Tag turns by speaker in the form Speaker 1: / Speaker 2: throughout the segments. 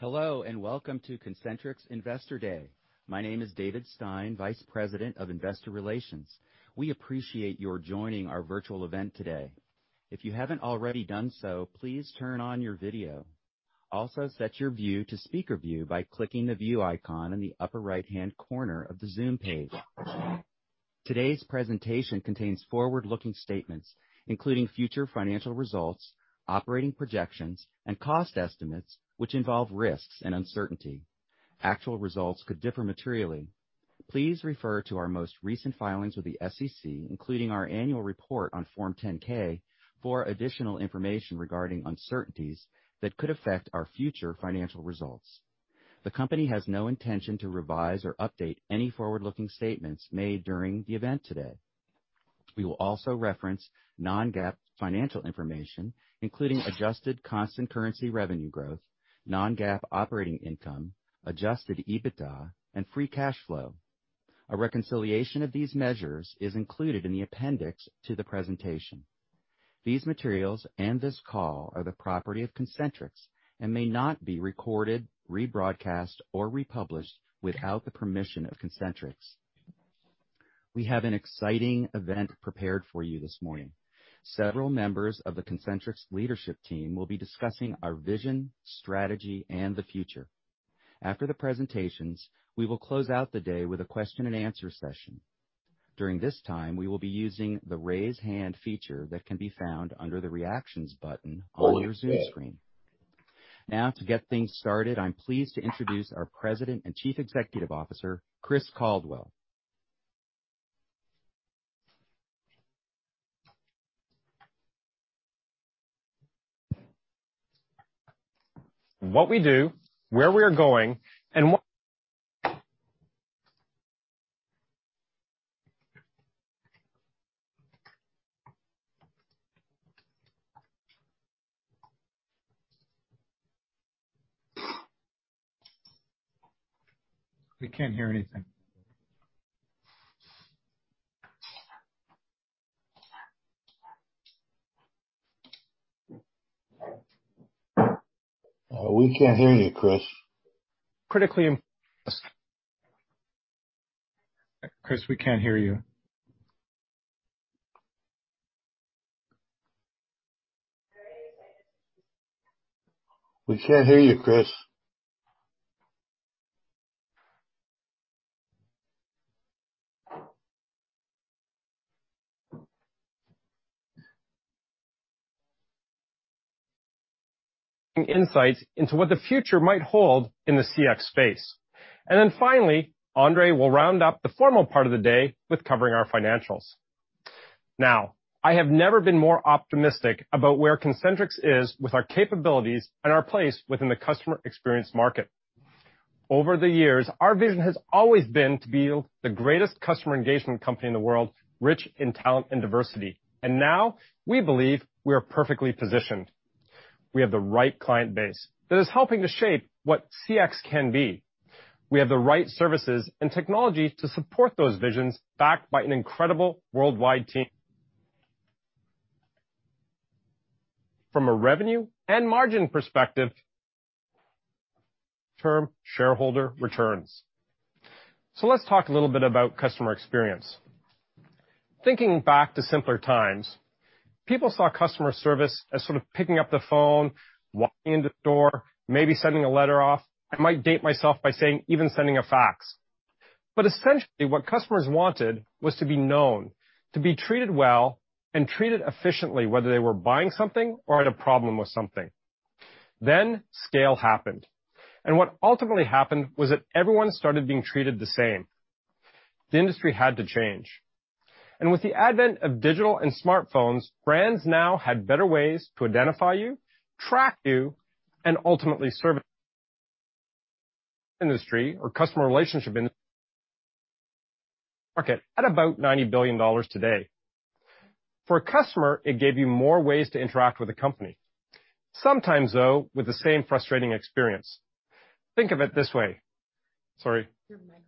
Speaker 1: Hello, and welcome to Concentrix Investor Day. My name is David Stein, Vice President of Investor Relations. We appreciate your joining our virtual event today. If you haven't already done so, please turn on your video. Also, set your view to speaker view by clicking the view icon in the upper right-hand corner of the Zoom page. Today's presentation contains forward-looking statements, including future financial results, operating projections, and cost estimates, which involve risks and uncertainty. Actual results could differ materially. Please refer to our most recent filings with the SEC, including our annual report on Form 10-K for additional information regarding uncertainties that could affect our future financial results. The company has no intention to revise or update any forward-looking statements made during the event today. We will also reference non-GAAP financial information, including adjusted constant currency revenue growth, non-GAAP operating income, adjusted EBITDA, and free cash flow. A reconciliation of these measures is included in the appendix to the presentation. These materials, and this call are the property of Concentrix and may not be recorded, rebroadcast, or republished without the permission of Concentrix. We have an exciting event prepared for you this morning. Several members of the Concentrix leadership team will be discussing our vision, strategy, and the future. After the presentations, we will close out the day with a question and answer session. During this time, we will be using the raise hand feature that can be found under the reactions button on your Zoom screen. Now, to get things started, I'm pleased to introduce our President and Chief Executive Officer, Chris Caldwell.
Speaker 2: What we do, where we are going.
Speaker 3: We can't hear anything.
Speaker 4: We can't hear you, Chris.
Speaker 2: Critically im-
Speaker 3: Chris, we can't hear you.
Speaker 4: We can't hear you, Chris.
Speaker 2: Insights into what the future might hold in the CX space. Finally, Andre will round up the formal part of the day with covering our financials. Now, I have never been more optimistic about where Concentrix is with our capabilities and our place within the customer experience market. Over the years, our vision has always been to be the greatest customer engagement company in the world, rich in talent and diversity. Now we believe we are perfectly positioned. We have the right client base that is helping to shape what CX can be. We have the right services and technologies to support those visions, backed by an incredible worldwide team. From a revenue and margin perspective, total shareholder returns. Let's talk a little bit about customer experience. Thinking back to simpler times, people saw customer service as sort of picking up the phone, walking in the door, maybe sending a letter off. I might date myself by saying even sending a fax. Essentially, what customers wanted was to be known, to be treated well and treated efficiently, whether they were buying something or had a problem with something. Scale happened, and what ultimately happened was that everyone started being treated the same. The industry had to change. With the advent of digital and smartphones, brands now had better ways to identify you, track you, and ultimately serve you. The customer relationship management market at about $90 billion today. For a customer, it gave you more ways to interact with the company, sometimes though with the same frustrating experience. Think of it this way. Sorry.
Speaker 5: Your microphone.
Speaker 2: We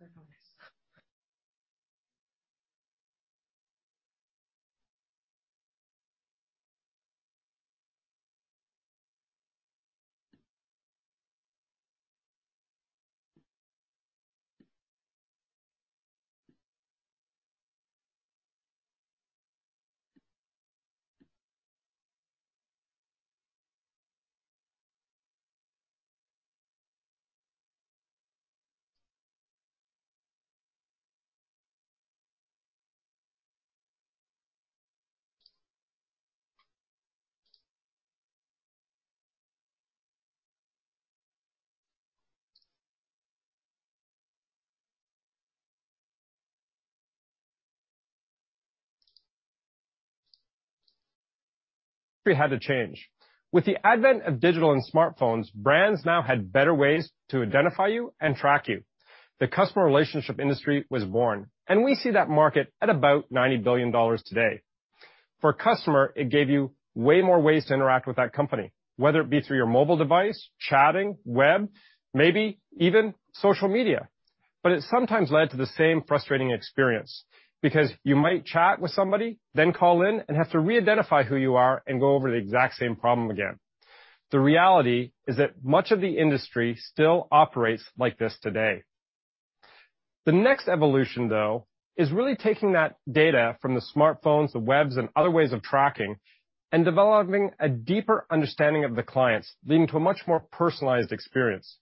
Speaker 2: had to change. With the advent of digital and smartphones, brands now had better ways to identify you and track you. The customer relationship industry was born, and we see that market at about $90 billion today. For a customer, it gave you way more ways to interact with that company, whether it be through your mobile device, chatting, web, maybe even social media. It sometimes led to the same frustrating experience because you might chat with somebody, then call in and have to re-identify who you are and go over the exact same problem again. The reality is that much of the industry still operates like this today. The next evolution, though, is really taking that data from the smartphones, the webs, and other ways of tracking, and developing a deeper understanding of the clients, leading to a much more personalized experience.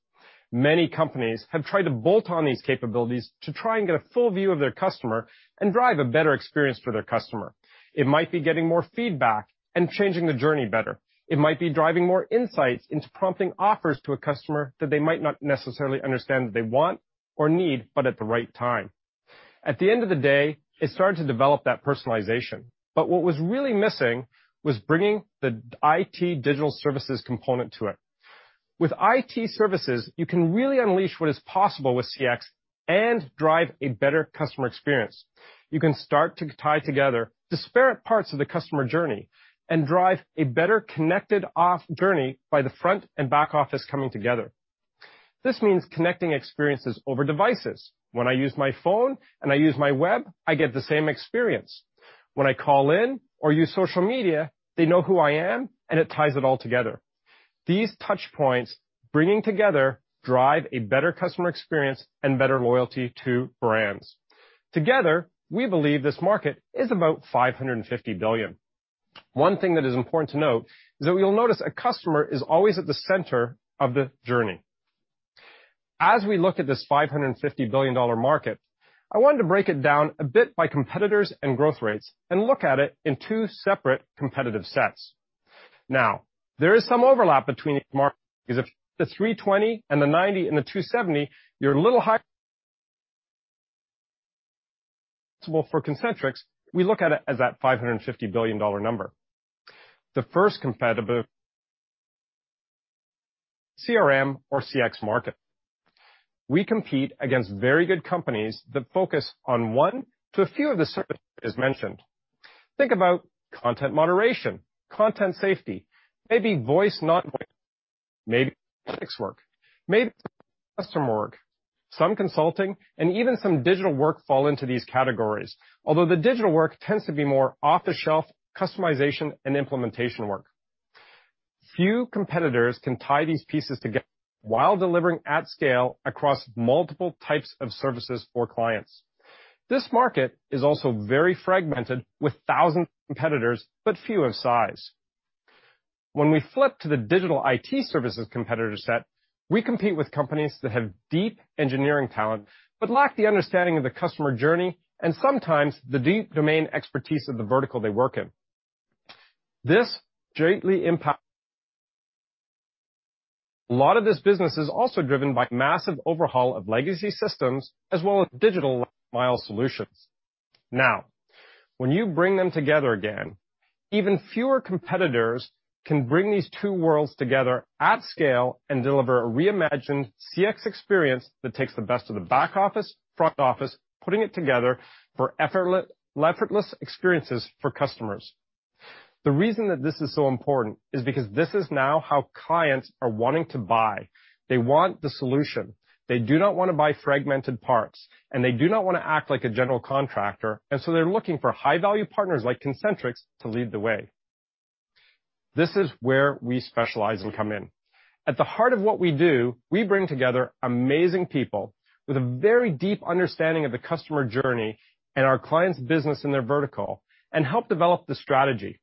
Speaker 2: Many companies have tried to bolt on these capabilities to try and get a full view of their customer and drive a better experience for their customer. It might be getting more feedback and changing the journey better. It might be driving more insights into prompting offers to a customer that they might not necessarily understand that they want or need, but at the right time. At the end of the day, it started to develop that personalization, but what was really missing was bringing the IT digital services component to it. With IT services, you can really unleash what is possible with CX and drive a better customer experience. You can start to tie together disparate parts of the customer journey and drive a better connected omnichannel journey by the front and back office coming together. This means connecting experiences over devices. When I use my phone and I use my web, I get the same experience. When I call in or use social media, they know who I am, and it ties it all together. These touch points bringing together drive a better customer experience and better loyalty to brands. Together, we believe this market is about $550 billion. One thing that is important to note is that you'll notice a customer is always at the center of the journey. As we look at this $550 billion market, I wanted to break it down a bit by competitors and growth rates and look at it in two separate competitive sets. Now, there is some overlap between markets. If the 320 and the 90 and the 270, you're a little high. Well, for Concentrix, we look at it as that $550 billion number. The first competitive CRM or CX market. We compete against very good companies that focus on one to a few of the services mentioned. Think about content moderation, content safety, maybe voice, not voice, maybe gig work, maybe custom work, some consulting, and even some digital work fall into these categories. Although the digital work tends to be more off-the-shelf customization and implementation work. Few competitors can tie these pieces together while delivering at scale across multiple types of services for clients. This market is also very fragmented with thousands of competitors, but few of size. When we flip to the digital IT services competitor set, we compete with companies that have deep engineering talent but lack the understanding of the customer journey and sometimes the deep domain expertise of the vertical they work in. A lot of this business is also driven by massive overhaul of legacy systems as well as digital-first solutions. Now, when you bring them together again, even fewer competitors can bring these two worlds together at scale and deliver a reimagined CX experience that takes the best of the back office, front office, putting it together for effortless experiences for customers. The reason that this is so important is because this is now how clients are wanting to buy. They want the solution. They do not wanna buy fragmented parts, and they do not wanna act like a general contractor, and so they're looking for high-value partners like Concentrix to lead the way. This is where we specialize and come in. At the heart of what we do, we bring together amazing people with a very deep understanding of the customer journey and our clients' business in their vertical and help develop the strategy.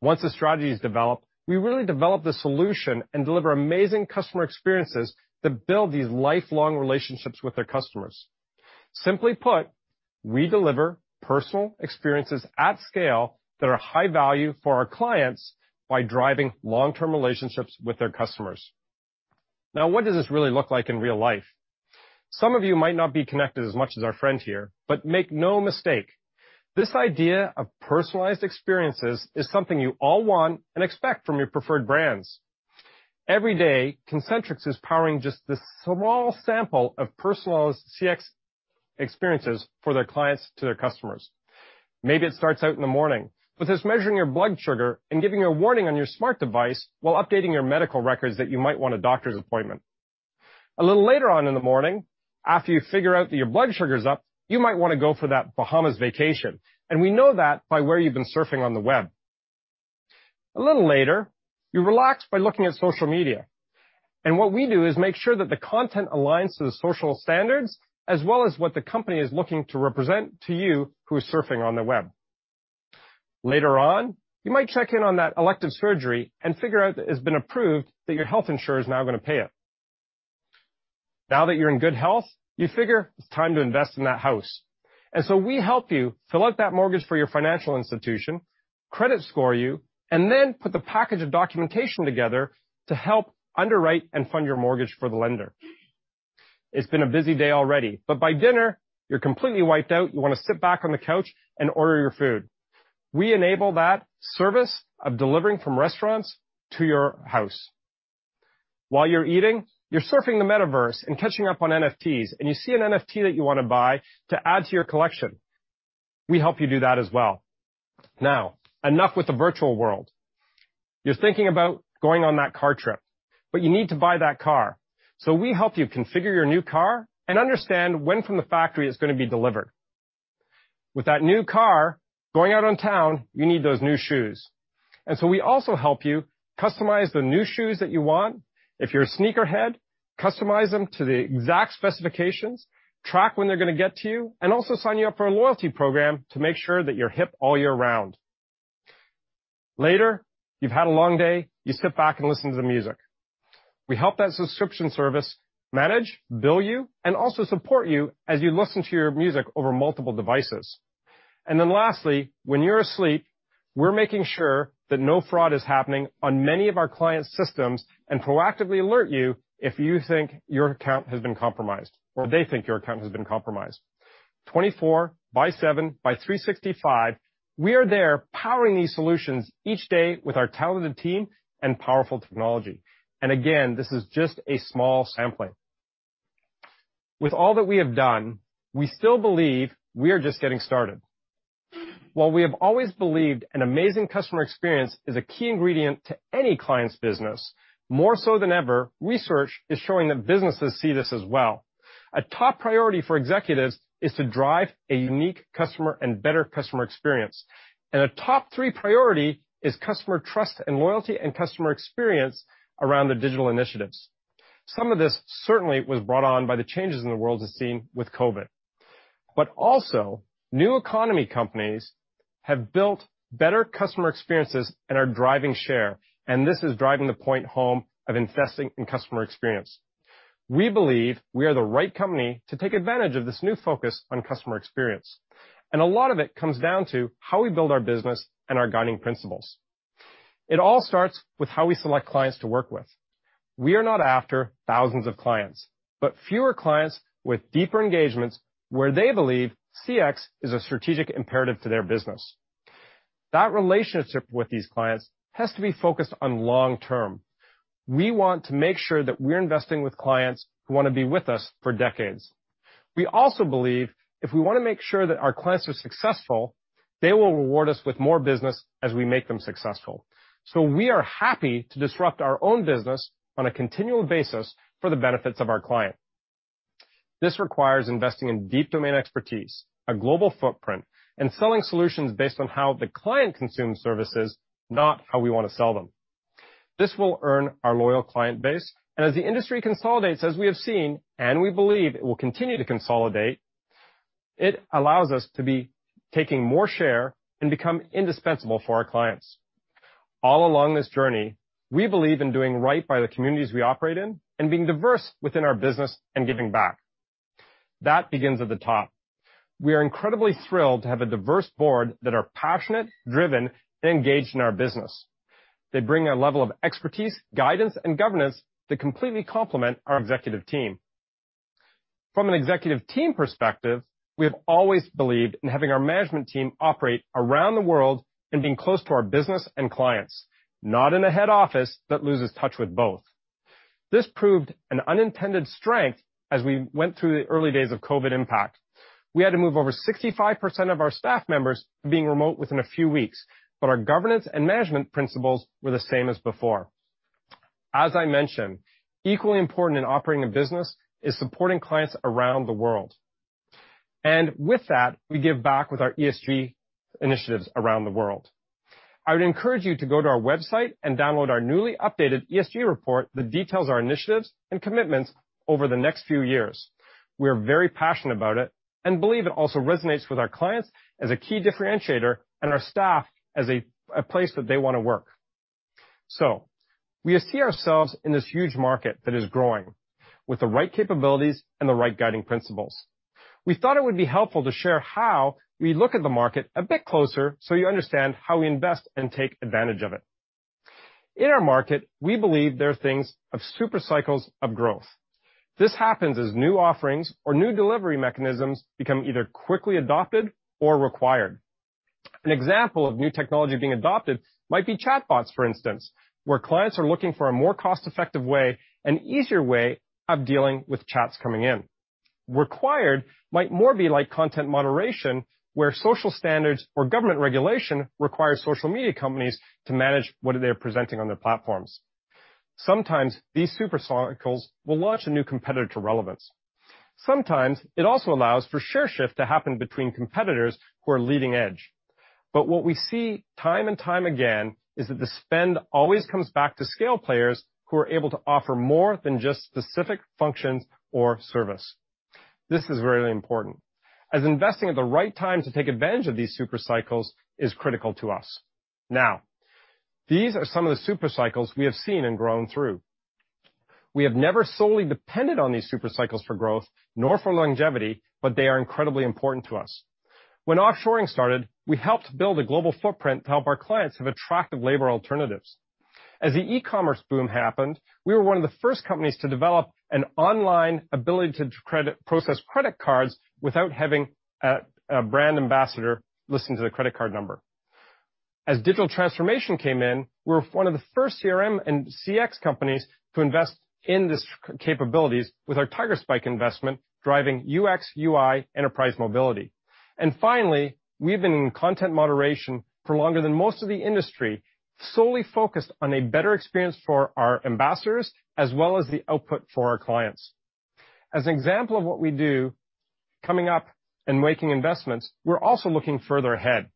Speaker 2: Once the strategy is developed, we really develop the solution and deliver amazing customer experiences that build these lifelong relationships with their customers. Simply put, we deliver personal experiences at scale that are high value for our clients by driving long-term relationships with their customers. Now, what does this really look like in real life? Some of you might not be connected as much as our friend here, but make no mistake, this idea of personalized experiences is something you all want and expect from your preferred brands. Every day, Concentrix is powering just this small sample of personalized CX experiences for their clients to their customers. Maybe it starts out in the morning with us measuring your blood sugar and giving you a warning on your smart device while updating your medical records that you might want a doctor's appointment. A little later on in the morning, after you figure out that your blood sugar is up, you might wanna go for that Bahamas vacation, and we know that by where you've been surfing on the web. A little later, you relax by looking at social media, and what we do is make sure that the content aligns to the social standards as well as what the company is looking to represent to you who's surfing on the web. Later on, you might check in on that elective surgery and figure out that it's been approved that your health insurer is now gonna pay it. Now that you're in good health, you figure it's time to invest in that house. We help you fill out that mortgage for your financial institution, credit score you, and then put the package of documentation together to help underwrite and fund your mortgage for the lender. It's been a busy day already, but by dinner, you're completely wiped out. You wanna sit back on the couch and order your food. We enable that service of delivering from restaurants to your house. While you're eating, you're surfing the metaverse and catching up on NFTs, and you see an NFT that you wanna buy to add to your collection. We help you do that as well. Now, enough with the virtual world. You're thinking about going on that car trip, but you need to buy that car. We help you configure your new car and understand when from the factory it's gonna be delivered. With that new car, going out on the town, you need those new shoes. We also help you customize the new shoes that you want. If you're a sneakerhead, customize them to the exact specifications, track when they're gonna get to you, and also sign you up for a loyalty program to make sure that you're hip all year round. Later, you've had a long day, you sit back and listen to the music. We help that subscription service manage, bill you, and also support you as you listen to your music over multiple devices. Then lastly, when you're asleep, we're making sure that no fraud is happening on many of our clients' systems and proactively alert you if you think your account has been compromised, or they think your account has been compromised. 24 by 7 by 365, we are there powering these solutions each day with our talented team and powerful technology. Again, this is just a small sampling. With all that we have done, we still believe we are just getting started. While we have always believed an amazing customer experience is a key ingredient to any client's business, more so than ever, research is showing that businesses see this as well. A top priority for executives is to drive a unique customer and better customer experience. A top 3 priority is customer trust and loyalty and customer experience around the digital initiatives. Some of this certainly was brought on by the changes in the world as seen with COVID. Also, new economy companies have built better customer experiences and are driving share, and this is driving the point home of investing in customer experience. We believe we are the right company to take advantage of this new focus on customer experience, and a lot of it comes down to how we build our business and our guiding principles. It all starts with how we select clients to work with. We are not after thousands of clients, but fewer clients with deeper engagements where they believe CX is a strategic imperative to their business. That relationship with these clients has to be focused on long-term. We want to make sure that we're investing with clients who wanna be with us for decades. We also believe if we wanna make sure that our clients are successful, they will reward us with more business as we make them successful. We are happy to disrupt our own business on a continual basis for the benefits of our client. This requires investing in deep domain expertise, a global footprint, and selling solutions based on how the client consumes services, not how we wanna sell them. This will earn our loyal client base, and as the industry consolidates, as we have seen, and we believe it will continue to consolidate, it allows us to be taking more share and become indispensable for our clients. All along this journey, we believe in doing right by the communities we operate in and being diverse within our business and giving back. That begins at the top. We are incredibly thrilled to have a diverse board that are passionate, driven, and engaged in our business. They bring a level of expertise, guidance, and governance that completely complement our executive team. From an executive team perspective, we have always believed in having our management team operate around the world and being close to our business and clients, not in a head office that loses touch with both. This proved an unintended strength as we went through the early days of COVID impact. We had to move over 65% of our staff members to being remote within a few weeks, but our governance and management principles were the same as before. As I mentioned, equally important in operating a business is supporting clients around the world. With that, we give back with our ESG initiatives around the world. I would encourage you to go to our website and download our newly updated ESG report that details our initiatives and commitments over the next few years. We are very passionate about it and believe it also resonates with our clients as a key differentiator and our staff as a place that they wanna work. We see ourselves in this huge market that is growing with the right capabilities and the right guiding principles. We thought it would be helpful to share how we look at the market a bit closer so you understand how we invest and take advantage of it. In our market, we believe there are things of super cycles of growth. This happens as new offerings or new delivery mechanisms become either quickly adopted or required. An example of new technology being adopted might be chatbots, for instance, where clients are looking for a more cost-effective way and easier way of dealing with chats coming in. Rather, it might be more like content moderation, where social standards or government regulation requires social media companies to manage what they are presenting on their platforms. Sometimes these super cycles will launch a new competitive relevance. Sometimes it also allows for share shift to happen between competitors who are leading edge. What we see time and time again is that the spend always comes back to scale players who are able to offer more than just specific functions or service. This is really important, as investing at the right time to take advantage of these super cycles is critical to us. Now, these are some of the super cycles we have seen and grown through. We have never solely depended on these super cycles for growth, nor for longevity, but they are incredibly important to us. When offshoring started, we helped build a global footprint to help our clients have attractive labor alternatives. As the e-commerce boom happened, we were one of the first companies to develop an online ability to process credit cards without having a brand ambassador listen to the credit card number. As digital transformation came in, we're one of the first CRM and CX companies to invest in this capabilities with our Tigerspike investment driving UX, UI enterprise mobility. Finally, we've been in content moderation for longer than most of the industry, solely focused on a better experience for our ambassadors, as well as the output for our clients. As an example of what we do, coming up and making investments, we're also looking further ahead.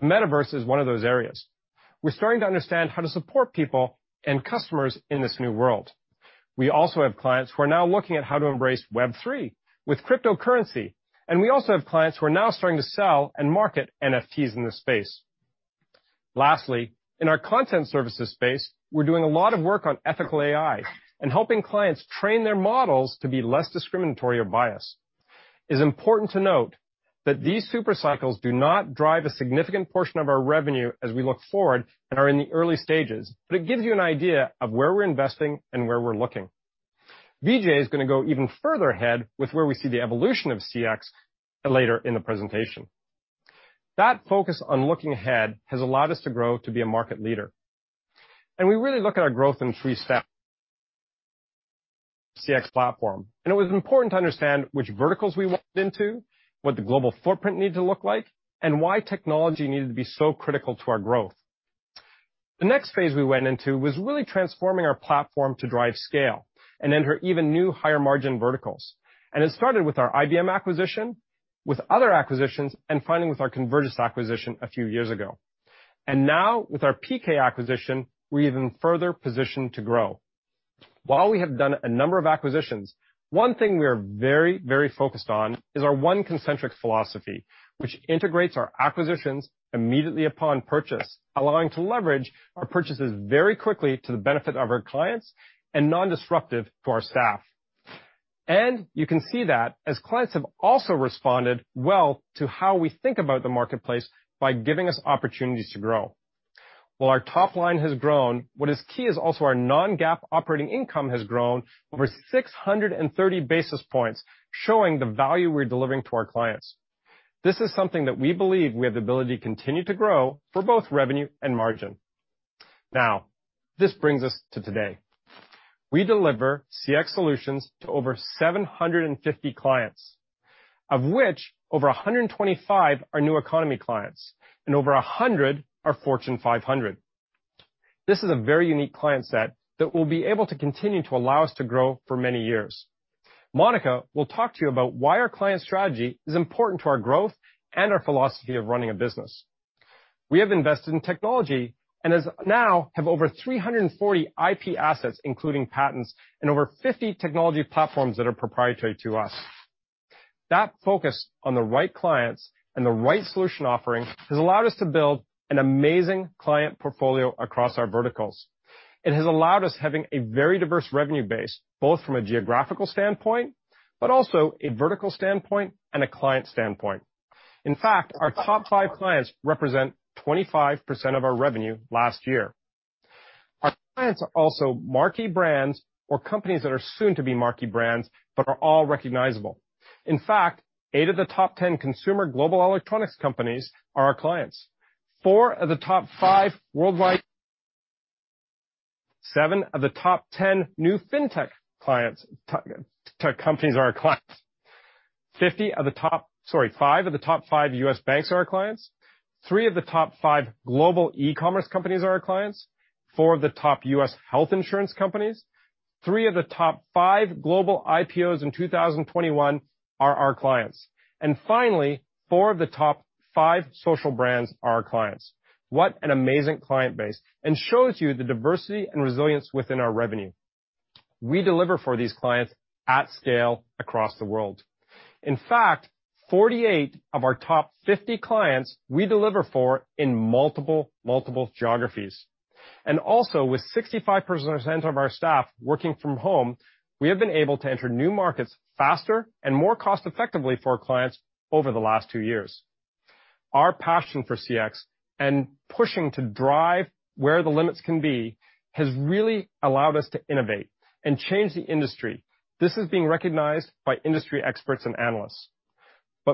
Speaker 2: The metaverse is one of those areas. We're starting to understand how to support people and customers in this new world. We also have clients who are now looking at how to embrace Web3 with cryptocurrency, and we also have clients who are now starting to sell and market NFTs in this space. Lastly, in our content services space, we're doing a lot of work on ethical AI and helping clients train their models to be less discriminatory or biased. It's important to note that these super cycles do not drive a significant portion of our revenue as we look forward and are in the early stages, but it gives you an idea of where we're investing and where we're looking. Vijay is gonna go even further ahead with where we see the evolution of CX later in the presentation. That focus on looking ahead has allowed us to grow to be a market leader. We really look at our growth in three steps. CX platform. It was important to understand which verticals we went into, what the global footprint needed to look like, and why technology needed to be so critical to our growth. The next phase we went into was really transforming our platform to drive scale and enter even new higher margin verticals. It started with our IBM acquisition, with other acquisitions, and finally with our Convergys acquisition a few years ago. Now with our PK acquisition, we're even further positioned to grow. While we have done a number of acquisitions, one thing we are very, very focused on is our one Concentrix philosophy, which integrates our acquisitions immediately upon purchase, allowing to leverage our purchases very quickly to the benefit of our clients and non-disruptive for our staff. You can see that as clients have also responded well to how we think about the marketplace by giving us opportunities to grow. While our top line has grown, what is key is also our non-GAAP operating income has grown over 630 basis points, showing the value we're delivering to our clients. This is something that we believe we have the ability to continue to grow for both revenue and margin. Now, this brings us to today. We deliver CX solutions to over 750 clients, of which over 125 are new economy clients and over 100 are Fortune 500. This is a very unique client set that will be able to continue to allow us to grow for many years. Monica will talk to you about why our client strategy is important to our growth and our philosophy of running a business. We have invested in technology and now have over 340 IP assets, including patents and over 50 technology platforms that are proprietary to us. That focus on the right clients and the right solution offering has allowed us to build an amazing client portfolio across our verticals. It has allowed us having a very diverse revenue base, both from a geographical standpoint, but also a vertical standpoint and a client standpoint. In fact, our top five clients represent 25% of our revenue last year. Our clients are also marquee brands or companies that are soon to be marquee brands, but are all recognizable. In fact, eight of the top 10 consumer global electronics companies are our clients. Four of the top five worldwide. Seven of the top 10 new fintech clients to companies are our clients. Five of the top five U.S. banks are our clients. Three of the top five global e-commerce companies are our clients. Four of the top U.S. health insurance companies. Three of the top five global IPOs in 2021 are our clients. Finally, Four of the top five social brands are our clients. What an amazing client base, and it shows you the diversity and resilience within our revenue. We deliver for these clients at scale across the world. In fact, 48 of our top 50 clients we deliver for in multiple geographies. Also with 65% of our staff working from home, we have been able to enter new markets faster and more cost effectively for our clients over the last two years. Our passion for CX and pushing to drive where the limits can be has really allowed us to innovate and change the industry. This is being recognized by industry experts and analysts.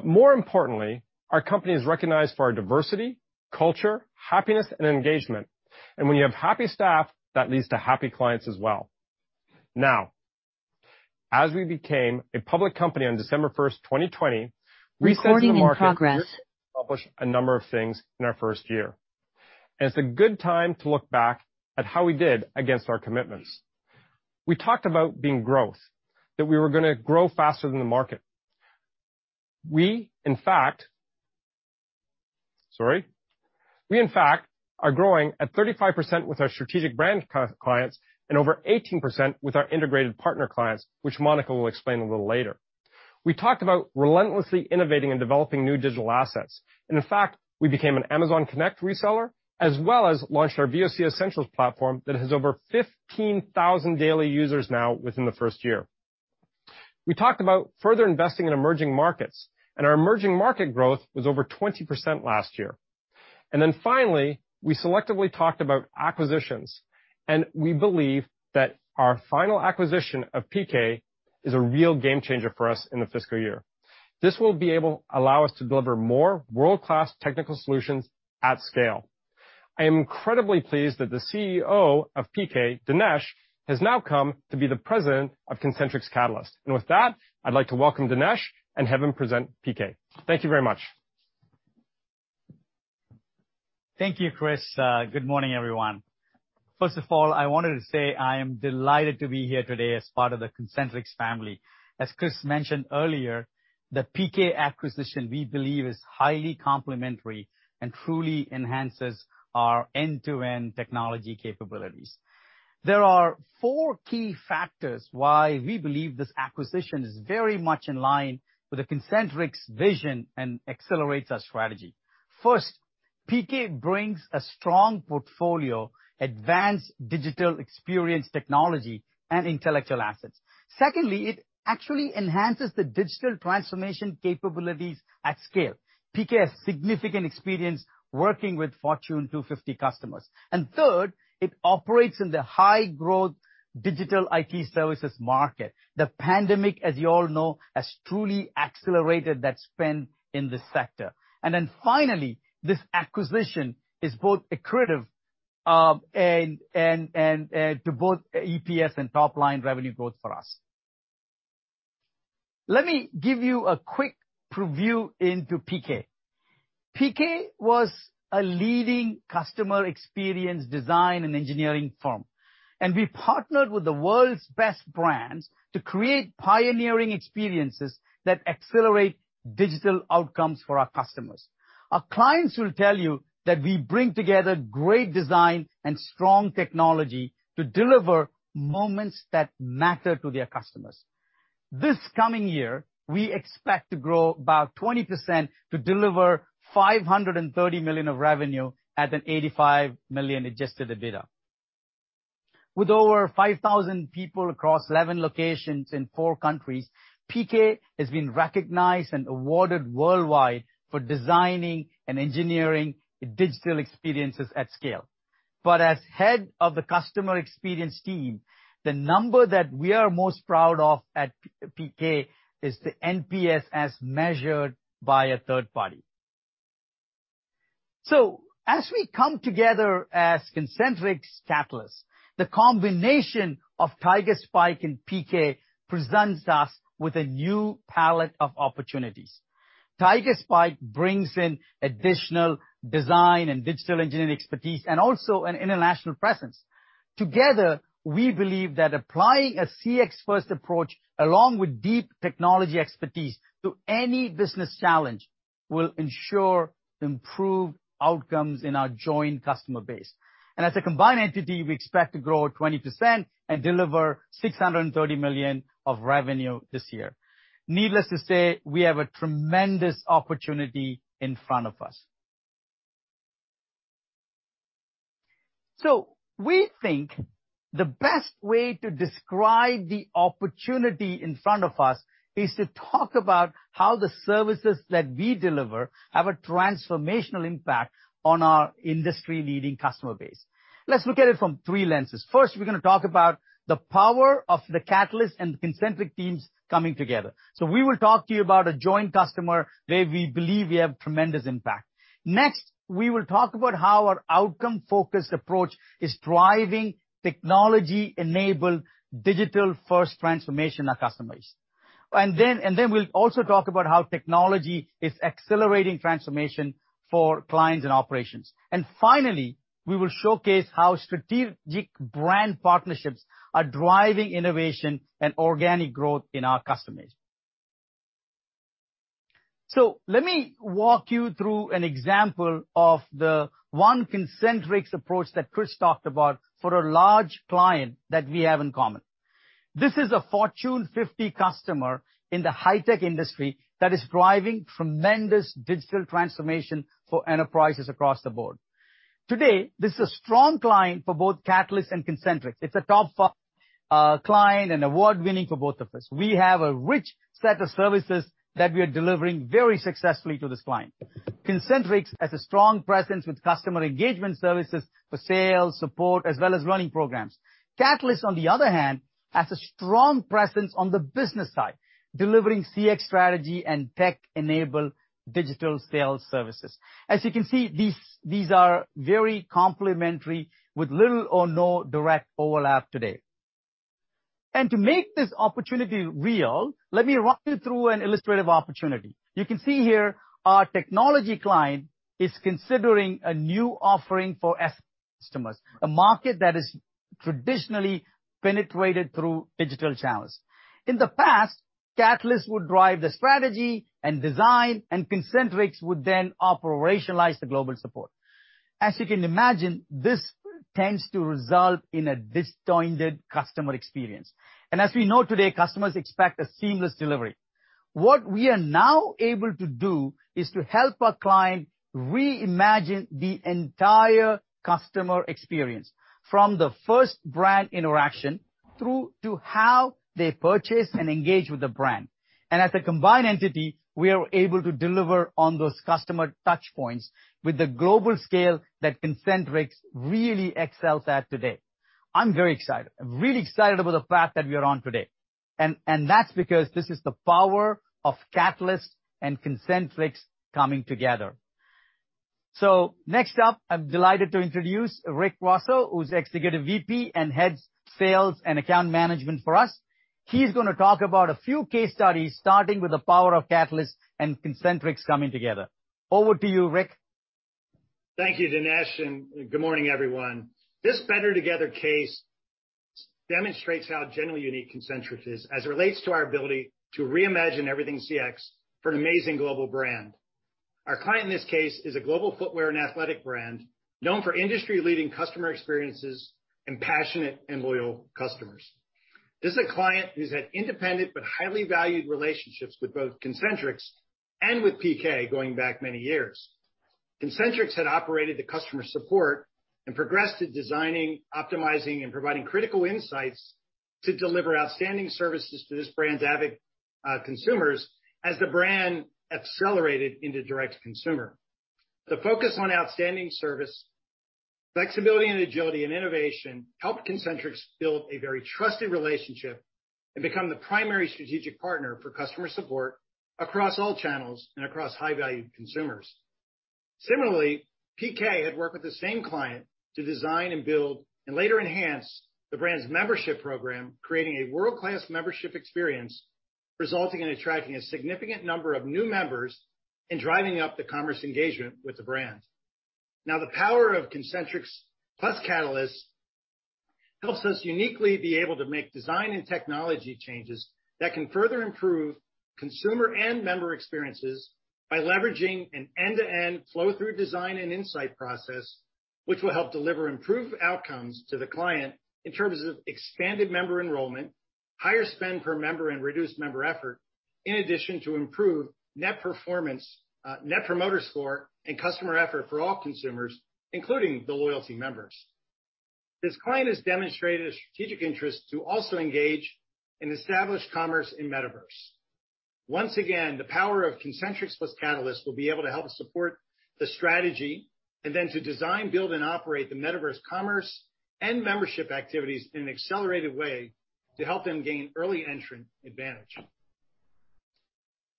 Speaker 2: More importantly, our company is recognized for our diversity, culture, happiness, and engagement. When you have happy staff, that leads to happy clients as well. Now, as we became a public company on December 1st, 2020.
Speaker 6: Recording in progress
Speaker 2: We said to the market, we're going to accomplish a number of things in our first year. It's a good time to look back at how we did against our commitments. We talked about driving growth, that we were gonna grow faster than the market. We in fact are growing at 35% with our strategic brand key clients and over 18% with our integrated partner clients, which Monica will explain a little later. We talked about relentlessly innovating and developing new digital assets. In fact, we became an Amazon Connect reseller, as well as launched our VOC Essentials platform that has over 15,000 daily users now within the first year. We talked about further investing in emerging markets, and our emerging market growth was over 20% last year. Then finally, we selectively talked about acquisitions, and we believe that our final acquisition of PK is a real game changer for us in the fiscal year. This will allow us to deliver more world-class technical solutions at scale. I am incredibly pleased that the CEO of PK, Dinesh, has now come to be the President of Concentrix Catalyst. With that, I'd like to welcome Dinesh and have him present PK. Thank you very much.
Speaker 7: Thank you, Chris. Good morning, everyone. First of all, I wanted to say I am delighted to be here today as part of the Concentrix family. As Chris mentioned earlier, the PK acquisition, we believe, is highly complementary and truly enhances our end-to-end technology capabilities. There are four key factors why we believe this acquisition is very much in line with the Concentrix vision and accelerates our strategy. First, PK brings a strong portfolio, advanced digital experience technology, and intellectual assets. Secondly, it actually enhances the digital transformation capabilities at scale. PK has significant experience working with Fortune 250 customers. Third, it operates in the high-growth digital IT services market. The pandemic, as you all know, has truly accelerated that spend in this sector. Finally, this acquisition is both accretive and to both EPS and top-line revenue growth for us. Let me give you a quick preview into PK. PK was a leading customer experience design and engineering firm, and we partnered with the world's best brands to create pioneering experiences that accelerate digital outcomes for our customers. Our clients will tell you that we bring together great design and strong technology to deliver moments that matter to their customers. This coming year, we expect to grow about 20% to deliver $530 million of revenue at $85 million adjusted EBITDA. With over 5,000 people across 11 locations in four countries, PK has been recognized and awarded worldwide for designing and engineering digital experiences at scale. As head of the customer experience team, the number that we are most proud of at PK is the NPS as measured by a third party. As we come together as Concentrix Catalyst, the combination of Tigerspike and PK presents us with a new palette of opportunities. Tigerspike brings in additional design and digital engineering expertise and also an international presence. Together, we believe that applying a CX-first approach along with deep technology expertise to any business challenge will ensure improved outcomes in our joint customer base. As a combined entity, we expect to grow at 20% and deliver $630 million of revenue this year. Needless to say, we have a tremendous opportunity in front of us. We think the best way to describe the opportunity in front of us is to talk about how the services that we deliver have a transformational impact on our industry-leading customer base. Let's look at it from three lenses. First, we're gonna talk about the power of the Catalyst and Concentrix teams coming together. We will talk to you about a joint customer where we believe we have tremendous impact. Next, we will talk about how our outcome-focused approach is driving technology-enabled digital-first transformation of our customers. We'll also talk about how technology is accelerating transformation for clients and operations. Finally, we will showcase how strategic brand partnerships are driving innovation and organic growth in our customers. Let me walk you through an example of the one Concentrix approach that Chris talked about for a large client that we have in common. This is a Fortune 50 customer in the high-tech industry that is driving tremendous digital transformation for enterprises across the board. Today, this is a strong client for both Catalyst and Concentrix. It's a top client and award-winning for both of us. We have a rich set of services that we are delivering very successfully to this client. Concentrix has a strong presence with customer engagement services for sales, support, as well as running programs. Catalyst, on the other hand, has a strong presence on the business side, delivering CX strategy and tech-enabled digital sales services. As you can see, these are very complementary with little or no direct overlap today. To make this opportunity real, let me walk you through an illustrative opportunity. You can see here our technology client is considering a new offering for customers, a market that is traditionally penetrated through digital channels. In the past, Catalyst would drive the strategy and design, and Concentrix would then operationalize the global support. As you can imagine, this tends to result in a disjointed customer experience. As we know today, customers expect a seamless delivery. What we are now able to do is to help our client reimagine the entire customer experience from the first brand interaction through to how they purchase and engage with the brand. As a combined entity, we are able to deliver on those customer touch points with the global scale that Concentrix really excels at today. I'm very excited. I'm really excited about the path that we are on today, and that's because this is the power of Catalyst and Concentrix coming together. Next up, I'm delighted to introduce Rick Rosso, who's Executive VP and heads Sales and Account Management for us. He's gonna talk about a few case studies, starting with the power of Catalyst and Concentrix coming together. Over to you, Rick.
Speaker 4: Thank you, Dinesh, and good morning, everyone. This better together case demonstrates how generally unique Concentrix is as it relates to our ability to reimagine everything CX for an amazing global brand. Our client in this case is a global footwear and athletic brand known for industry-leading customer experiences and passionate and loyal customers. This is a client who's had independent but highly valued relationships with both Concentrix and with PK going back many years. Concentrix had operated the customer support and progressed to designing, optimizing, and providing critical insights to deliver outstanding services to this brand's avid consumers as the brand accelerated into direct consumer. The focus on outstanding service, flexibility and agility and innovation helped Concentrix build a very trusted relationship and become the primary strategic partner for customer support across all channels and across high-value consumers. Similarly, PK had worked with the same client to design and build, and later enhance, the brand's membership program, creating a world-class membership experience, resulting in attracting a significant number of new members and driving up the commerce engagement with the brand. Now, the power of Concentrix plus Catalyst helps us uniquely be able to make design and technology changes that can further improve consumer and member experiences by leveraging an end-to-end flow through design and insight process, which will help deliver improved outcomes to the client in terms of expanded member enrollment, higher spend per member, and reduced member effort, in addition to improved net performance, net promoter score and customer effort for all consumers, including the loyalty members. This client has demonstrated a strategic interest to also engage in established commerce in Metaverse. Once again, the power of Concentrix plus Catalyst will be able to help support the strategy and then to design, build, and operate the metaverse commerce and membership activities in an accelerated way to help them gain early entrant advantage.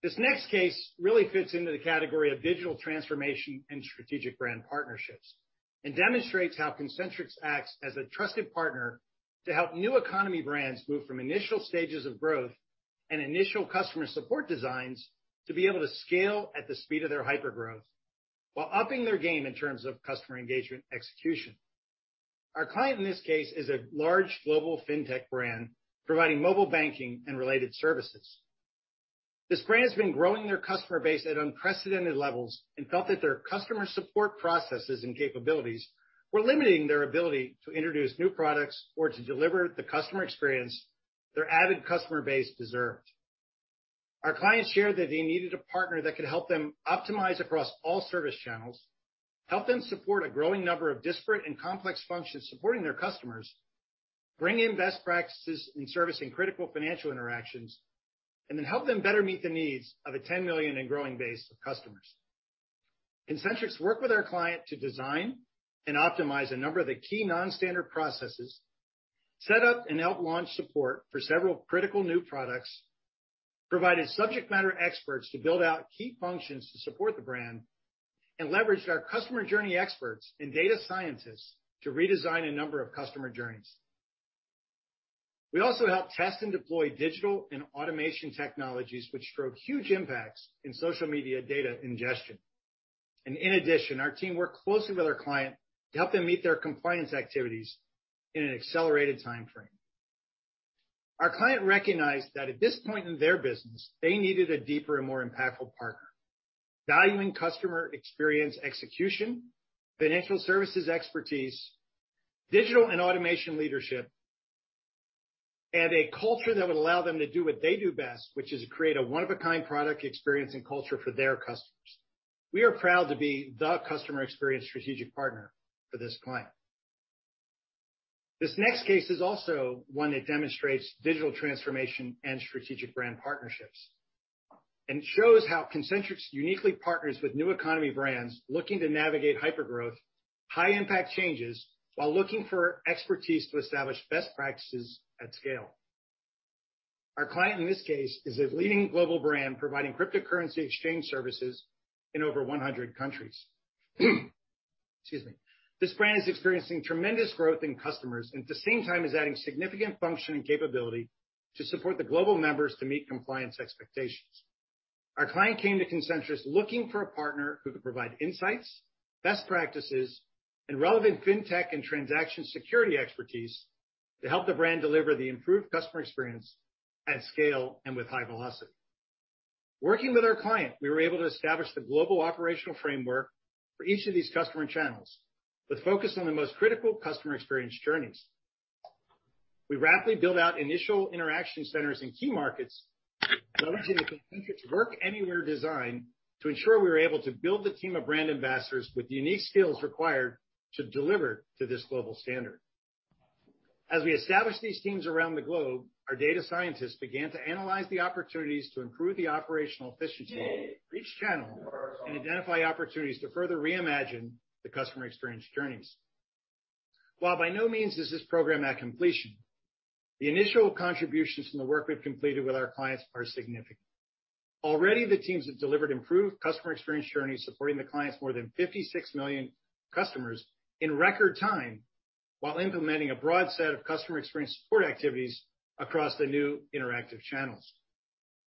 Speaker 4: This next case really fits into the category of digital transformation and strategic brand partnerships and demonstrates how Concentrix acts as a trusted partner to help new economy brands move from initial stages of growth and initial customer support designs to be able to scale at the speed of their hypergrowth while upping their game in terms of customer engagement execution. Our client in this case is a large global fintech brand providing mobile banking and related services. This brand has been growing their customer base at unprecedented levels and felt that their customer support processes and capabilities were limiting their ability to introduce new products or to deliver the customer experience their added customer base deserved. Our clients shared that they needed a partner that could help them optimize across all service channels, help them support a growing number of disparate and complex functions supporting their customers, bring in best practices in servicing critical financial interactions, and then help them better meet the needs of a 10 million and growing base of customers. Concentrix worked with our client to design and optimize a number of the key non-standard processes, set up and helped launch support for several critical new products, provided subject matter experts to build out key functions to support the brand, and leveraged our customer journey experts and data scientists to redesign a number of customer journeys. We also helped test and deploy digital and automation technologies which drove huge impacts in social media data ingestion. Our team worked closely with our client to help them meet their compliance activities in an accelerated timeframe. Our client recognized that at this point in their business, they needed a deeper and more impactful partner, valuing customer experience execution, financial services expertise, digital and automation leadership, and a culture that would allow them to do what they do best, which is create a one-of-a-kind product experience and culture for their customers. We are proud to be the customer experience strategic partner for this client. This next case is also one that demonstrates digital transformation and strategic brand partnerships, and shows how Concentrix uniquely partners with new economy brands looking to navigate hypergrowth, high impact changes, while looking for expertise to establish best practices at scale. Our client in this case is a leading global brand providing cryptocurrency exchange services in over 100 countries. Excuse me. This brand is experiencing tremendous growth in customers, and at the same time is adding significant function and capability to support the global members to meet compliance expectations. Our client came to Concentrix looking for a partner who could provide insights, best practices, and relevant fintech and transaction security expertise to help the brand deliver the improved customer experience at scale and with high velocity. Working with our client, we were able to establish the global operational framework for each of these customer channels, with focus on the most critical customer experience journeys. We rapidly built out initial interaction centers in key markets, leveraging the Concentrix Work Anywhere design to ensure we were able to build the team of brand ambassadors with the unique skills required to deliver to this global standard. As we established these teams around the globe, our data scientists began to analyze the opportunities to improve the operational efficiency of each channel and identify opportunities to further reimagine the customer experience journeys. While by no means is this program at completion, the initial contributions from the work we've completed with our clients are significant. Already, the teams have delivered improved customer experience journeys, supporting the clients' more than 56 million customers in record time while implementing a broad set of customer experience support activities across the new interactive channels.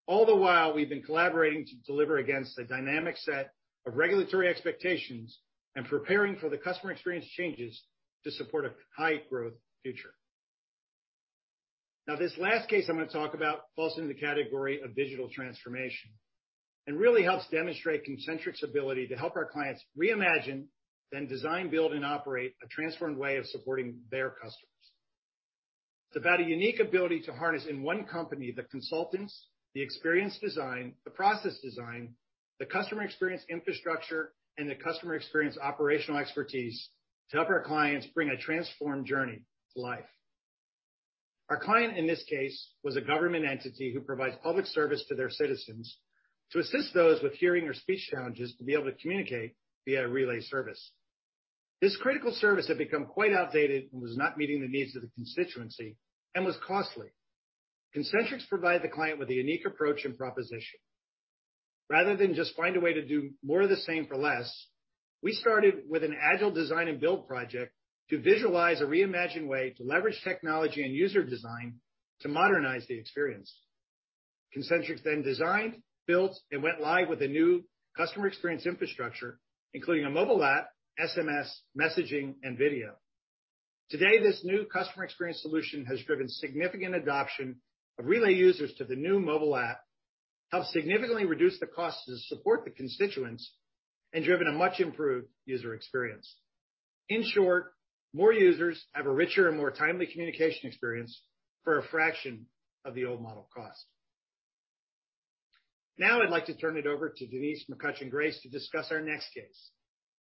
Speaker 4: All the while, we've been collaborating to deliver against a dynamic set of regulatory expectations and preparing for the customer experience changes to support a high-growth future. Now, this last case I'm going to talk about falls into the category of digital transformation and really helps demonstrate Concentrix's ability to help our clients reimagine, then design, build, and operate a transformed way of supporting their customers. It's about a unique ability to harness in one company the consultants, the experience design, the process design, the customer experience infrastructure, and the customer experience operational expertise to help our clients bring a transformed journey to life. Our client in this case was a government entity who provides public service to their citizens to assist those with hearing or speech challenges to be able to communicate via relay service. This critical service had become quite outdated and was not meeting the needs of the constituency and was costly. Concentrix provided the client with a unique approach and proposition. Rather than just find a way to do more of the same for less, we started with an agile design and build project to visualize a reimagined way to leverage technology and user design to modernize the experience. Concentrix then designed, built, and went live with a new customer experience infrastructure, including a mobile app, SMS messaging, and video. Today, this new customer experience solution has driven significant adoption of relay users to the new mobile app, helped significantly reduce the cost to support the constituents, and driven a much improved user experience. In short, more users have a richer and more timely communication experience for a fraction of the old model cost. Now I'd like to turn it over to Denise McCutchen-Grace to discuss our next case.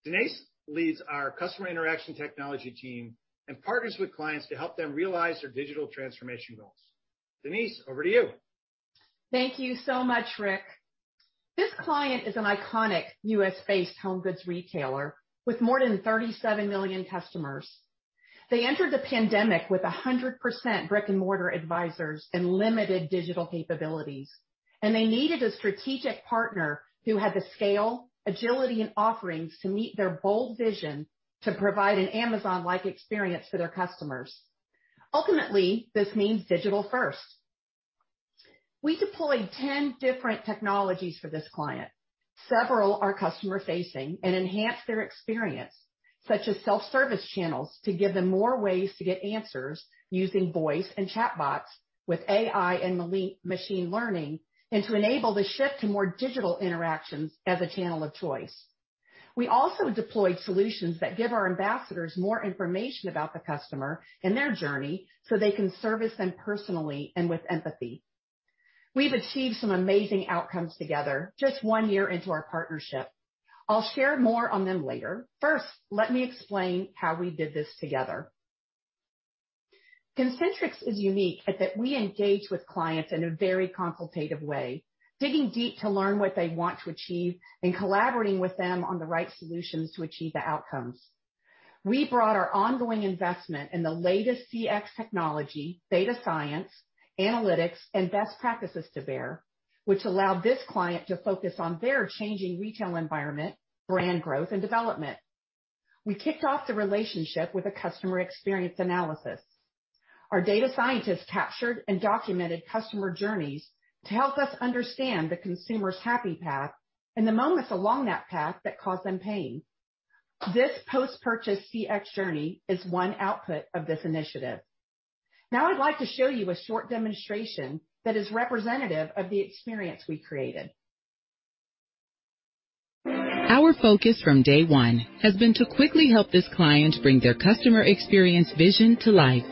Speaker 4: Denise leads our customer interaction technology team and partners with clients to help them realize their digital transformation goals. Denise, over to you.
Speaker 5: Thank you so much, Rick. This client is an iconic U.S.-based home goods retailer with more than 37 million customers. They entered the pandemic with 100% brick-and-mortar advisors and limited digital capabilities, and they needed a strategic partner who had the scale, agility, and offerings to meet their bold vision to provide an Amazon-like experience for their customers. Ultimately, this means digital-first. We deployed 10 different technologies for this client. Several are customer-facing and enhance their experience, such as self-service channels to give them more ways to get answers using voice and chat bots with AI and machine learning, and to enable the shift to more digital interactions as a channel of choice. We also deployed solutions that give our ambassadors more information about the customer and their journey so they can service them personally and with empathy. We've achieved some amazing outcomes together just one year into our partnership. I'll share more on them later. First, let me explain how we did this together. Concentrix is unique in that we engage with clients in a very consultative way, digging deep to learn what they want to achieve and collaborating with them on the right solutions to achieve the outcomes. We brought our ongoing investment in the latest CX technology, data science, analytics, and best practices to bear, which allowed this client to focus on their changing retail environment, brand growth, and development. We kicked off the relationship with a customer experience analysis. Our data scientists captured and documented customer journeys to help us understand the consumer's happy path and the moments along that path that cause them pain. This post-purchase CX journey is one output of this initiative. Now, I'd like to show you a short demonstration that is representative of the experience we created.
Speaker 6: Our focus from day one has been to quickly help this client bring their customer experience vision to life.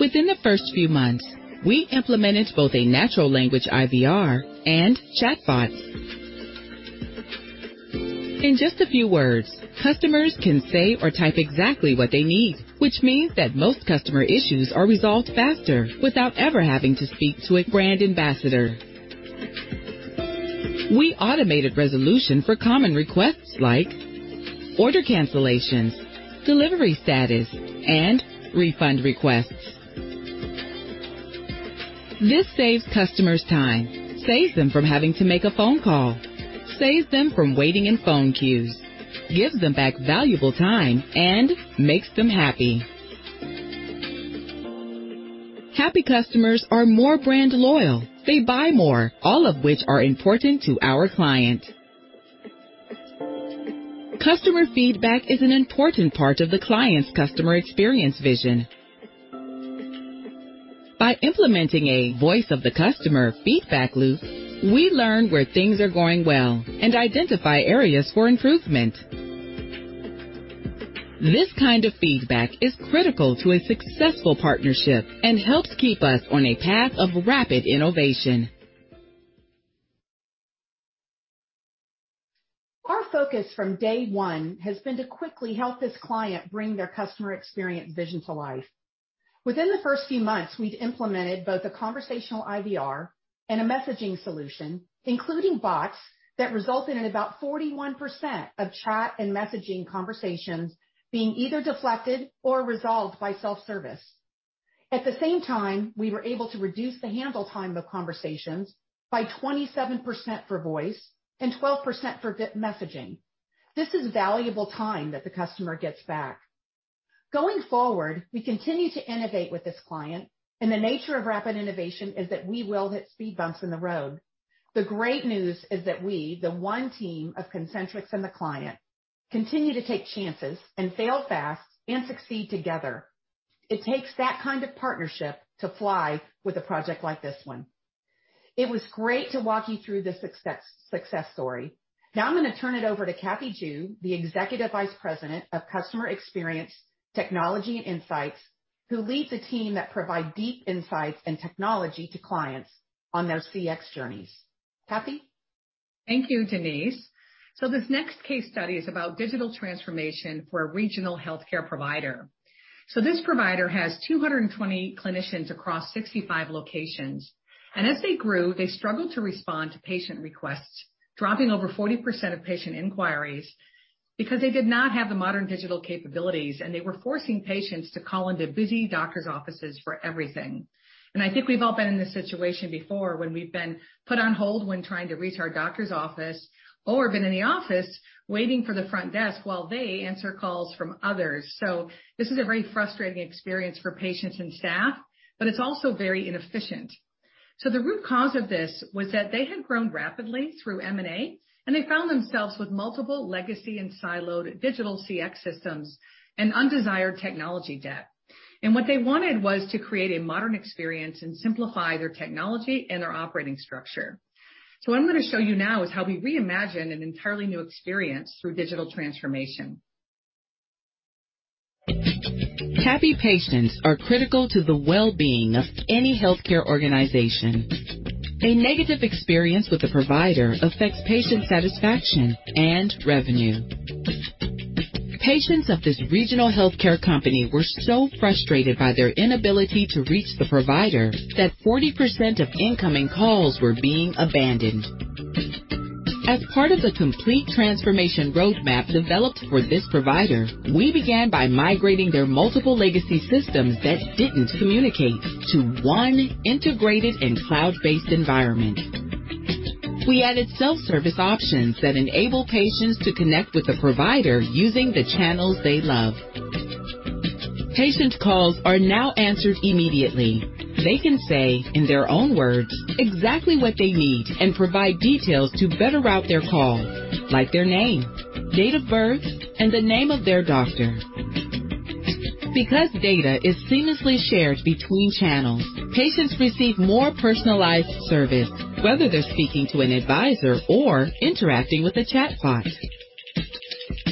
Speaker 6: Within the first few months, we implemented both a natural language IVR and chat bots. In just a few words, customers can say or type exactly what they need, which means that most customer issues are resolved faster without ever having to speak to a brand ambassador. We automated resolution for common requests like order cancellations, delivery status, and refund requests. This saves customers time, saves them from having to make a phone call, saves them from waiting in phone queues, gives them back valuable time, and makes them happy. Happy customers are more brand loyal. They buy more, all of which are important to our client. Customer feedback is an important part of the client's customer experience vision. By implementing a Voice of the Customer feedback loop, we learn where things are going well and identify areas for improvement. This kind of feedback is critical to a successful partnership and helps keep us on a path of rapid innovation.
Speaker 5: Our focus from day one has been to quickly help this client bring their customer experience vision to life. Within the first few months, we've implemented both a conversational IVR and a messaging solution, including bots that resulted in about 41% of chat and messaging conversations being either deflected or resolved by self-service. At the same time, we were able to reduce the handle time of conversations by 27% for voice and 12% for messaging. This is valuable time that the customer gets back. Going forward, we continue to innovate with this client, and the nature of rapid innovation is that we will hit speed bumps in the road. The great news is that we, the one team of Concentrix and the client, continue to take chances and fail fast and succeed together. It takes that kind of partnership to fly with a project like this one. It was great to walk you through this success story. Now I'm gonna turn it over to Kathy Juve, the Executive Vice President of Customer Experience, Technology Insights, who leads a team that provide deep insights and technology to clients on those CX journeys. Kathy.
Speaker 8: Thank you, Denise. This next case study is about digital transformation for a regional healthcare provider. This provider has 220 clinicians across 65 locations, and as they grew, they struggled to respond to patient requests, dropping over 40% of patient inquiries because they did not have the modern digital capabilities, and they were forcing patients to call into busy doctor's offices for everything. I think we've all been in this situation before when we've been put on hold when trying to reach our doctor's office or been in the office waiting for the front desk while they answer calls from others. This is a very frustrating experience for patients and staff, but it's also very inefficient. The root cause of this was that they had grown rapidly through M&A, and they found themselves with multiple legacy and siloed digital CX systems and undesired technology debt. What they wanted was to create a modern experience and simplify their technology and their operating structure. What I'm gonna show you now is how we reimagined an entirely new experience through digital transformation.
Speaker 6: Happy patients are critical to the well-being of any healthcare organization. A negative experience with the provider affects patient satisfaction and revenue. Patients of this regional healthcare company were so frustrated by their inability to reach the provider that 40% of incoming calls were being abandoned. As part of the complete transformation roadmap developed for this provider, we began by migrating their multiple legacy systems that didn't communicate to one integrated and cloud-based environment. We added self-service options that enable patients to connect with a provider using the channels they love. Patients' calls are now answered immediately. They can say in their own words, exactly what they need and provide details to better route their calls, like their name, date of birth, and the name of their doctor. Because data is seamlessly shared between channels, patients receive more personalized service, whether they're speaking to an advisor or interacting with a chatbot.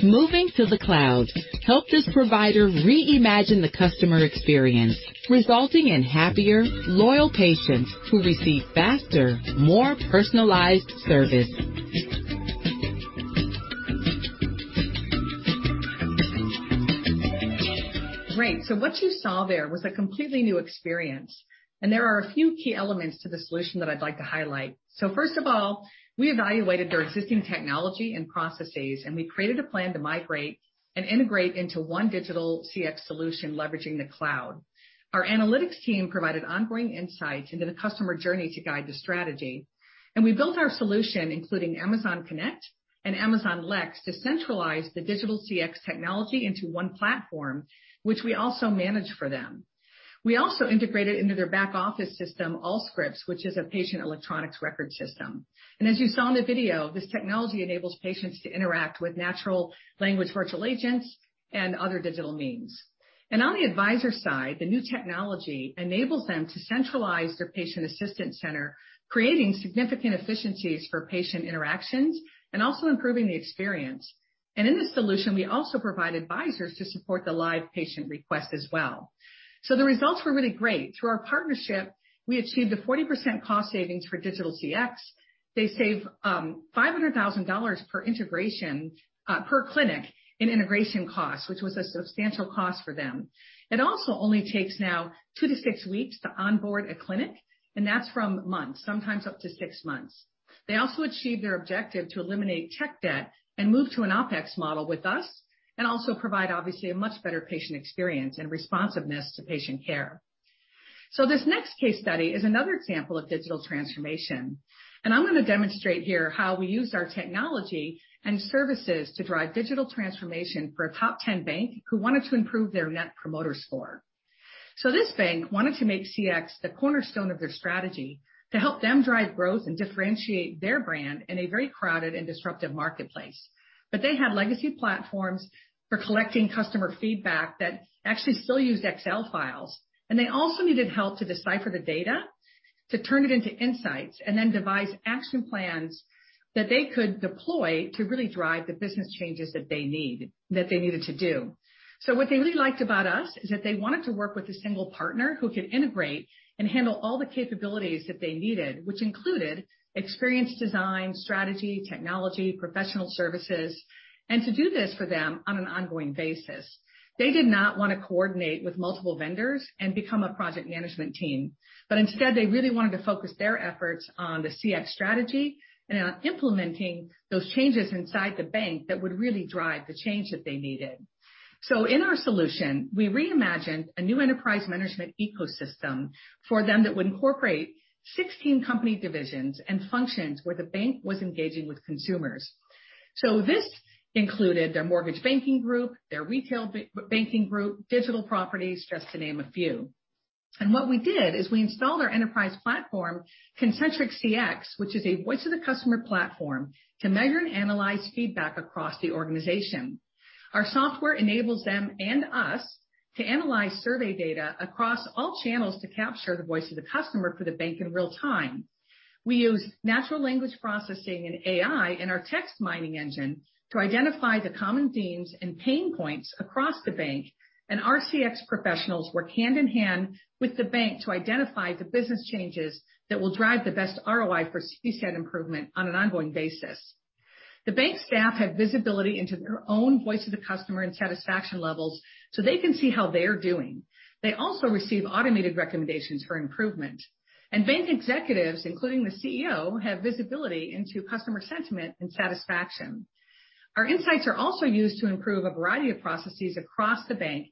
Speaker 6: Moving to the cloud helped this provider reimagine the customer experience, resulting in happier, loyal patients who receive faster, more personalized service.
Speaker 8: Great. What you saw there was a completely new experience, and there are a few key elements to the solution that I'd like to highlight. First of all, we evaluated their existing technology and processes, and we created a plan to migrate and integrate into one digital CX solution, leveraging the cloud. Our analytics team provided ongoing insights into the customer journey to guide the strategy. We built our solution, including Amazon Connect and Amazon Lex, to centralize the digital CX technology into one platform, which we also managed for them. We also integrated into their back office system, Allscripts, which is a patient electronic health record system. As you saw in the video, this technology enables patients to interact with natural language virtual agents and other digital means. On the advisor side, the new technology enables them to centralize their patient assistance center, creating significant efficiencies for patient interactions and also improving the experience. In this solution, we also provide advisors to support the live patient request as well. The results were really great. Through our partnership, we achieved a 40% cost savings for digital CX. They save $500,000 per integration per clinic in integration costs, which was a substantial cost for them. It also only takes now two to six weeks to onboard a clinic, and that's from months, sometimes up to six months. They also achieved their objective to eliminate tech debt and move to an OpEx model with us and also provide, obviously, a much better patient experience and responsiveness to patient care. This next case study is another example of digital transformation, and I'm gonna demonstrate here how we used our technology and services to drive digital transformation for a top 10 bank who wanted to improve their net promoter score. This bank wanted to make CX the cornerstone of their strategy to help them drive growth and differentiate their brand in a very crowded and disruptive marketplace. They had legacy platforms for collecting customer feedback that actually still used Excel files. They also needed help to decipher the data, to turn it into insights, and then devise action plans that they could deploy to really drive the business changes that they needed to do. What they really liked about us is that they wanted to work with a single partner who could integrate and handle all the capabilities that they needed, which included experience design, strategy, technology, professional services, and to do this for them on an ongoing basis. They did not wanna coordinate with multiple vendors and become a project management team, but instead, they really wanted to focus their efforts on the CX strategy and on implementing those changes inside the bank that would really drive the change that they needed. In our solution, we reimagined a new enterprise management ecosystem for them that would incorporate 16 company divisions and functions where the bank was engaging with consumers. This included their mortgage banking group, their retail banking group, digital properties, just to name a few. What we did is we installed our enterprise platform, Concentrix CX, which is a voice of the customer platform to measure and analyze feedback across the organization. Our software enables them and us to analyze survey data across all channels to capture the voice of the customer for the bank in real time. We use natural language processing and AI in our text mining engine to identify the common themes and pain points across the bank, and our CX professionals work hand in hand with the bank to identify the business changes that will drive the best ROI for CCAN improvement on an ongoing basis. The bank staff have visibility into their own voice of the customer and satisfaction levels so they can see how they're doing. They also receive automated recommendations for improvement. Bank executives, including the CEO, have visibility into customer sentiment and satisfaction. Our insights are also used to improve a variety of processes across the bank,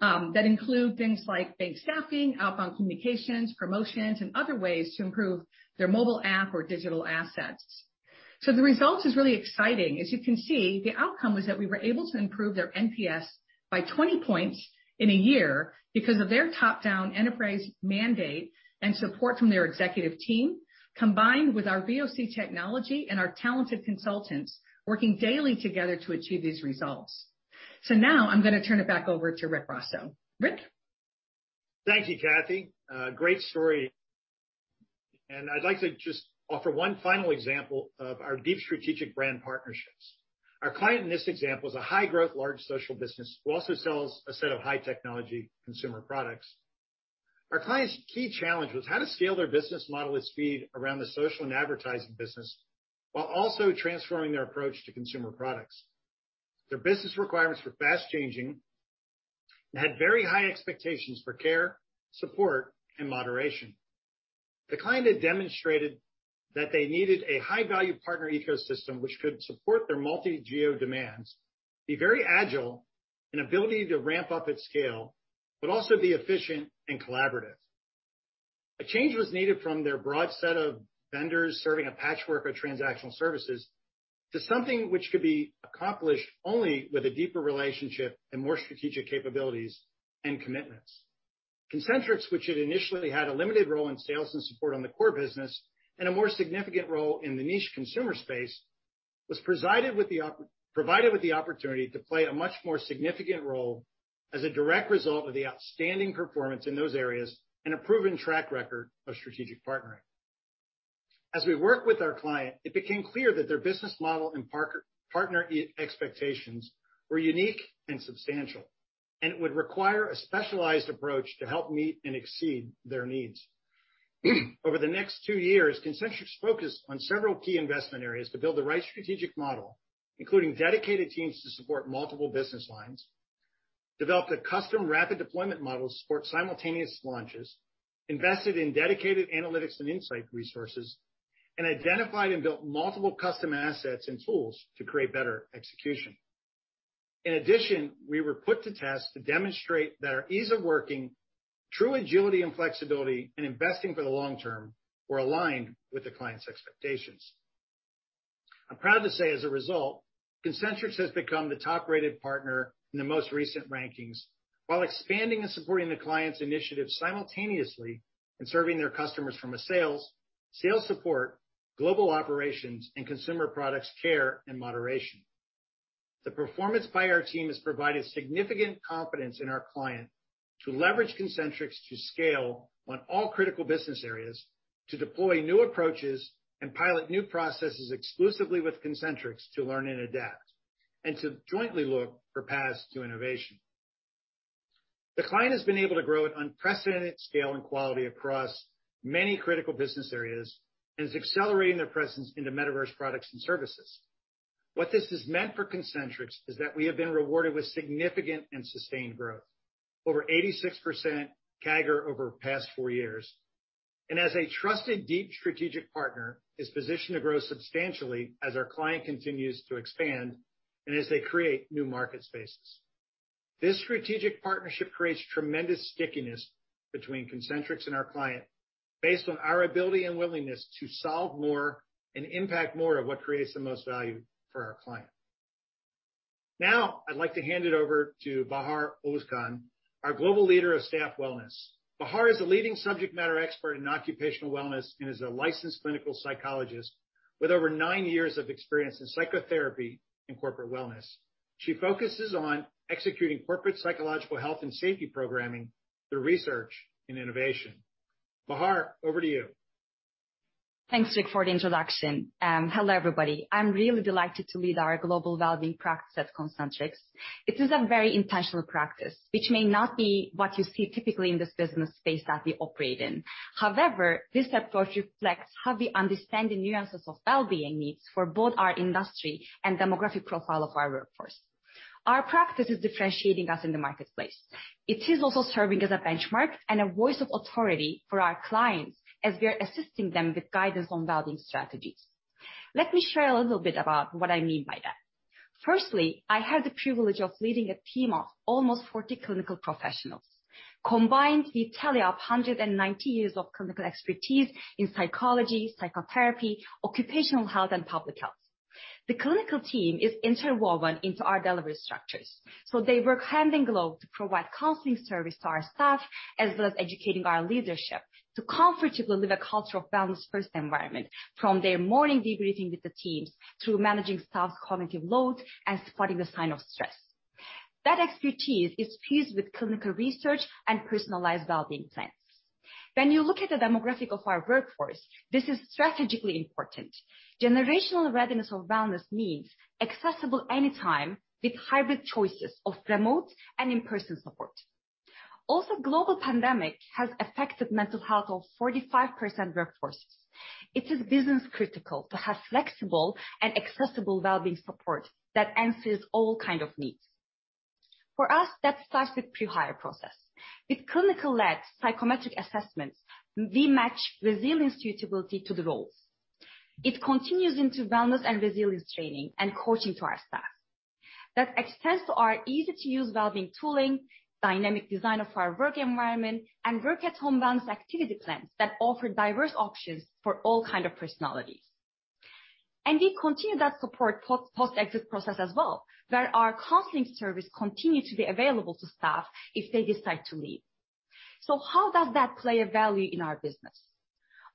Speaker 8: that include things like bank staffing, outbound communications, promotions, and other ways to improve their mobile app or digital assets. The results is really exciting. As you can see, the outcome was that we were able to improve their NPS by 20 points in a year because of their top-down enterprise mandate and support from their executive team, combined with our VoC technology and our talented consultants working daily together to achieve these results. Now I'm gonna turn it back over to Rick Rosso. Rick.
Speaker 4: Thank you, Kathy. Great story. I'd like to just offer one final example of our deep strategic brand partnerships. Our client in this example is a high-growth, large social business who also sells a set of high technology consumer products. Our client's key challenge was how to scale their business model with speed around the social and advertising business while also transforming their approach to consumer products. Their business requirements were fast-changing and had very high expectations for care, support, and moderation. The client had demonstrated that they needed a high-value partner ecosystem which could support their multi-geo demands, be very agile, an ability to ramp up at scale, but also be efficient and collaborative. A change was needed from their broad set of vendors serving a patchwork of transactional services to something which could be accomplished only with a deeper relationship and more strategic capabilities and commitments. Concentrix, which had initially had a limited role in sales and support on the core business and a more significant role in the niche consumer space, was provided with the opportunity to play a much more significant role as a direct result of the outstanding performance in those areas and a proven track record of strategic partnering. As we worked with our client, it became clear that their business model and partner expectations were unique and substantial, and it would require a specialized approach to help meet and exceed their needs. Over the next two years, Concentrix focused on several key investment areas to build the right strategic model, including dedicated teams to support multiple business lines, developed a custom rapid deployment model to support simultaneous launches, invested in dedicated analytics and insight resources, and identified and built multiple custom assets and tools to create better execution. In addition, we were put to test to demonstrate that our ease of working, true agility and flexibility, and investing for the long term were aligned with the client's expectations. I'm proud to say, as a result, Concentrix has become the top-rated partner in the most recent rankings while expanding and supporting the client's initiatives simultaneously and serving their customers from a sales support, global operations, and consumer products care and moderation. The performance by our team has provided significant confidence in our client to leverage Concentrix to scale on all critical business areas, to deploy new approaches and pilot new processes exclusively with Concentrix to learn and adapt, and to jointly look for paths to innovation. The client has been able to grow at unprecedented scale and quality across many critical business areas and is accelerating their presence into metaverse products and services. What this has meant for Concentrix is that we have been rewarded with significant and sustained growth, over 86% CAGR over the past four years. As a trusted deep strategic partner, is positioned to grow substantially as our client continues to expand and as they create new market spaces. This strategic partnership creates tremendous stickiness between Concentrix and our client based on our ability and willingness to solve more and impact more of what creates the most value for our client. Now I'd like to hand it over to Bahar Ozkan, our Global Leader of Staff Wellness. Bahar is a leading subject matter expert in occupational wellness and is a licensed clinical psychologist with over nine years of experience in psychotherapy and corporate wellness. She focuses on executing corporate psychological health and safety programming through research and innovation. Bahar, over to you.
Speaker 9: Thanks, Rick, for the introduction. Hello, everybody. I'm really delighted to lead our global wellbeing practice at Concentrix. It is a very intentional practice which may not be what you see typically in this business space that we operate in. However, this approach reflects how we understand the nuances of wellbeing needs for both our industry and demographic profile of our workforce. Our practice is differentiating us in the marketplace. It is also serving as a benchmark and a voice of authority for our clients as we are assisting them with guidance on wellbeing strategies. Let me share a little bit about what I mean by that. Firstly, I have the privilege of leading a team of almost 40 clinical professionals. Combined, we tally up 190 years of clinical expertise in psychology, psychotherapy, occupational health and public health. The clinical team is interwoven into our delivery structures, so they work hand in glove to provide counseling service to our staff, as well as educating our leadership to comfortably live a culture of wellness-first environment from their morning debriefing with the teams through managing staff's cognitive load and spotting the sign of stress. That expertise is fused with clinical research and personalized wellbeing plans. When you look at the demographic of our workforce, this is strategically important. Generational readiness of wellness means accessible anytime with hybrid choices of remote and in-person support. Also, global pandemic has affected mental health of 45% workforces. It is business critical to have flexible and accessible wellbeing support that answers all kind of needs. For us, that starts with pre-hire process. With clinical-led psychometric assessments, we match resilience suitability to the roles. It continues into wellness and resilience training and coaching to our staff. That extends to our easy-to-use wellbeing tooling, dynamic design of our work environment, and work at home balance activity plans that offer diverse options for all kind of personalities. We continue that support post-exit process as well, where our counseling service continue to be available to staff if they decide to leave. How does that add value in our business?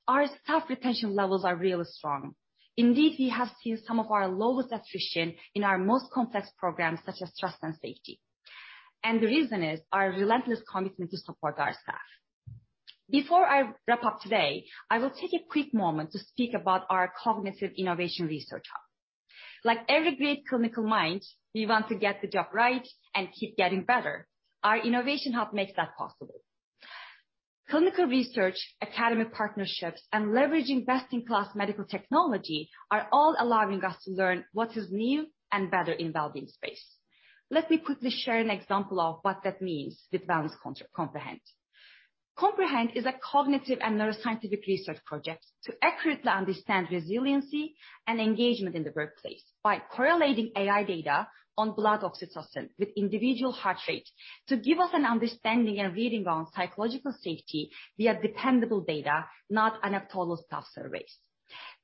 Speaker 9: Our staff retention levels are really strong. Indeed, we have seen some of our lowest attrition in our most complex programs such as trust and safety. The reason is our relentless commitment to support our staff. Before I wrap up today, I will take a quick moment to speak about our cognitive innovation research hub. Like every great clinical mind, we want to get the job right and keep getting better. Our innovation hub makes that possible. Clinical research, academic partnerships, and leveraging best-in-class medical technology are all allowing us to learn what is new and better in wellbeing space. Let me quickly share an example of what that means with Wellness Comprehend. Comprehend is a cognitive and neuroscientific research project to accurately understand resiliency and engagement in the workplace by correlating AI data on blood oxytocin with individual heart rate to give us an understanding and reading on psychological safety via dependable data, not anecdotal staff surveys.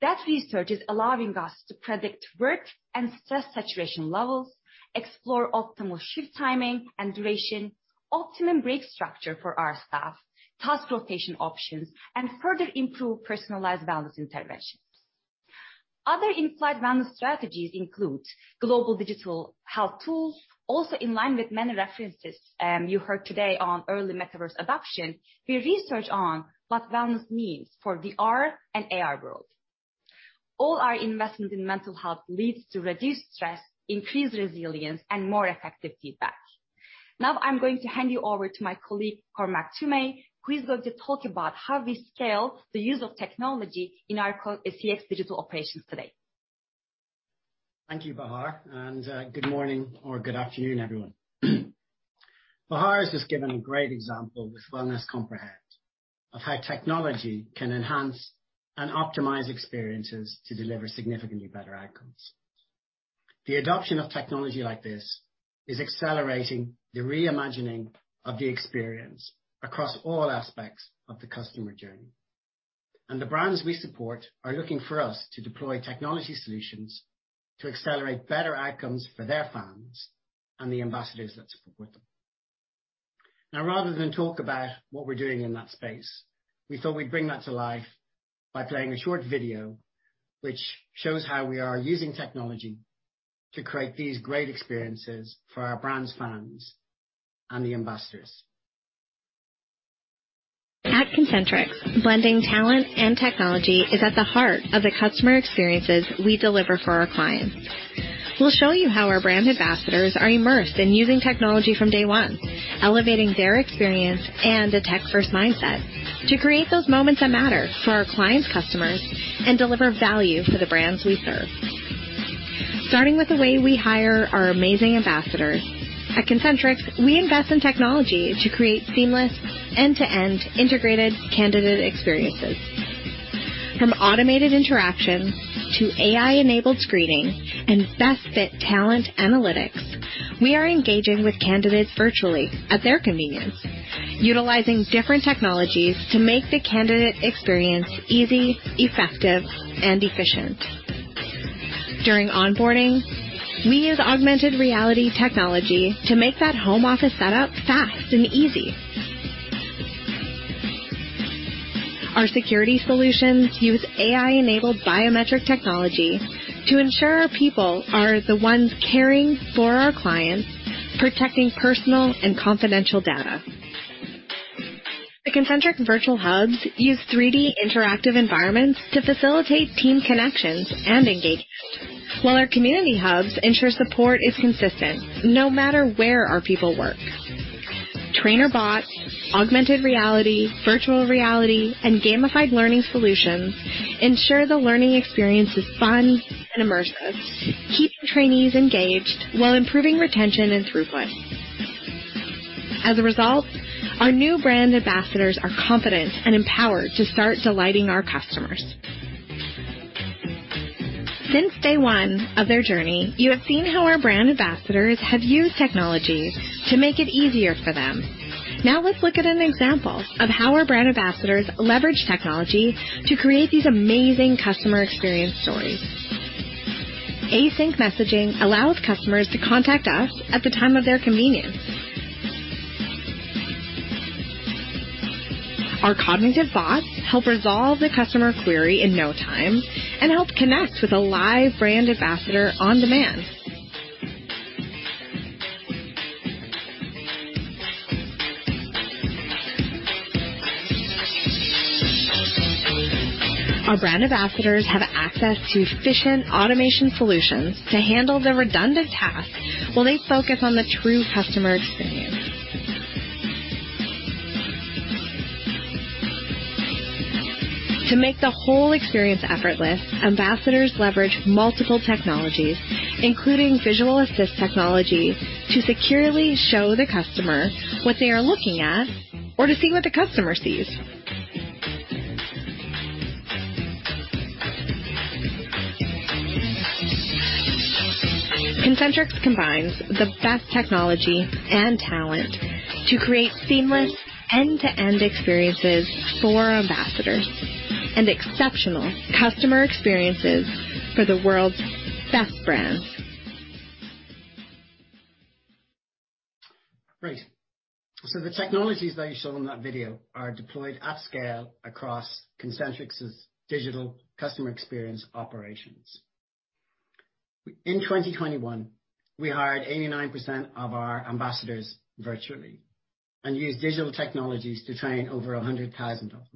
Speaker 9: That research is allowing us to predict work and stress saturation levels, explore optimal shift timing and duration, optimum break structure for our staff, task rotation options, and further improve personalized wellness interventions. Other inside wellness strategies include global digital health tools. Also in line with many references, you heard today. On early metaverse adoption, we research on what wellness means for VR and AR world. All our investment in mental health leads to reduced stress, increased resilience, and more effective feedback. Now I'm going to hand you over to my colleague, Cormac Twomey, who is going to talk about how we scale the use of technology in our CX digital operations today.
Speaker 10: Thank you, Bahar, and good morning or good afternoon, everyone. Bahar has just given a great example with Wellness Comprehend of how technology can enhance and optimize experiences to deliver significantly better outcomes. The adoption of technology like this is accelerating the re-imagining of the experience across all aspects of the customer journey. The brands we support are looking for us to deploy technology solutions to accelerate better outcomes for their fans and the ambassadors that support them. Now, rather than talk about what we're doing in that space, we thought we'd bring that to life by playing a short video which shows how we are using technology to create these great experiences for our brands, fans, and the ambassadors.
Speaker 6: At Concentrix, blending talent and technology is at the heart of the customer experiences we deliver for our clients. We'll show you how our brand ambassadors are immersed in using technology from day one, elevating their experience and a tech-first mindset to create those moments that matter for our clients' customers and deliver value for the brands we serve. Starting with the way we hire our amazing ambassadors, at Concentrix, we invest in technology to create seamless end-to-end integrated candidate experiences. From automated interactions to AI-enabled screening and best fit talent analytics. We are engaging with candidates virtually at their convenience, utilizing different technologies to make the candidate experience easy, effective, and efficient. During onboarding, we use augmented reality technology to make that home office setup fast and easy. Our security solutions use AI-enabled biometric technology to ensure our people are the ones caring for our clients, protecting personal and confidential data. The Concentrix virtual hubs use 3D interactive environments to facilitate team connections and engagement, while our community hubs ensure support is consistent no matter where our people work. Trainer bot, augmented reality, virtual reality, and gamified learning solutions ensure the learning experience is fun and immersive, keeping trainees engaged while improving retention and throughput. As a result, our new brand ambassadors are confident and empowered to start delighting our customers. Since day one of their journey, you have seen how our brand ambassadors have used technology to make it easier for them. Now let's look at an example of how our brand ambassadors leverage technology to create these amazing customer experience stories. Async messaging allows customers to contact us at the time of their convenience. Our cognitive bots help resolve the customer query in no time and help connect with a live brand ambassador on demand. Our brand ambassadors have access to efficient automation solutions to handle the redundant tasks while they focus on the true customer experience. To make the whole experience effortless, ambassadors leverage multiple technologies, including visual assist technology, to securely show the customer what they are looking at or to see what the customer sees. Concentrix combines the best technology and talent to create seamless end-to-end experiences for ambassadors and exceptional customer experiences for the world's best brands.
Speaker 10: Great. The technologies that you saw in that video are deployed at scale across Concentrix's digital customer experience operations. In 2021, we hired 89% of our ambassadors virtually and used digital technologies to train over 100,000 of them.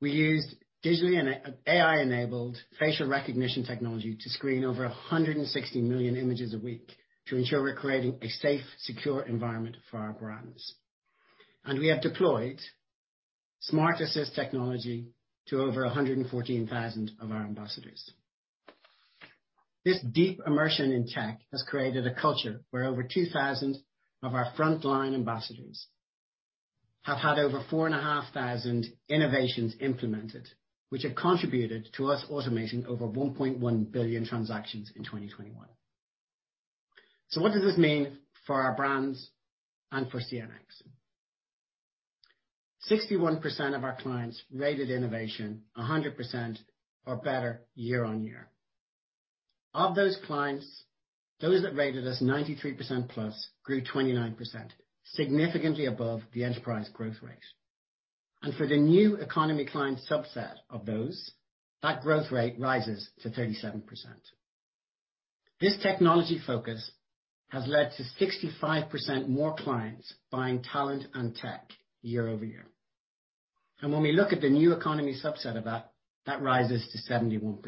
Speaker 10: We used digitally and AI-enabled facial recognition technology to screen over 160 million images a week to ensure we're creating a safe, secure environment for our brands. We have deployed smart assist technology to over 114,000 of our ambassadors. This deep immersion in tech has created a culture where over 2,000 of our frontline ambassadors have had over 4,500 innovations implemented which have contributed to us automating over 1.1 billion transactions in 2021. What does this mean for our brands and for CNX? 61% of our clients rated innovation 100% or better year-over-year. Of those clients, those that rated us 93%+ grew 29%, significantly above the enterprise growth rate. For the new economy client subset of those, that growth rate rises to 37%. This technology focus has led to 65% more clients buying talent and tech year-over-year. When we look at the new economy subset of that rises to 71%.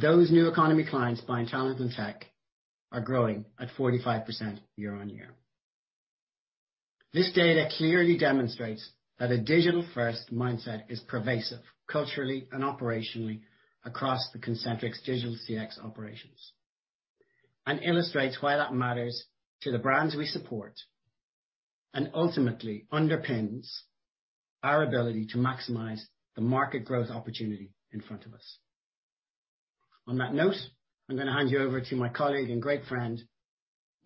Speaker 10: Those new economy clients buying talent and tech are growing at 45% year-over-year. This data clearly demonstrates that a digital-first mindset is pervasive, culturally and operationally across the Concentrix digital CX operations and illustrates why that matters to the brands we support and ultimately underpins our ability to maximize the market growth opportunity in front of us. On that note, I'm gonna hand you over to my colleague and great friend,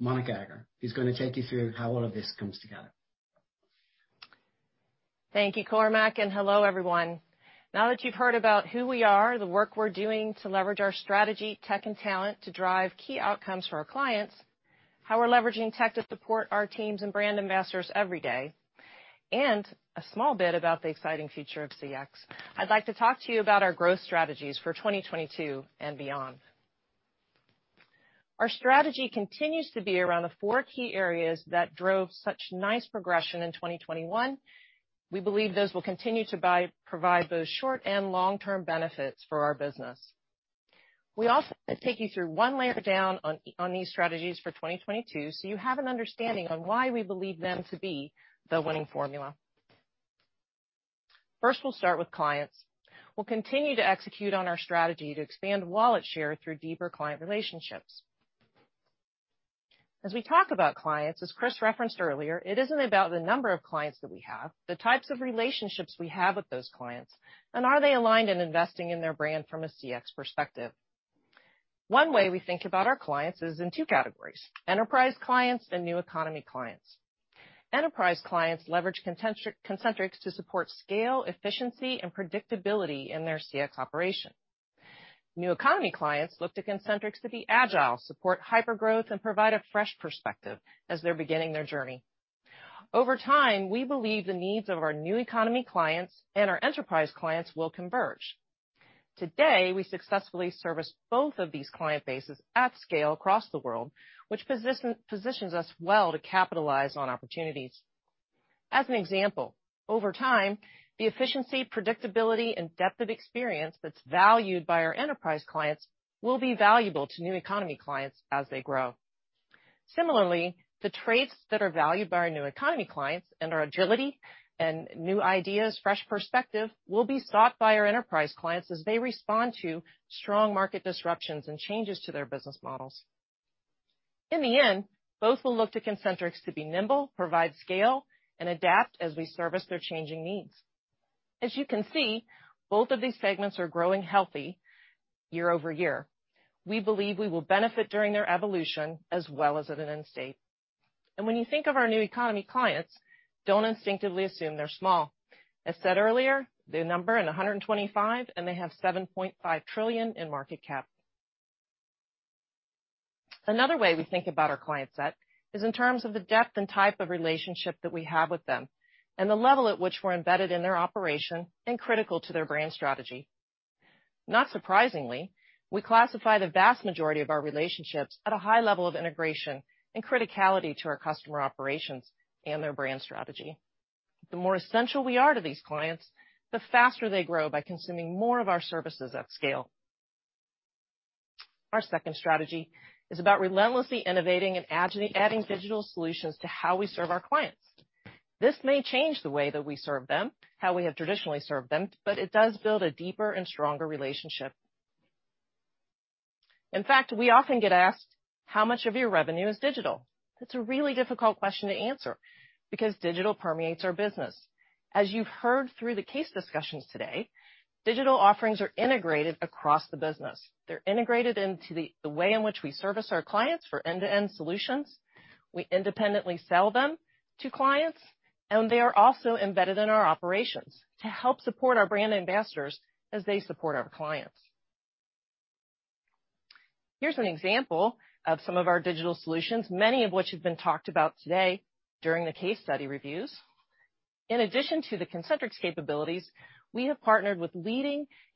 Speaker 10: Monica Egger, who's gonna take you through how all of this comes together.
Speaker 11: Thank you, Cormac, and hello, everyone. Now that you've heard about who we are, the work we're doing to leverage our strategy, tech, and talent to drive key outcomes for our clients, how we're leveraging tech to support our teams and brand ambassadors every day, and a small bit about the exciting future of CX, I'd like to talk to you about our growth strategies for 2022 and beyond. Our strategy continues to be around the four key areas that drove such nice progression in 2021. We believe those will continue to provide both short and long-term benefits for our business. We also take you through one layer down on these strategies for 2022, so you have an understanding on why we believe them to be the winning formula. First, we'll start with clients. We'll continue to execute on our strategy to expand wallet share through deeper client relationships. As we talk about clients, as Chris referenced earlier, it isn't about the number of clients that we have, the types of relationships we have with those clients, and are they aligned in investing in their brand from a CX perspective. One way we think about our clients is in two categories: enterprise clients and new economy clients. Enterprise clients leverage Concentrix to support scale, efficiency and predictability in their CX operation. New economy clients look to Concentrix to be agile, support hyper-growth, and provide a fresh perspective as they're beginning their journey. Over time, we believe the needs of our new economy clients and our enterprise clients will converge. Today, we successfully service both of these client bases at scale across the world, which positions us well to capitalize on opportunities. As an example, over time, the efficiency, predictability, and depth of experience that's valued by our enterprise clients will be valuable to new economy clients as they grow. Similarly, the traits that are valued by our new economy clients and our agility and new ideas, fresh perspective will be sought by our enterprise clients as they respond to strong market disruptions and changes to their business models. In the end, both will look to Concentrix to be nimble, provide scale, and adapt as we service their changing needs. As you can see, both of these segments are growing healthy year-over-year. We believe we will benefit during their evolution as well as at an end state. When you think of our new economy clients, don't instinctively assume they're small. As said earlier, they number 125, and they have $7.5 trillion in market cap. Another way we think about our client set is in terms of the depth and type of relationship that we have with them and the level at which we're embedded in their operation and critical to their brand strategy. Not surprisingly, we classify the vast majority of our relationships at a high level of integration and criticality to our customer operations and their brand strategy. The more essential we are to these clients, the faster they grow by consuming more of our services at scale. Our second strategy is about relentlessly innovating and adding digital solutions to how we serve our clients. This may change the way that we serve them, how we have traditionally served them, but it does build a deeper and stronger relationship. In fact, we often get asked, "How much of your revenue is digital?" That's a really difficult question to answer, because digital permeates our business. As you've heard through the case discussions today, digital offerings are integrated across the business. They're integrated into the way in which we service our clients for end-to-end solutions, we independently sell them to clients, and they are also embedded in our operations to help support our brand ambassadors as they support our clients. Here's an example of some of our digital solutions, many of which have been talked about today during the case study reviews. In addition to the Concentrix capabilities, we have partnered with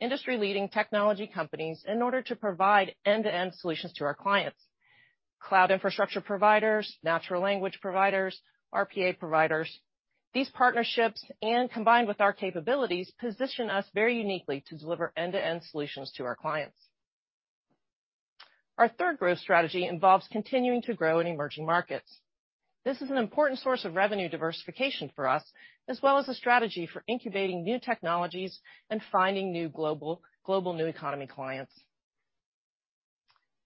Speaker 11: industry-leading technology companies in order to provide end-to-end solutions to our clients. Cloud infrastructure providers, natural language providers, RPA providers. These partnerships, and combined with our capabilities, position us very uniquely to deliver end-to-end solutions to our clients. Our third growth strategy involves continuing to grow in emerging markets. This is an important source of revenue diversification for us, as well as a strategy for incubating new technologies and finding new global new economy clients.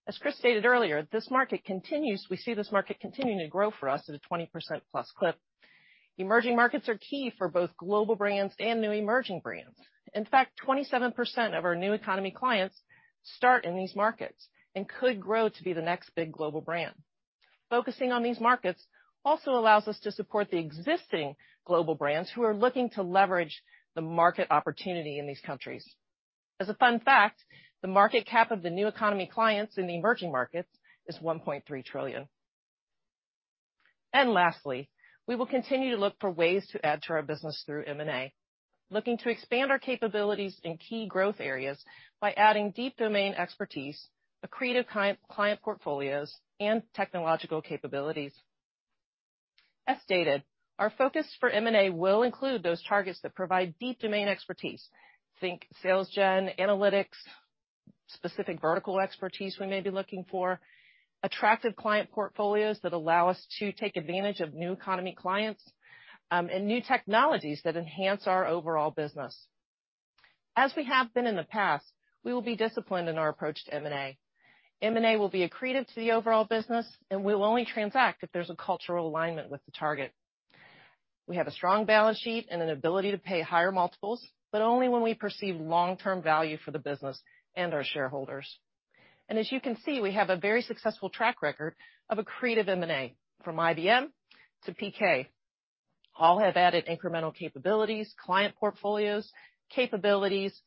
Speaker 11: As Chris stated earlier, this market continues. We see this market continuing to grow for us at a 20%+ clip. Emerging markets are key for both global brands and new emerging brands. In fact, 27% of our new economy clients start in these markets and could grow to be the next big global brand. Focusing on these markets also allows us to support the existing global brands who are looking to leverage the market opportunity in these countries. As a fun fact, the market cap of the new economy clients in the emerging markets is $1.3 trillion. Lastly, we will continue to look for ways to add to our business through M&A, looking to expand our capabilities in key growth areas by adding deep domain expertise, accretive client portfolios, and technological capabilities. As stated, our focus for M&A will include those targets that provide deep domain expertise. Think sales gen, analytics, specific vertical expertise we may be looking for. Attractive client portfolios that allow us to take advantage of new economy clients, and new technologies that enhance our overall business. As we have been in the past, we will be disciplined in our approach to M&A. M&A will be accretive to the overall business, and we will only transact if there's a cultural alignment with the target. We have a strong balance sheet and an ability to pay higher multiples, but only when we perceive long-term value for the business and our shareholders. As you can see, we have a very successful track record of accretive M&A, from IBM to PK. All have added incremental capabilities, client portfolios, capabilities,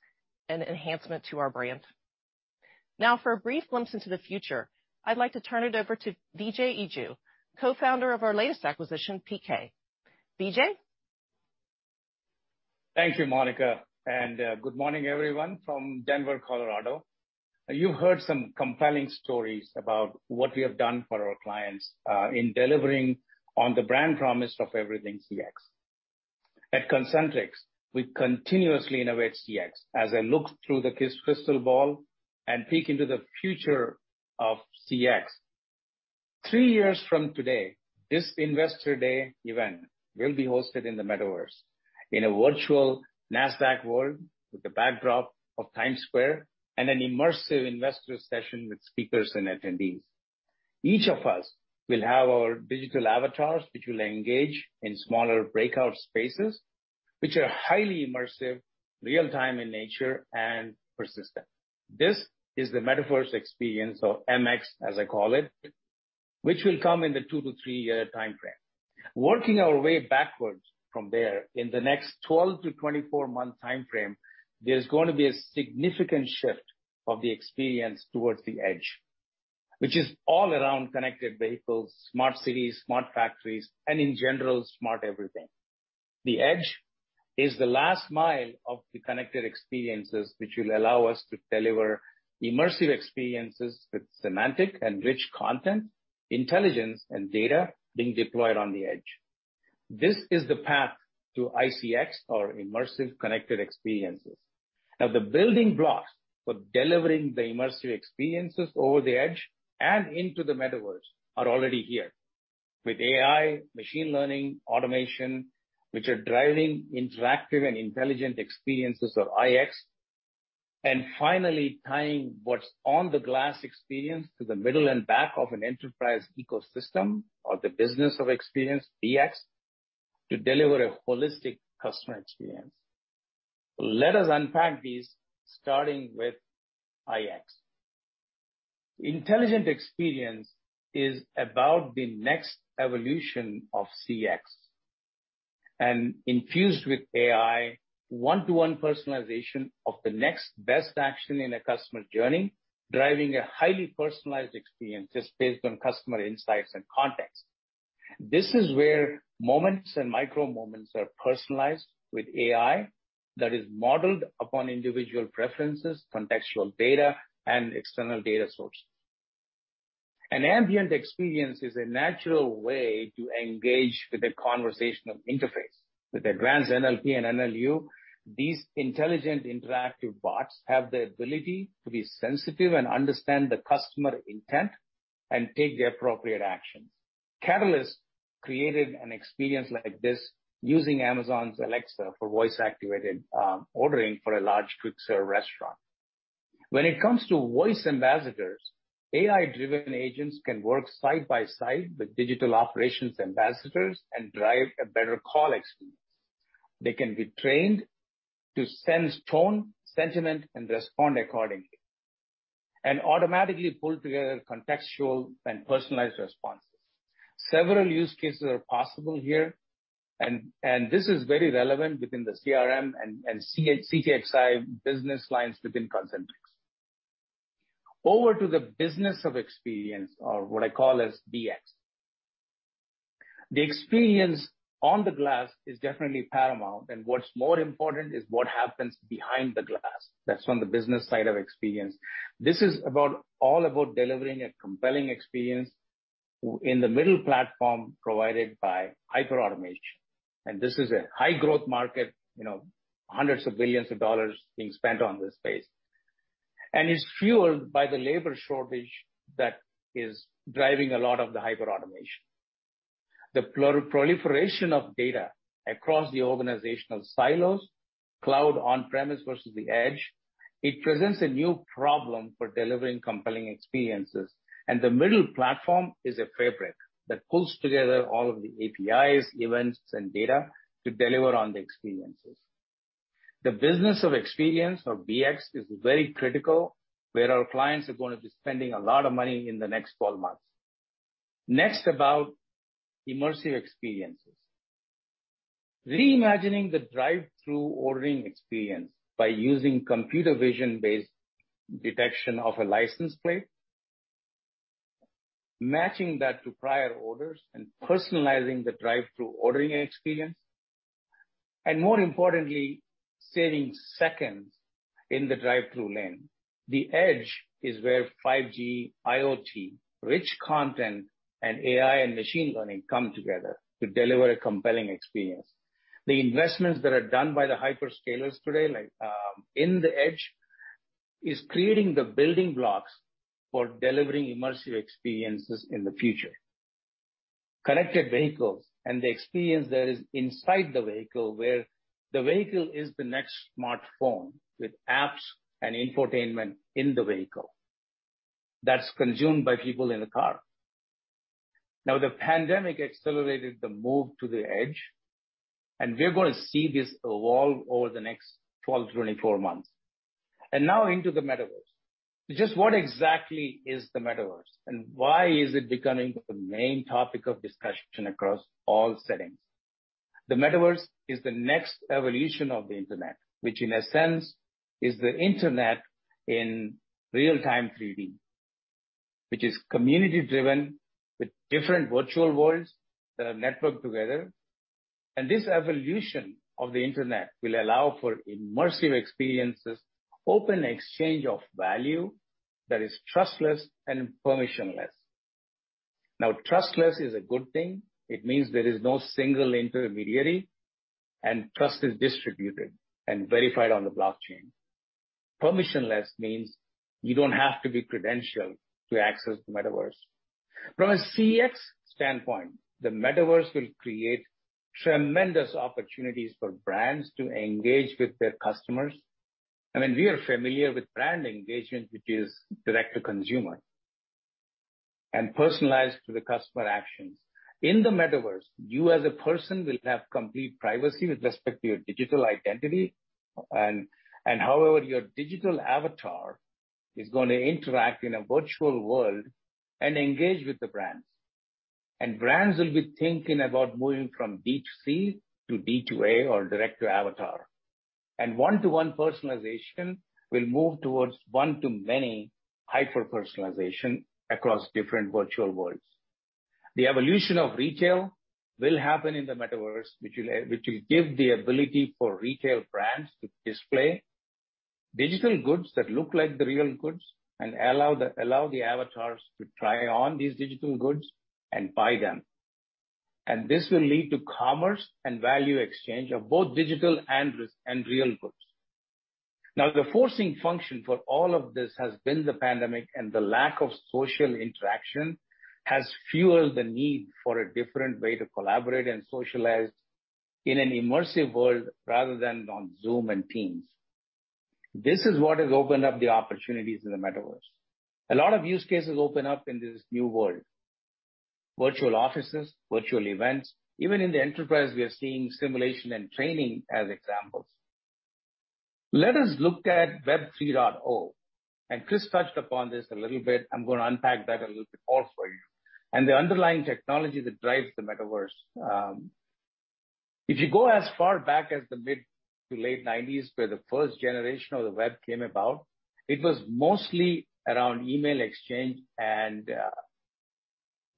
Speaker 11: and enhancement to our brand. Now for a brief glimpse into the future, I'd like to turn it over to Vijay Ijju, Co-Founder of our latest acquisition, PK. Vijay.
Speaker 3: Thank you, Monica, and good morning, everyone from Denver, Colorado. You heard some compelling stories about what we have done for our clients in delivering on the brand promise of everything CX. At Concentrix, we continuously innovate CX. As I look through the crystal ball and peek into the future of CX, three years from today, this Investor Day event will be hosted in the metaverse. In a virtual Nasdaq world with the backdrop of Times Square and an immersive investor session with speakers and attendees. Each of us will have our digital avatars, which will engage in smaller breakout spaces, which are highly immersive, real-time in nature, and persistent. This is the metaverse experience, or MX as I call it, which will come in the two to three year timeframe. Working our way backwards from there, in the next 12-24 month timeframe, there's going to be a significant shift of the experience towards the edge, which is all around connected vehicles, smart cities, smart factories, and in general, smart everything. The edge is the last mile of the connected experiences which will allow us to deliver immersive experiences with semantic and rich content, intelligence and data being deployed on the edge. This is the path to ICX or Immersive Connected Experiences. Now, the building blocks for delivering the immersive experiences over the edge and into the metaverse are already here. With AI, machine learning, automation, which are driving interactive and intelligent experiences or IX, and finally tying what's on-the-glass experience to the middle and back of an enterprise ecosystem or the business of experience, BX, to deliver a holistic customer experience. Let us unpack these, starting with IX. Intelligent experience is about the next evolution of CX, and infused with AI one-to-one personalization of the next best action in a customer journey, driving a highly personalized experiences based on customer insights and context. This is where moments and micro moments are personalized with AI that is modeled upon individual preferences, contextual data, and external data sources. An ambient experience is a natural way to engage with a conversational interface. With advanced NLP and NLU, these intelligent interactive bots have the ability to be sensitive and understand the customer intent and take the appropriate actions. Catalyst created an experience like this using Amazon's Alexa for voice-activated ordering for a large quick serve restaurant. When it comes to voice ambassadors, AI-driven agents can work side by side with digital operations ambassadors and drive a better call experience. They can be trained to sense tone, sentiment, and respond accordingly, and automatically pull together contextual and personalized responses. Several use cases are possible here, and this is very relevant within the CRM and CX business lines within Concentrix. Over to the business of experience or what I call as BX. The experience on the glass is definitely paramount, and what's more important is what happens behind the glass. That's from the business side of experience. This is all about delivering a compelling experience in the middle platform provided by hyperautomation. This is a high growth market, you know, hundreds of billions of dollars being spent on this space. It's fueled by the labor shortage that is driving a lot of the hyperautomation. The proliferation of data across the organizational silos, cloud, on-premise versus the edge, it presents a new problem for delivering compelling experiences. The middle platform is a fabric that pulls together all of the APIs, events, and data to deliver on the experiences. The business of experience or BX is very critical where our clients are gonna be spending a lot of money in the next 12 months. Next, about immersive experiences. Reimagining the drive-thru ordering experience by using computer vision-based detection of a license plate, matching that to prior orders, and personalizing the drive-thru ordering experience, and more importantly, saving seconds in the drive-thru lane. The edge is where 5G IoT, rich content, and AI and machine learning come together to deliver a compelling experience. The investments that are done by the hyperscalers today, like, in the edge, is creating the building blocks for delivering immersive experiences in the future. Connected vehicles and the experience that is inside the vehicle where the vehicle is the next smartphone with apps and infotainment in the vehicle that's consumed by people in the car. Now, the pandemic accelerated the move to the edge, and we're gonna see this evolve over the next 12-24 months. Now into the metaverse. Just what exactly is the metaverse, and why is it becoming the main topic of discussion across all settings? The metaverse is the next evolution of the Internet, which in a sense is the Internet in real-time 3D, which is community driven with different virtual worlds that are networked together. This evolution of the Internet will allow for immersive experiences, open exchange of value that is trustless and permissionless. Now, trustless is a good thing. It means there is no single intermediary, and trust is distributed and verified on the blockchain. Permissionless means you don't have to be credentialed to access the metaverse. From a CX standpoint, the metaverse will create tremendous opportunities for brands to engage with their customers. I mean, we are familiar with brand engagement, which is direct to consumer and personalized to the customer actions. In the metaverse, you as a person will have complete privacy with respect to your digital identity and however, your digital avatar is gonna interact in a virtual world and engage with the brands. Brands will be thinking about moving from D2C to D2A or direct to avatar. One-to-one personalization will move towards one-to-many hyper-personalization across different virtual worlds. The evolution of retail will happen in the metaverse, which will give the ability for retail brands to display digital goods that look like the real goods and allow the avatars to try on these digital goods and buy them. This will lead to commerce and value exchange of both digital and real goods. Now, the forcing function for all of this has been the pandemic, and the lack of social interaction has fueled the need for a different way to collaborate and socialize in an immersive world rather than on Zoom and Teams. This is what has opened up the opportunities in the metaverse. A lot of use cases open up in this new world. Virtual offices, virtual events, even in the enterprise, we are seeing simulation and training as examples. Let us look at Web 3.0, and Chris touched upon this a little bit. I'm gonna unpack that a little bit more for you, and the underlying technology that drives the metaverse. If you go as far back as the mid- to late 1990s, where the first generation of the web came about, it was mostly around email exchange and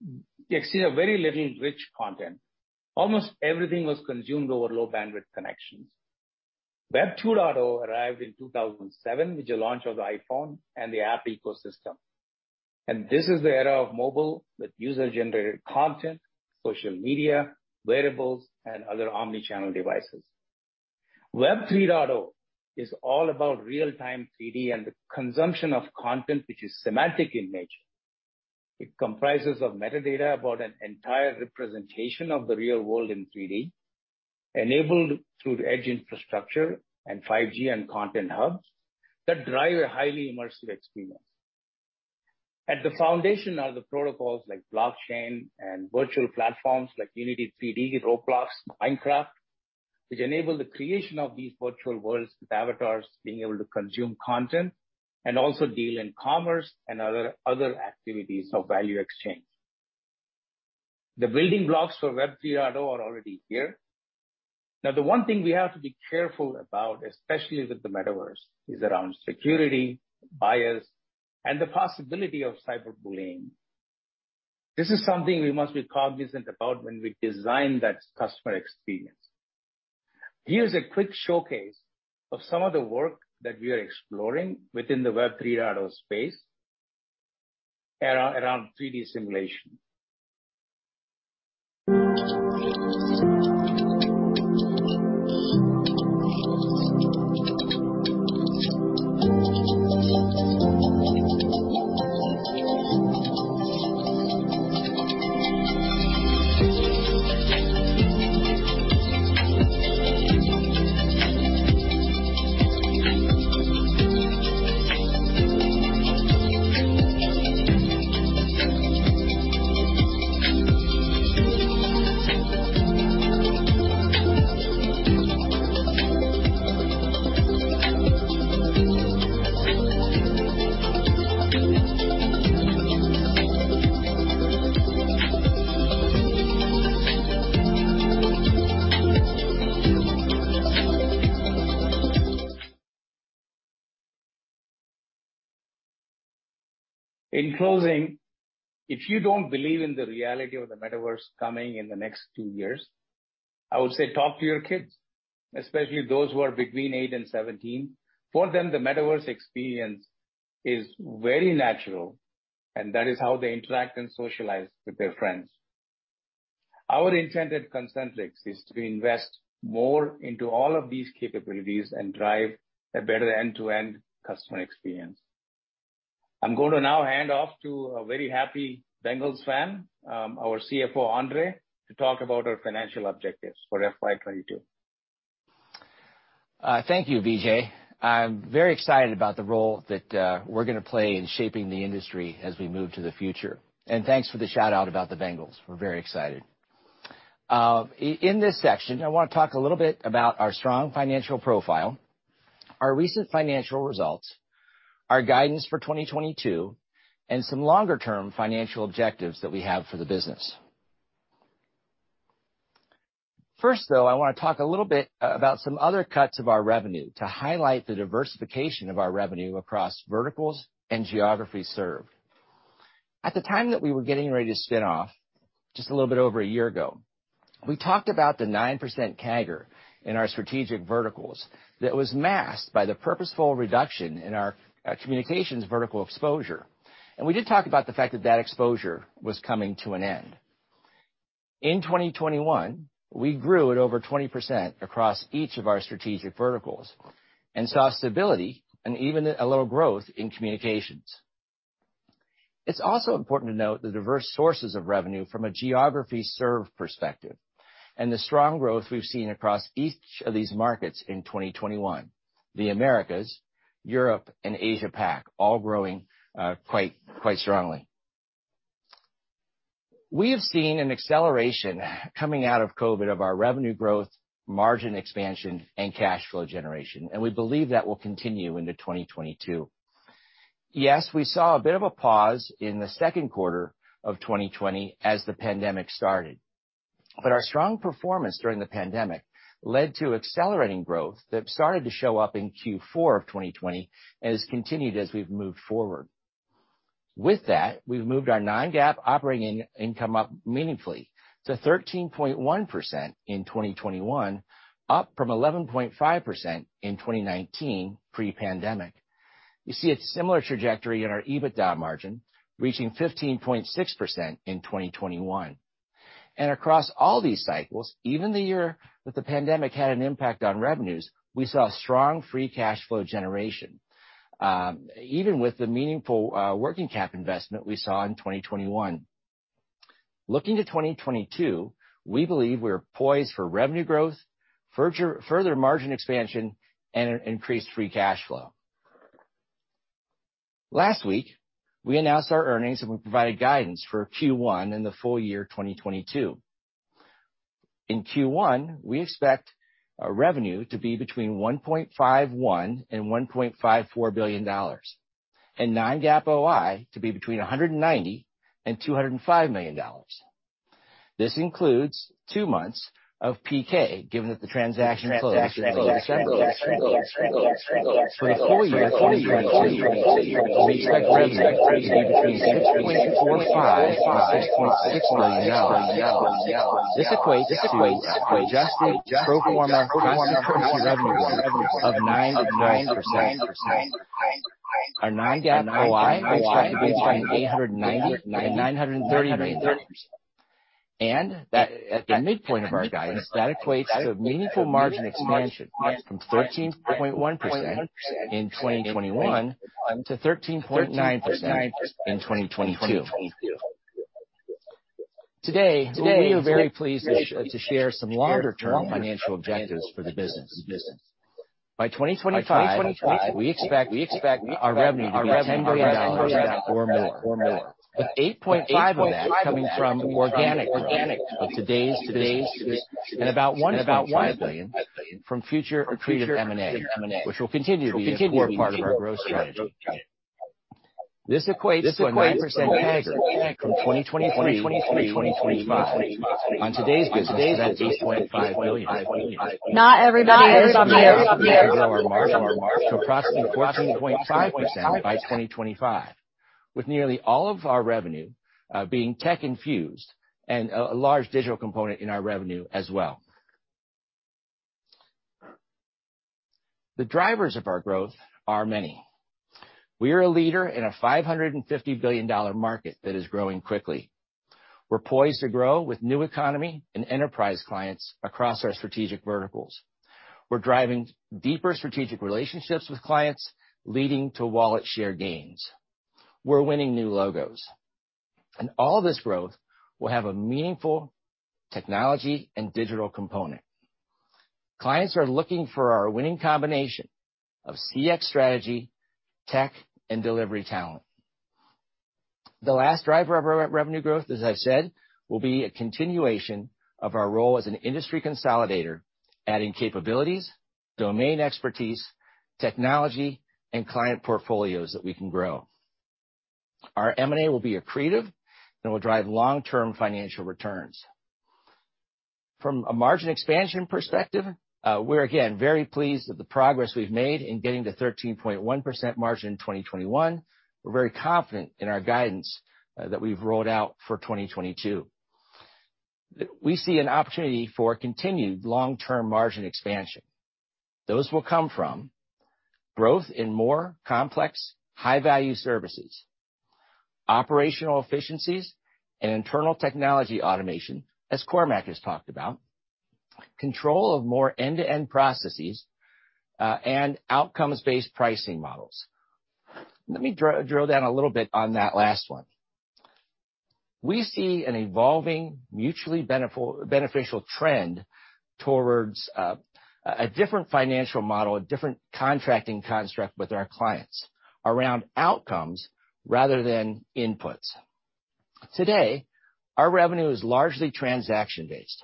Speaker 3: you can see a very little rich content. Almost everything was consumed over low bandwidth connections. Web 2.0 arrived in 2007, with the launch of the iPhone and the app ecosystem. This is the era of mobile with user-generated content, social media, wearables, and other omni-channel devices. Web 3.0 is all about real-time 3D and the consumption of content which is semantic in nature. It comprises of metadata about an entire representation of the real world in 3D, enabled through the edge infrastructure and 5G and content hubs that drive a highly immersive experience. At the foundation are the protocols like blockchain and virtual platforms like Unity 3D, Roblox, Minecraft, which enable the creation of these virtual worlds with avatars being able to consume content and also deal in commerce and other activities of value exchange. The building blocks for Web 3.0 are already here. Now, the one thing we have to be careful about, especially with the metaverse, is around security, bias, and the possibility of cyberbullying. This is something we must be cognizant about when we design that customer experience. Here's a quick showcase of some of the work that we are exploring within the Web 3.0 space around 3D simulation. In closing, if you don't believe in the reality of the metaverse coming in the next two years, I would say talk to your kids, especially those who are between eight and 17. For them, the metaverse experience is very natural, and that is how they interact and socialize with their friends. Our intent at Concentrix is to invest more into all of these capabilities and drive a better end-to-end customer experience. I'm going to now hand off to a very happy Bengals fan, our CFO, Andre, to talk about our financial objectives for FY 2022.
Speaker 12: Thank you, Vijay. I'm very excited about the role that we're gonna play in shaping the industry as we move to the future. Thanks for the shout-out about the Bengals. We're very excited. In this section, I wanna talk a little bit about our strong financial profile, our recent financial results, our guidance for 2022, and some longer term financial objectives that we have for the business. First, though, I wanna talk a little bit about some other cuts of our revenue to highlight the diversification of our revenue across verticals and geographies served. At the time that we were getting ready to spin-off, just a little bit over a year ago, we talked about the 9% CAGR in our strategic verticals that was masked by the purposeful reduction in our communications vertical exposure. We did talk about the fact that exposure was coming to an end. In 2021, we grew at over 20% across each of our strategic verticals and saw stability and even a little growth in communications. It's also important to note the diverse sources of revenue from a geography served perspective and the strong growth we've seen across each of these markets in 2021. The Americas, Europe and Asia Pac all growing quite strongly. We have seen an acceleration coming out of COVID of our revenue growth, margin expansion and cash flow generation, and we believe that will continue into 2022. Yes, we saw a bit of a pause in the second quarter of 2020 as the pandemic started, but our strong performance during the pandemic led to accelerating growth that started to show up in Q4 of 2020 and has continued as we've moved forward. With that, we've moved our non-GAAP operating income up meaningfully to 13.1% in 2021, up from 11.5% in 2019 pre-pandemic. You see a similar trajectory in our EBITDA margin reaching 15.6% in 2021. Across all these cycles, even the year that the pandemic had an impact on revenues, we saw strong free cash flow generation, even with the meaningful working cap investment we saw in 2021. Looking to 2022, we believe we are poised for revenue growth, further margin expansion and increased free cash flow. Last week we announced our earnings and we provided guidance for Q1 and the full year 2022. In Q1, we expect our revenue to be between $1.51 billion and $1.54 billion, and non-GAAP OI to be between $190 million and $205 million. This includes two months of PK, given that the transaction closed in early February. For the full year of 2022, we expect revenue to be between $6.45 billion and $6.6 billion. This equates to adjusted pro forma constant currency revenue growth of 9%-12%. Our non-GAAP OI we expect to be between $890 million and $930 million. That at the midpoint of our guidance, that equates to meaningful margin expansion from 13.1% in 2021 to 13.9% in 2022. Today we are very pleased to share some longer term financial objectives for the business. By 2025, we expect our revenue to be $10 billion or more, with $8.5 billion of that coming from organic growth of today's business, and about $1.5 billion from future accretive M&A, which will continue to be an important part of our growth strategy. This equates to a 9% CAGR from 2023 through 2025. On today's business that's $8.5 billion.
Speaker 5: Not everybody is on the ice yet.
Speaker 12: We also expect to grow our margin to approximately 14.5% by 2025, with nearly all of our revenue being tech infused and a large digital component in our revenue as well. The drivers of our growth are many. We are a leader in a $550 billion market that is growing quickly. We're poised to grow with new economy and enterprise clients across our strategic verticals. We're driving deeper strategic relationships with clients leading to wallet share gains. We're winning new logos. All this growth will have a meaningful technology and digital component. Clients are looking for our winning combination of CX strategy, tech and delivery talent. The last driver of revenue growth, as I said, will be a continuation of our role as an industry consolidator, adding capabilities, domain expertise, technology and client portfolios that we can grow. Our M&A will be accretive and will drive long-term financial returns. From a margin expansion perspective, we're again very pleased with the progress we've made in getting to 13.1% margin in 2021. We're very confident in our guidance that we've rolled out for 2022. We see an opportunity for continued long-term margin expansion. Those will come from growth in more complex, high value services, operational efficiencies and internal technology automation, as Cormac has talked about, control of more end-to-end processes, and outcomes-based pricing models. Let me drill down a little bit on that last one. We see an evolving, mutually beneficial trend towards a different financial model, a different contracting construct with our clients around outcomes rather than inputs. Today, our revenue is largely transaction based.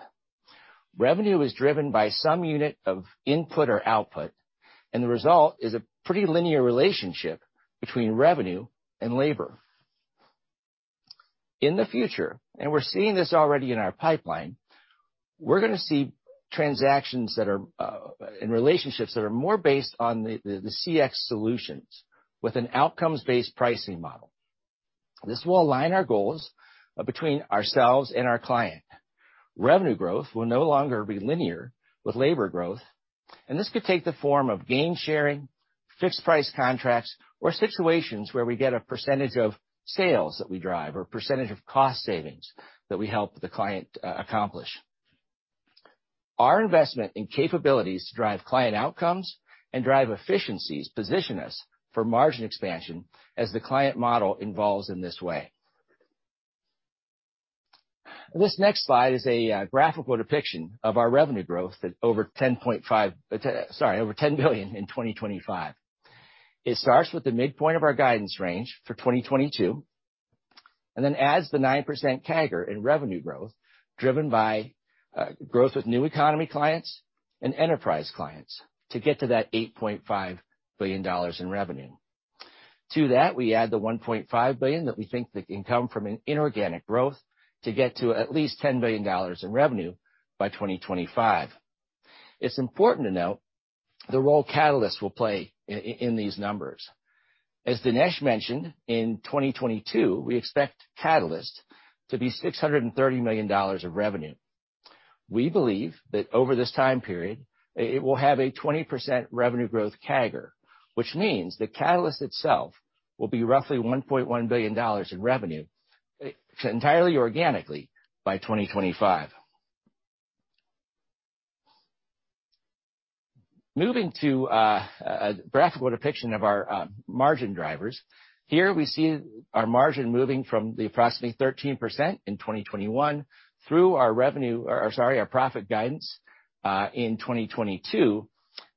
Speaker 12: Revenue is driven by some unit of input or output, and the result is a pretty linear relationship between revenue and labor. In the future, we're seeing this already in our pipeline, we're gonna see transactions that are and relationships that are more based on the CX solutions with an outcomes-based pricing model. This will align our goals between ourselves and our client. Revenue growth will no longer be linear with labor growth. This could take the form of gain sharing, fixed price contracts, or situations where we get a percentage of sales that we drive or percentage of cost savings that we help the client accomplish. Our investment in capabilities to drive client outcomes and drive efficiencies position us for margin expansion as the client model evolves in this way. This next slide is a graphical depiction of our revenue growth at over $10 billion in 2025. It starts with the midpoint of our guidance range for 2022, and then adds the 9% CAGR in revenue growth, driven by growth with new economy clients and enterprise clients to get to that $8.5 billion in revenue. To that, we add the $1.5 billion that we think that can come from an inorganic growth to get to at least $10 billion in revenue by 2025. It's important to note the role Catalyst will play in these numbers. As Dinesh mentioned, in 2022, we expect Catalyst to be $630 million of revenue. We believe that over this time period, it will have a 20% revenue growth CAGR, which means that Catalyst itself will be roughly $1.1 billion in revenue entirely organically by 2025. Moving to a graphical depiction of our margin drivers. Here we see our margin moving from the approximately 13% in 2021 through our profit guidance in 2022,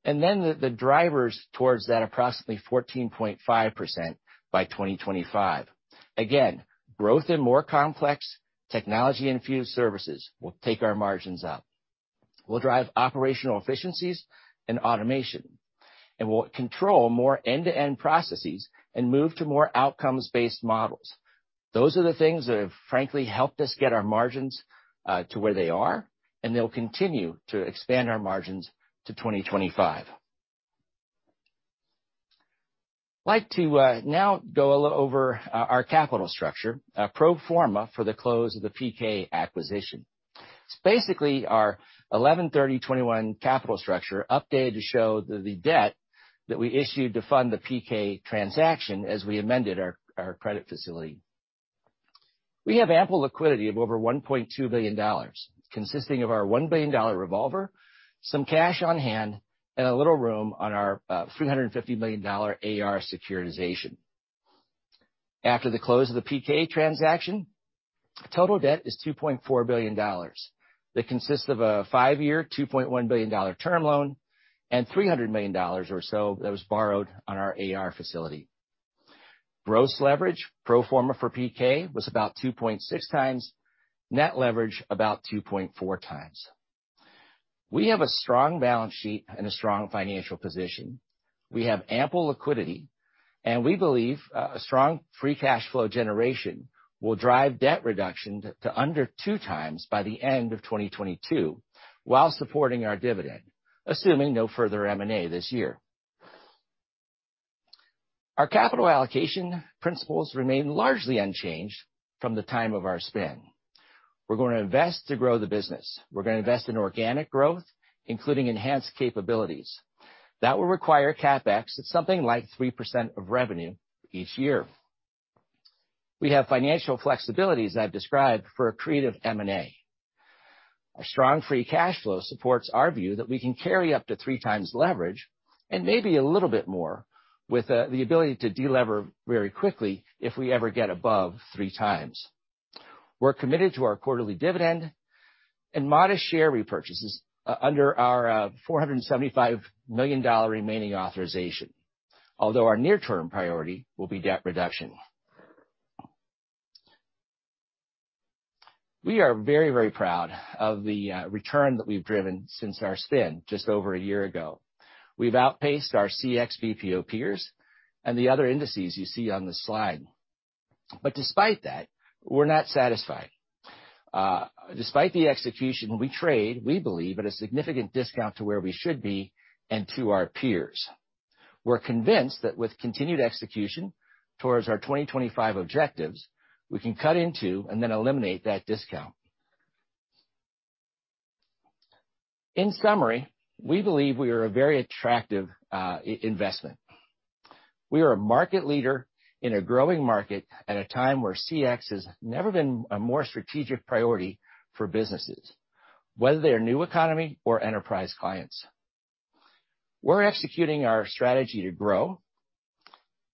Speaker 12: and then the drivers towards that approximately 14.5% by 2025. Again, growth in more complex technology-infused services will take our margins up. We'll drive operational efficiencies and automation, and we'll control more end-to-end processes and move to more outcomes-based models. Those are the things that have frankly helped us get our margins to where they are, and they'll continue to expand our margins to 2025. I'd like to now go a little over our capital structure pro forma for the close of the PK acquisition. It's basically our 11/30/2021 capital structure updated to show the debt that we issued to fund the PK transaction as we amended our credit facility. We have ample liquidity of over $1.2 billion, consisting of our $1 billion revolver, some cash on hand, and a little room on our $350 million AR securitization. After the close of the PK transaction, total debt is $2.4 billion. That consists of a five-year $2.1 billion term loan and $300 million or so that was borrowed on our AR facility. Gross leverage pro forma for PK was about 2.6x. Net leverage, about 2.4x. We have a strong balance sheet and a strong financial position. We have ample liquidity, and we believe a strong free cash flow generation will drive debt reduction to under 2x by the end of 2022, while supporting our dividend, assuming no further M&A this year. Our capital allocation principles remain largely unchanged from the time of our spin. We're gonna invest to grow the business. We're gonna invest in organic growth, including enhanced capabilities. That will require CapEx at something like 3% of revenue each year. We have financial flexibilities I've described for accretive M&A. Our strong free cash flow supports our view that we can carry up to 3x leverage and maybe a little bit more with the ability to de-lever very quickly if we ever get above 3x. We're committed to our quarterly dividend and modest share repurchases under our $475 million remaining authorization, although our near-term priority will be debt reduction. We are very, very proud of the return that we've driven since our spin just over a year ago. We've outpaced our CX BPO peers and the other indices you see on this slide. Despite that, we're not satisfied. Despite the execution, we trade, we believe, at a significant discount to where we should be and to our peers. We're convinced that with continued execution towards our 2025 objectives, we can cut into and then eliminate that discount. In summary, we believe we are a very attractive investment. We are a market leader in a growing market at a time where CX has never been a more strategic priority for businesses, whether they are new economy or enterprise clients. We're executing our strategy to grow,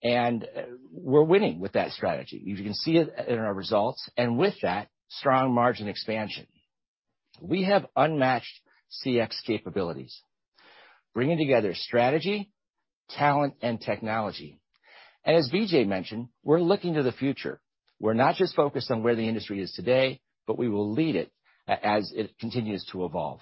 Speaker 12: and we're winning with that strategy. You can see it in our results. With that, strong margin expansion. We have unmatched CX capabilities, bringing together strategy, talent, and technology. As Vijay mentioned, we're looking to the future. We're not just focused on where the industry is today, but we will lead it as it continues to evolve.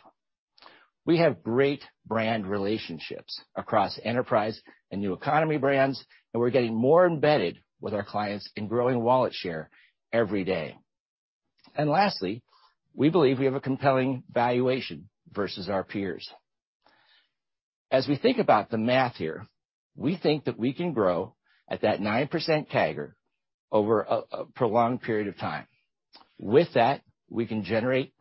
Speaker 12: We have great brand relationships across enterprise and new economy brands, and we're getting more embedded with our clients in growing wallet share every day. Lastly, we believe we have a compelling valuation versus our peers. As we think about the math here, we think that we can grow at that 9% CAGR over a prolonged period of time. With that, we can generate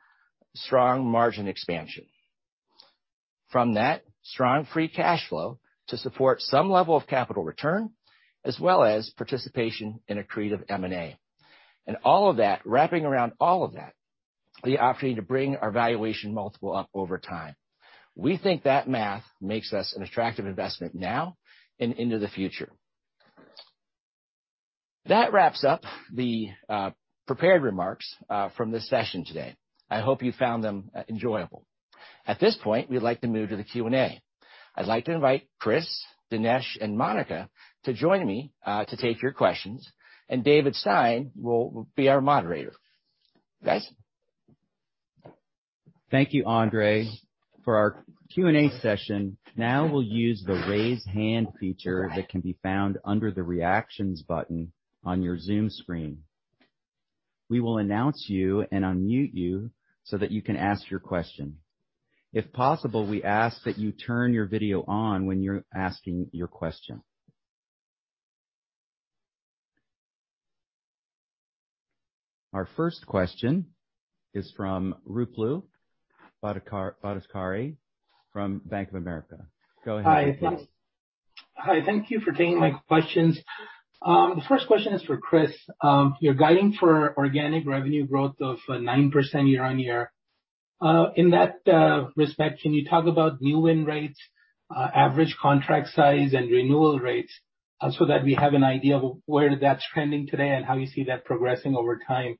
Speaker 12: strong margin expansion. From that, strong free cash flow to support some level of capital return as well as participation in accretive M&A. All of that, wrapping around all of that, the opportunity to bring our valuation multiple up over time. We think that math makes us an attractive investment now and into the future. That wraps up the prepared remarks from this session today. I hope you found them enjoyable. At this point, we'd like to move to the Q&A. I'd like to invite Chris, Dinesh, and Monica to join me to take your questions, and David Stein will be our moderator. Guys?
Speaker 1: Thank you, Andre. For our Q&A session, now we'll use the Raise Hand feature that can be found under the Reactions button on your Zoom screen. We will announce you and unmute you so that you can ask your question. If possible, we ask that you turn your video on when you're asking your question. Our first question is from Ruplu Bhattacharya from Bank of America. Go ahead.
Speaker 13: Hi, thank you for taking my questions. The first question is for Chris. You're guiding for organic revenue growth of 9% year-on-year. In that respect, can you talk about new win rates, average contract size and renewal rates, so that we have an idea of where that's trending today and how you see that progressing over time?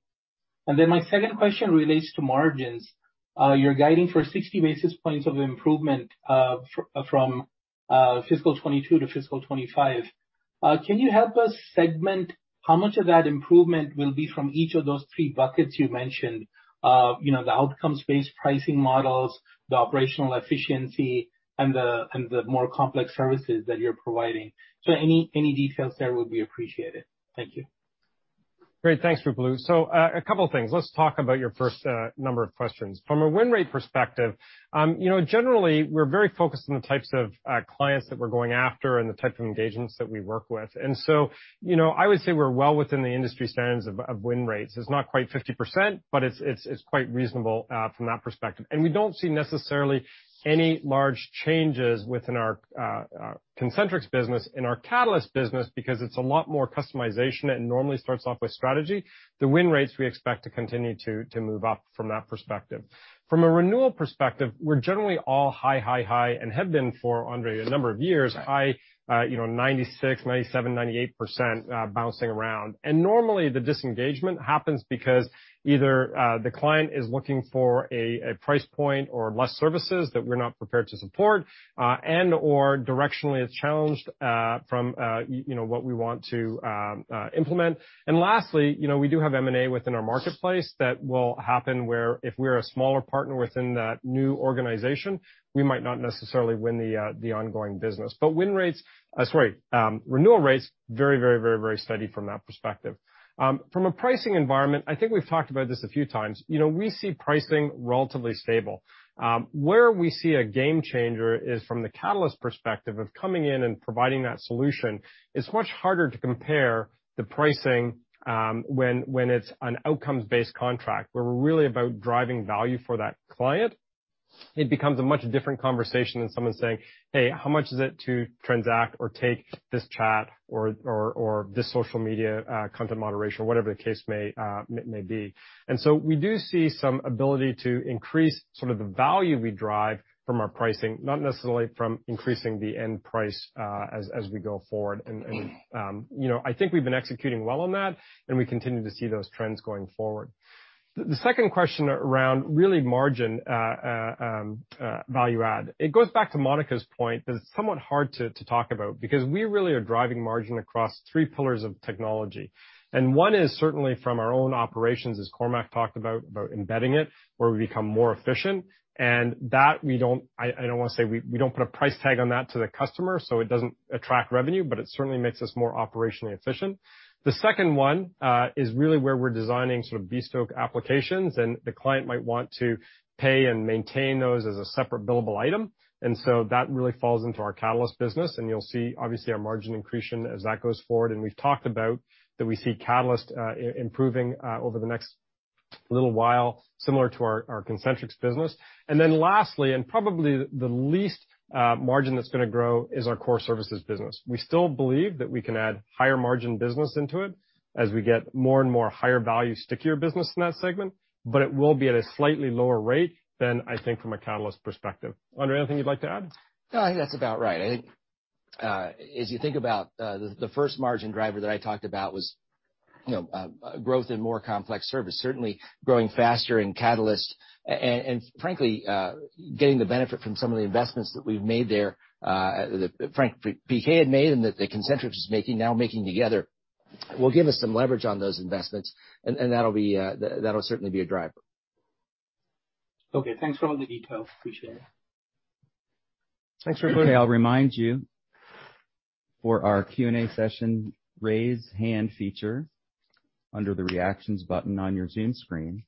Speaker 13: My second question relates to margins. You're guiding for 60 basis points of improvement from fiscal 2022 to fiscal 2025. Can you help us segment how much of that improvement will be from each of those three buckets you mentioned? You know, the outcomes-based pricing models, the operational efficiency, and the more complex services that you're providing. Any details there would be appreciated. Thank you.
Speaker 2: Great. Thanks, Ruplu. A couple things. Let's talk about your first number of questions. From a win rate perspective, you know, generally, we're very focused on the types of clients that we're going after and the type of engagements that we work with. You know, I would say we're well within the industry standards of win rates. It's not quite 50%, but it's quite reasonable from that perspective. We don't see necessarily any large changes within our Concentrix business. In our Catalyst business, because it's a lot more customization, it normally starts off with strategy. The win rates we expect to continue to move up from that perspective. From a renewal perspective, we're generally all high and have been for, Andre, a number of years, you know, 96%-98% bouncing around. Normally the disengagement happens because either the client is looking for a price point or less services that we're not prepared to support and/or directionally is challenged from you know what we want to implement. Lastly, you know, we do have M&A within our marketplace that will happen where if we're a smaller partner within that new organization, we might not necessarily win the ongoing business. Renewal rates very steady from that perspective. From a pricing environment, I think we've talked about this a few times. You know, we see pricing relatively stable. Where we see a game changer is from the Catalyst perspective of coming in and providing that solution. It's much harder to compare the pricing, when it's an outcomes-based contract where we're really about driving value for that client. It becomes a much different conversation than someone saying, "Hey, how much is it to transact or take this chat or this social media content moderation?" Whatever the case may be. We do see some ability to increase sort of the value we drive from our pricing, not necessarily from increasing the end price, as we go forward. You know, I think we've been executing well on that, and we continue to see those trends going forward. The second question around really margin, value add, it goes back to Monica's point that it's somewhat hard to talk about because we really are driving margin across three pillars of technology. One is certainly from our own operations, as Cormac talked about embedding it, where we become more efficient. That we don't wanna say we don't put a price tag on that to the customer, so it doesn't attract revenue, but it certainly makes us more operationally efficient. The second one is really where we're designing sort of bespoke applications, and the client might want to pay and maintain those as a separate billable item. That really falls into our Catalyst business, and you'll see obviously our margin accretion as that goes forward. We've talked about that we see Catalyst improving over the next little while, similar to our Concentrix business. Lastly, and probably the least margin that's gonna grow is our core services business. We still believe that we can add higher margin business into it as we get more and more higher value stickier business in that segment, but it will be at a slightly lower rate than I think from a Catalyst perspective. Andre, anything you'd like to add?
Speaker 12: No, I think that's about right. I think, as you think about, the first margin driver that I talked about was, you know, growth in more complex service. Certainly growing faster in Catalyst and frankly, getting the benefit from some of the investments that we've made there, that PK had made and that Concentrix is making now together, will give us some leverage on those investments and that'll certainly be a driver.
Speaker 13: Okay. Thanks for all the detail. Appreciate it.
Speaker 2: Thanks, Ruplu.
Speaker 1: Okay, I'll remind you for our Q&A session, Raise Hand feature under the Reactions button on your Zoom screen.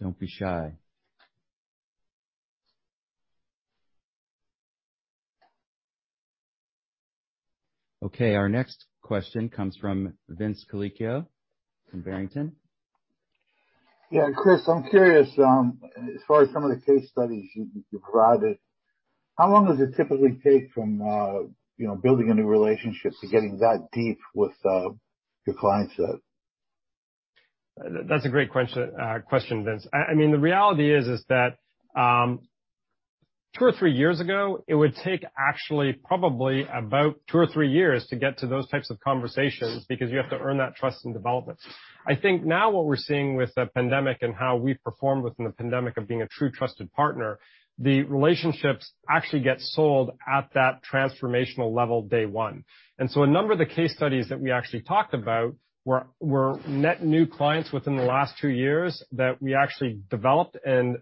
Speaker 1: Don't be shy. Okay, our next question comes from Vince Colicchio from Barrington.
Speaker 14: Yeah, Chris, I'm curious, as far as some of the case studies you provided, how long does it typically take from, you know, building a new relationship to getting that deep with your client set?
Speaker 2: That's a great question, Vince. I mean, the reality is that two or three years ago, it would take actually probably about two or three years to get to those types of conversations because you have to earn that trust and development. I think now what we're seeing with the pandemic and how we've performed within the pandemic of being a true trusted partner, the relationships actually get sold at that transformational level day one. A number of the case studies that we actually talked about were net new clients within the last two years that we actually developed and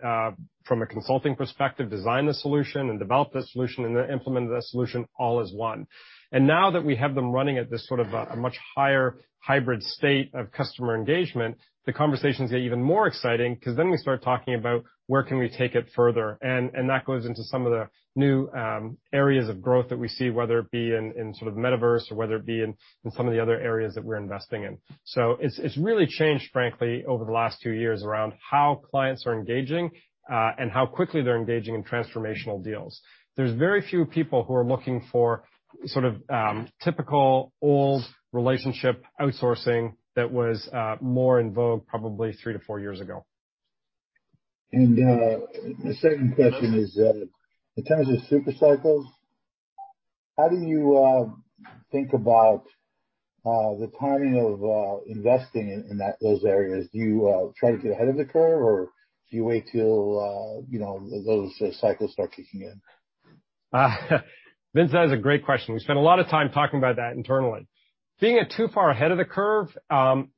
Speaker 2: from a consulting perspective, designed the solution and developed the solution and implemented that solution all as one. Now that we have them running at this sort of a much higher hybrid state of customer engagement, the conversations get even more exciting because then we start talking about where can we take it further. That goes into some of the new areas of growth that we see, whether it be in sort of metaverse or whether it be in some of the other areas that we're investing in. It's really changed, frankly, over the last two years around how clients are engaging and how quickly they're engaging in transformational deals. There's very few people who are looking for sort of typical old relationship outsourcing that was more in vogue probably three to four years ago.
Speaker 14: The second question is, in terms of super cycles, how do you think about the timing of investing in those areas? Do you try to get ahead of the curve, or do you wait till you know those cycles start kicking in?
Speaker 2: Vince, that is a great question. We spend a lot of time talking about that internally. Being too far ahead of the curve,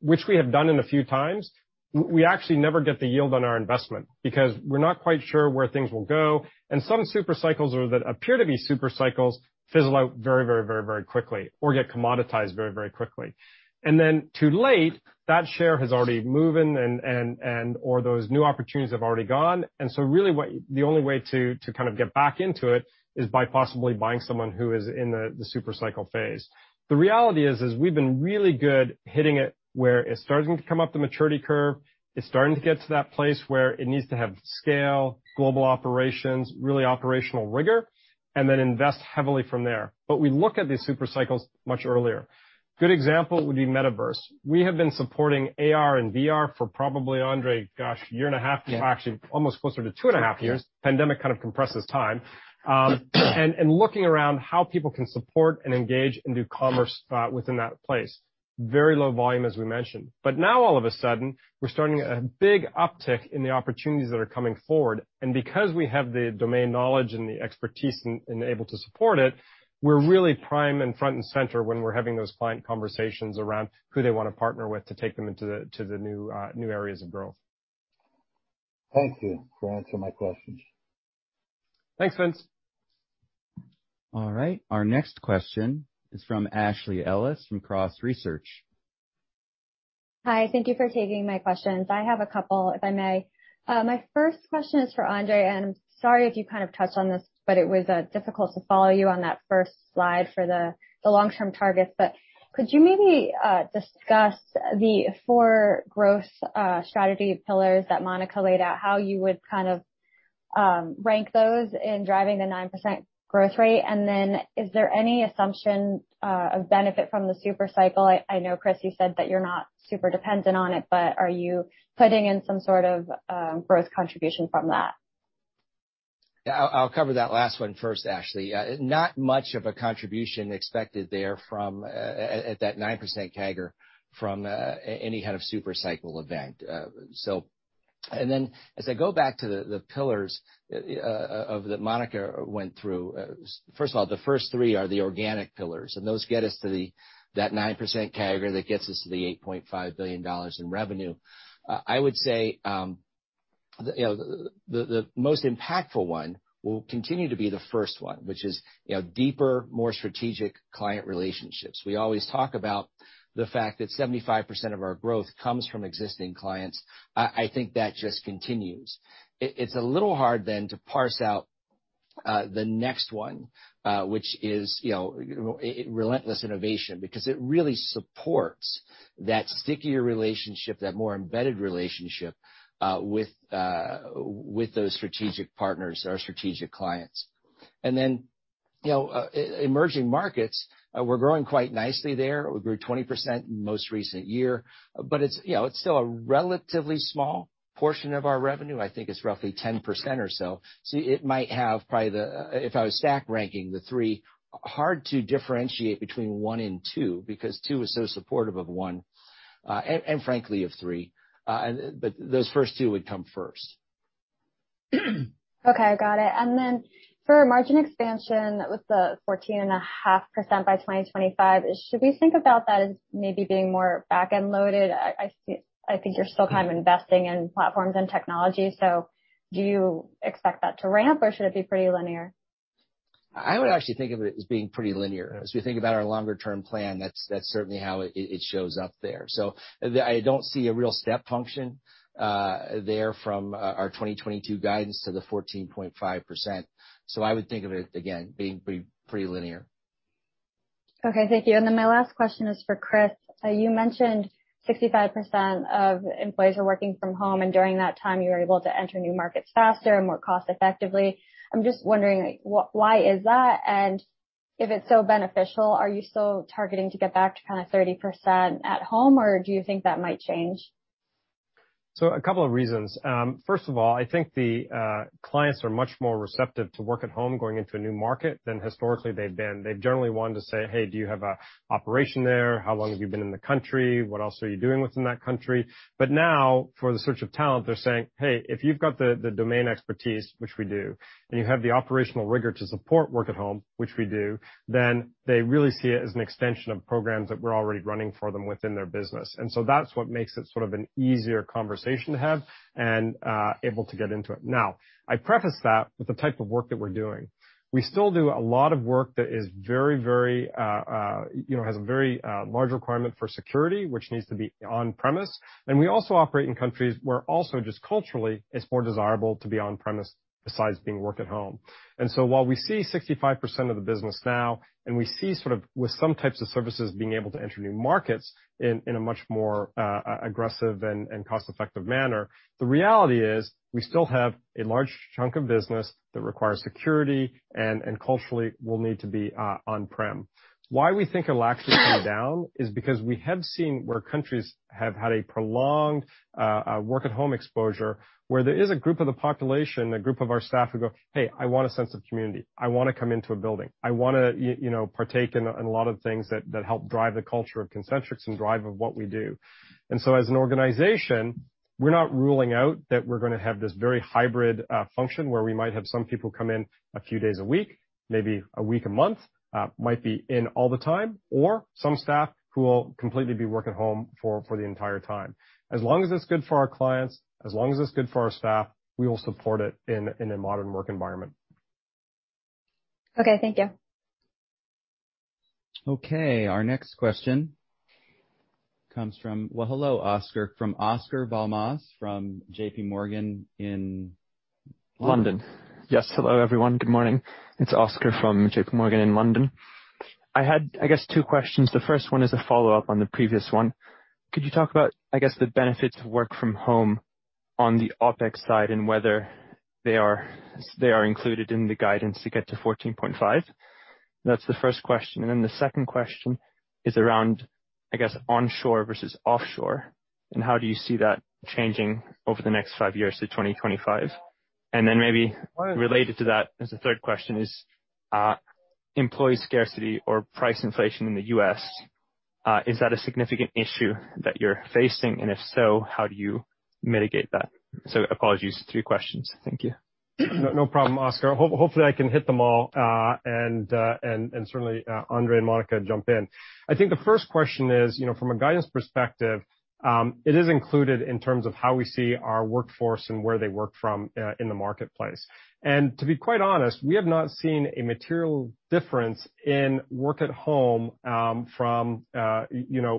Speaker 2: which we have done a few times, we actually never get the yield on our investment because we're not quite sure where things will go. Some super cycles or that appear to be super cycles fizzle out very quickly or get commoditized very quickly. Then too late, that share has already moved and/or those new opportunities have already gone. Really, what the only way to kind of get back into it is by possibly buying someone who is in the super cycle phase. The reality is we've been really good hitting it where it's starting to come up the maturity curve. It's starting to get to that place where it needs to have scale, global operations, really operational rigor, and then invest heavily from there. We look at these super cycles much earlier. Good example would be metaverse. We have been supporting AR and VR for probably, Andre, gosh, 1.5 year-
Speaker 12: Yeah.
Speaker 2: Actually almost closer to 2.5 years. Pandemic kind of compresses time. Looking around how people can support and engage and do commerce within that place. Very low volume, as we mentioned. Now all of a sudden, we're starting a big uptick in the opportunities that are coming forward. Because we have the domain knowledge and the expertise and able to support it, we're really prime and front and center when we're having those client conversations around who they wanna partner with to take them into the new areas of growth.
Speaker 14: Thank you for answering my questions.
Speaker 2: Thanks, Vince.
Speaker 1: All right. Our next question is from Ashley Ellis from Cross Research.
Speaker 15: Hi. Thank you for taking my questions. I have a couple, if I may. My first question is for Andre, and I'm sorry if you kind of touched on this, but it was difficult to follow you on that first slide for the long-term targets. Could you maybe discuss the four growth strategy pillars that Monica laid out, how you would kind of rank those in driving the 9% growth rate? And then is there any assumption of benefit from the super cycle? I know, Chris, you said that you're not super dependent on it, but are you putting in some sort of growth contribution from that?
Speaker 12: Yeah. I'll cover that last one first, Ashley. Not much of a contribution expected there from that 9% CAGR from any kind of super cycle event. Then as I go back to the pillars that Monica went through, first of all, the first three are the organic pillars, and those get us to that 9% CAGR that gets us to the $8.5 billion in revenue. I would say, you know, the most impactful one will continue to be the first one, which is, you know, deeper, more strategic client relationships. We always talk about the fact that 75% of our growth comes from existing clients. I think that just continues. It's a little hard then to parse out the next one, which is, you know, relentless innovation, because it really supports that stickier relationship, that more embedded relationship with those strategic partners, our strategic clients. You know, emerging markets, we're growing quite nicely there. We grew 20% in most recent year, but it's, you know, still a relatively small portion of our revenue. I think it's roughly 10% or so. If I was stack ranking the three, hard to differentiate between one and two, because two is so supportive of one, and frankly, of three. But those first two would come first.
Speaker 15: Okay, got it. Then for margin expansion with the 14.5% by 2025, should we think about that as maybe being more back-end loaded? I see. I think you're still kind of investing in platforms and technology, so do you expect that to ramp, or should it be pretty linear?
Speaker 12: I would actually think of it as being pretty linear. As we think about our longer-term plan, that's certainly how it shows up there. I don't see a real step function there from our 2022 guidance to the 14.5%. I would think of it, again, being pretty linear.
Speaker 15: Okay, thank you. Then my last question is for Chris. You mentioned 65% of employees are working from home, and during that time, you were able to enter new markets faster and more cost effectively. I'm just wondering why is that? If it's so beneficial, are you still targeting to get back to kind of 30% at home, or do you think that might change?
Speaker 2: A couple of reasons. First of all, I think the clients are much more receptive to work at home going into a new market than historically they've been. They've generally wanted to say, "Hey, do you have a operation there? How long have you been in the country? What else are you doing within that country?" But now, for the search of talent, they're saying, "Hey, if you've got the domain expertise," which we do, "and you have the operational rigor to support work at home," which we do, then they really see it as an extension of programs that we're already running for them within their business. That's what makes it sort of an easier conversation to have and able to get into it. Now, I preface that with the type of work that we're doing. We still do a lot of work that is very, you know, has a very large requirement for security, which needs to be on-premises. We also operate in countries where just culturally, it's more desirable to be on-premises besides being work at home. While we see 65% of the business now, and we see sort of with some types of services being able to enter new markets in a much more aggressive and cost-effective manner, the reality is we still have a large chunk of business that requires security and culturally will need to be on-premises. Why we think it'll actually come down is because we have seen where countries have had a prolonged work at home exposure, where there is a group of the population, a group of our staff who go, "Hey, I want a sense of community. I wanna come into a building. I wanna you know, partake in a lot of things that help drive the culture of Concentrix and drive of what we do." As an organization, we're not ruling out that we're gonna have this very hybrid function where we might have some people come in a few days a week, maybe a week a month, might be in all the time or some staff who will completely be working home for the entire time. As long as it's good for our clients, as long as it's good for our staff, we will support it in a modern work environment.
Speaker 15: Okay, thank you.
Speaker 1: Okay, our next question comes from. Well, hello, Oscar. From Oscar Val Mas from J.P. Morgan in London.
Speaker 16: Yes, hello, everyone. Good morning. It's Oscar from J.P. Morgan in London. I had, I guess, two questions. The first one is a follow-up on the previous one. Could you talk about, I guess, the benefits of work from home on the OpEx side and whether they are included in the guidance to get to $14.5? That's the first question. The second question is around, I guess, onshore versus offshore, and how do you see that changing over the next five years to 2025? Maybe related to that as the third question is, employee scarcity or price inflation in the U.S., is that a significant issue that you're facing? And if so, how do you mitigate that? Apologies, three questions. Thank you.
Speaker 2: No problem, Oscar. Hopefully I can hit them all, and certainly Andre and Monica jump in. I think the first question is, you know, from a guidance perspective, it is included in terms of how we see our workforce and where they work from, in the marketplace. To be quite honest, we have not seen a material difference in work at home, you know, from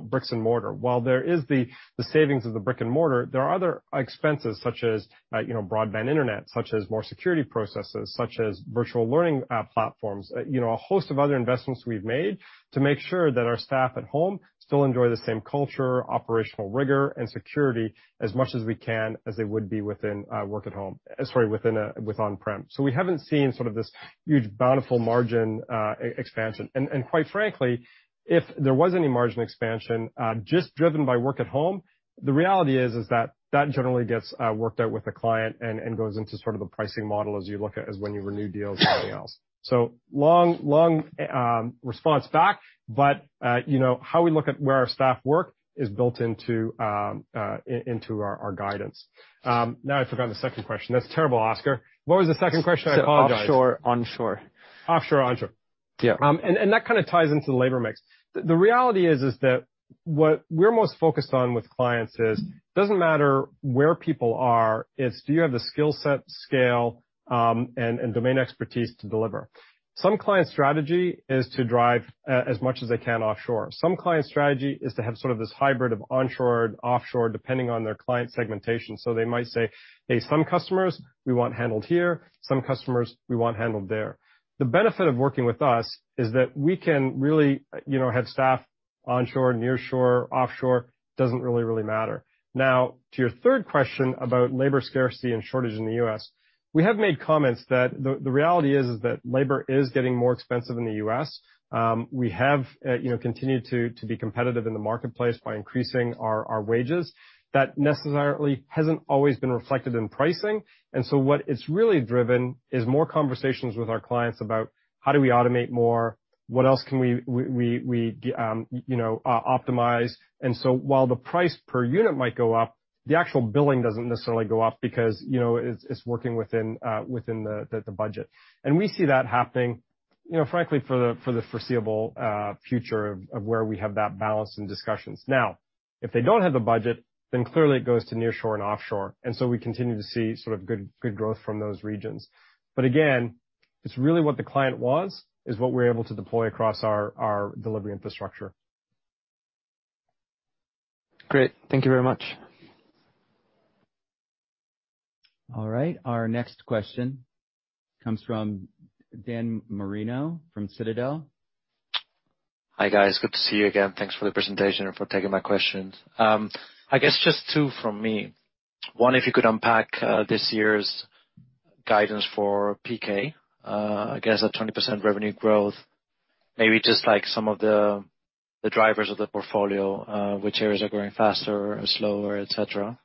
Speaker 2: bricks and mortar. While there is the savings of the brick and mortar, there are other expenses such as, you know, broadband internet, such as more security processes, such as virtual learning platforms, you know, a host of other investments we've made to make sure that our staff at home still enjoy the same culture, operational rigor, and security as much as we can as they would be within with on-prem. We haven't seen sort of this huge bountiful margin expansion. Quite frankly, if there was any margin expansion just driven by work at home, the reality is that that generally gets worked out with the client and goes into sort of the pricing model as you look at when you renew deals and everything else. Long response back, but you know, how we look at where our staff work is built into our guidance. Now I forgot the second question. That's terrible, Oscar. What was the second question? I apologize.
Speaker 16: offshore, onshore.
Speaker 2: Offshore, onshore.
Speaker 16: Yeah.
Speaker 2: That kind of ties into the labor mix. The reality is that what we're most focused on with clients is it doesn't matter where people are it's do you have the skill set, scale, and domain expertise to deliver? Some client strategy is to drive as much as they can offshore. Some client strategy is to have sort of this hybrid of onshore and offshore, depending on their client segmentation. They might say, "Hey, some customers we want handled here, some customers we want handled there." The benefit of working with us is that we can really, you know, have staff onshore, nearshore, offshore, doesn't really matter. Now, to your third question about labor scarcity and shortage in the U.S., we have made comments that the reality is that labor is getting more expensive in the U.S. We have, you know, continued to be competitive in the marketplace by increasing our wages. That necessarily hasn't always been reflected in pricing. What it's really driven is more conversations with our clients about how do we automate more? What else can we optimize? While the price per unit might go up, the actual billing doesn't necessarily go up because, you know, it's working within the budget. We see that happening, you know, frankly, for the foreseeable future of where we have that balance and discussions. Now, if they don't have a budget, then clearly it goes to nearshore and offshore. We continue to see sort of good growth from those regions. Again, it's really what the client wants is what we're able to deploy across our delivery infrastructure.
Speaker 16: Great. Thank you very much.
Speaker 1: All right, our next question comes from Dan Marino from. [inaudible]
Speaker 17: Hi, guys. Good to see you again. Thanks for the presentation and for taking my questions. I guess just two from me. One, if you could unpack this year's guidance for PK, I guess a 20% revenue growth, maybe just like some of the drivers of the portfolio, which areas are growing faster or slower, et cetera.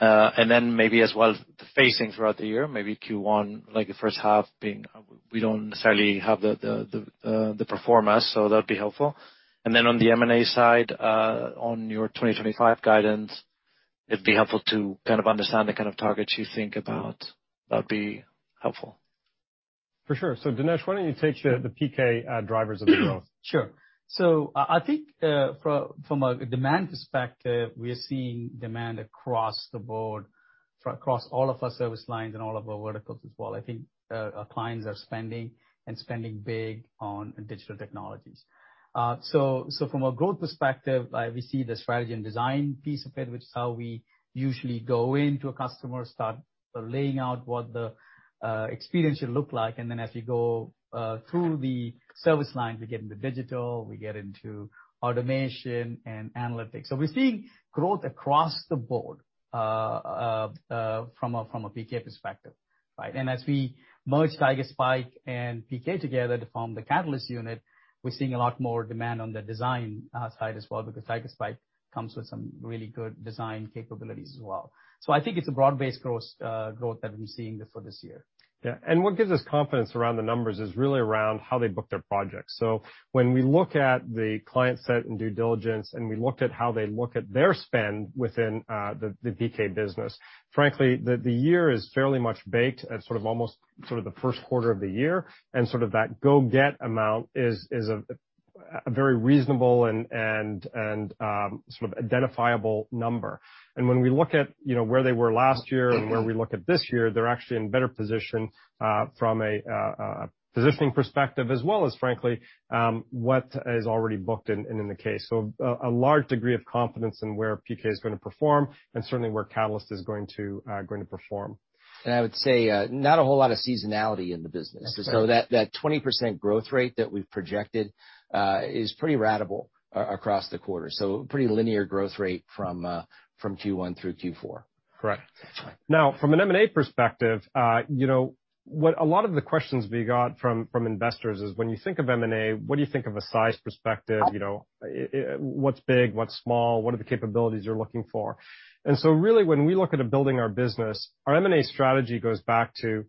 Speaker 17: Then maybe as well the phasing throughout the year, maybe Q1 like the first half, we don't necessarily have the performance, so that'd be helpful. Then on the M&A side, on your 2025 guidance, it'd be helpful to kind of understand the kind of targets you think about. That'd be helpful.
Speaker 2: For sure. Dinesh, why don't you take the PK drivers of the growth?
Speaker 7: Sure. I think from a demand perspective, we are seeing demand across the board, across all of our service lines and all of our verticals as well. I think our clients are spending and spending big on digital technologies. From a growth perspective, we see the strategy and design piece of it, which is how we usually go into a customer, start laying out what the experience should look like, and then as you go through the service line, we get into digital, we get into automation and analytics. We're seeing growth across the board from a PK perspective, right? As we merge Tigerspike and PK together to form the Catalyst unit, we're seeing a lot more demand on the design side as well, because Tigerspike comes with some really good design capabilities as well. I think it's a broad-based growth that we're seeing for this year.
Speaker 2: Yeah. What gives us confidence around the numbers is really around how they book their projects. When we look at the client set and due diligence, and we looked at how they look at their spend within the PK business, frankly, the year is fairly much baked at sort of almost sort of the first quarter of the year, and sort of that go-get amount is a very reasonable and identifiable number. When we look at, you know, where they were last year and where we look at this year, they're actually in better position from a positioning perspective as well as frankly what is already booked in the case. A large degree of confidence in where PK is gonna perform and certainly where Catalyst is going to perform.
Speaker 12: I would say not a whole lot of seasonality in the business.
Speaker 2: That's right.
Speaker 12: That 20% growth rate that we've projected is pretty ratable across the quarter. Pretty linear growth rate from Q1 through Q4.
Speaker 2: Correct. Now, from an M&A perspective, you know, what a lot of the questions we got from investors is when you think of M&A, what do you think of a size perspective? You know, what's big, what's small, what are the capabilities you're looking for? Really, when we look at building our business, our M&A strategy goes back to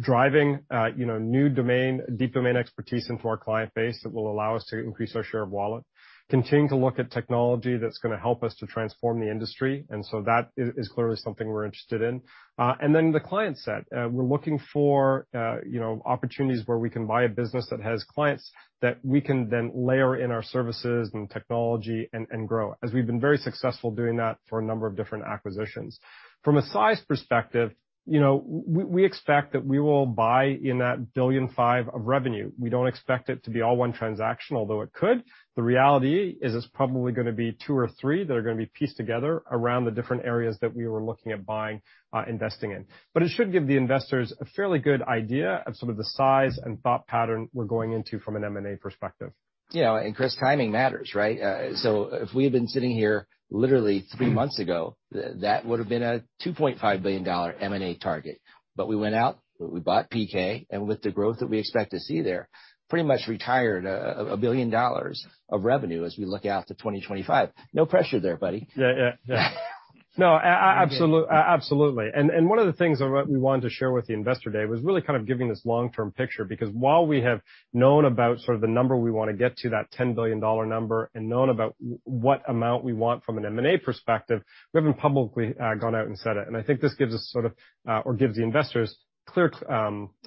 Speaker 2: driving new domain deep domain expertise into our client base that will allow us to increase our share of wallet, continue to look at technology that's gonna help us to transform the industry. That is clearly something we're interested in. The client set. We're looking for, you know, opportunities where we can buy a business that has clients that we can then layer in our services and technology and grow, as we've been very successful doing that for a number of different acquisitions. From a size perspective, you know, we expect that we will buy $1.5 billion of revenue. We don't expect it to be all one transaction, although it could. The reality is it's probably gonna be two or three that are gonna be pieced together around the different areas that we were looking at buying, investing in. It should give the investors a fairly good idea of some of the size and thought pattern we're going into from an M&A perspective.
Speaker 12: You know, Chris, timing matters, right? If we had been sitting here literally three months ago, that would have been a $2.5 billion M&A target. We went out, we bought PK, and with the growth that we expect to see there, pretty much retired a $1 billion of revenue as we look out to 2025. No pressure there, buddy.
Speaker 2: No, absolutely. One of the things that we wanted to share with the investor day was really kind of giving this long-term picture, because while we have known about sort of the number we wanna get to, that $10 billion number, and known about what amount we want from an M&A perspective, we haven't publicly gone out and said it. I think this gives us sort of, or gives the investors clear,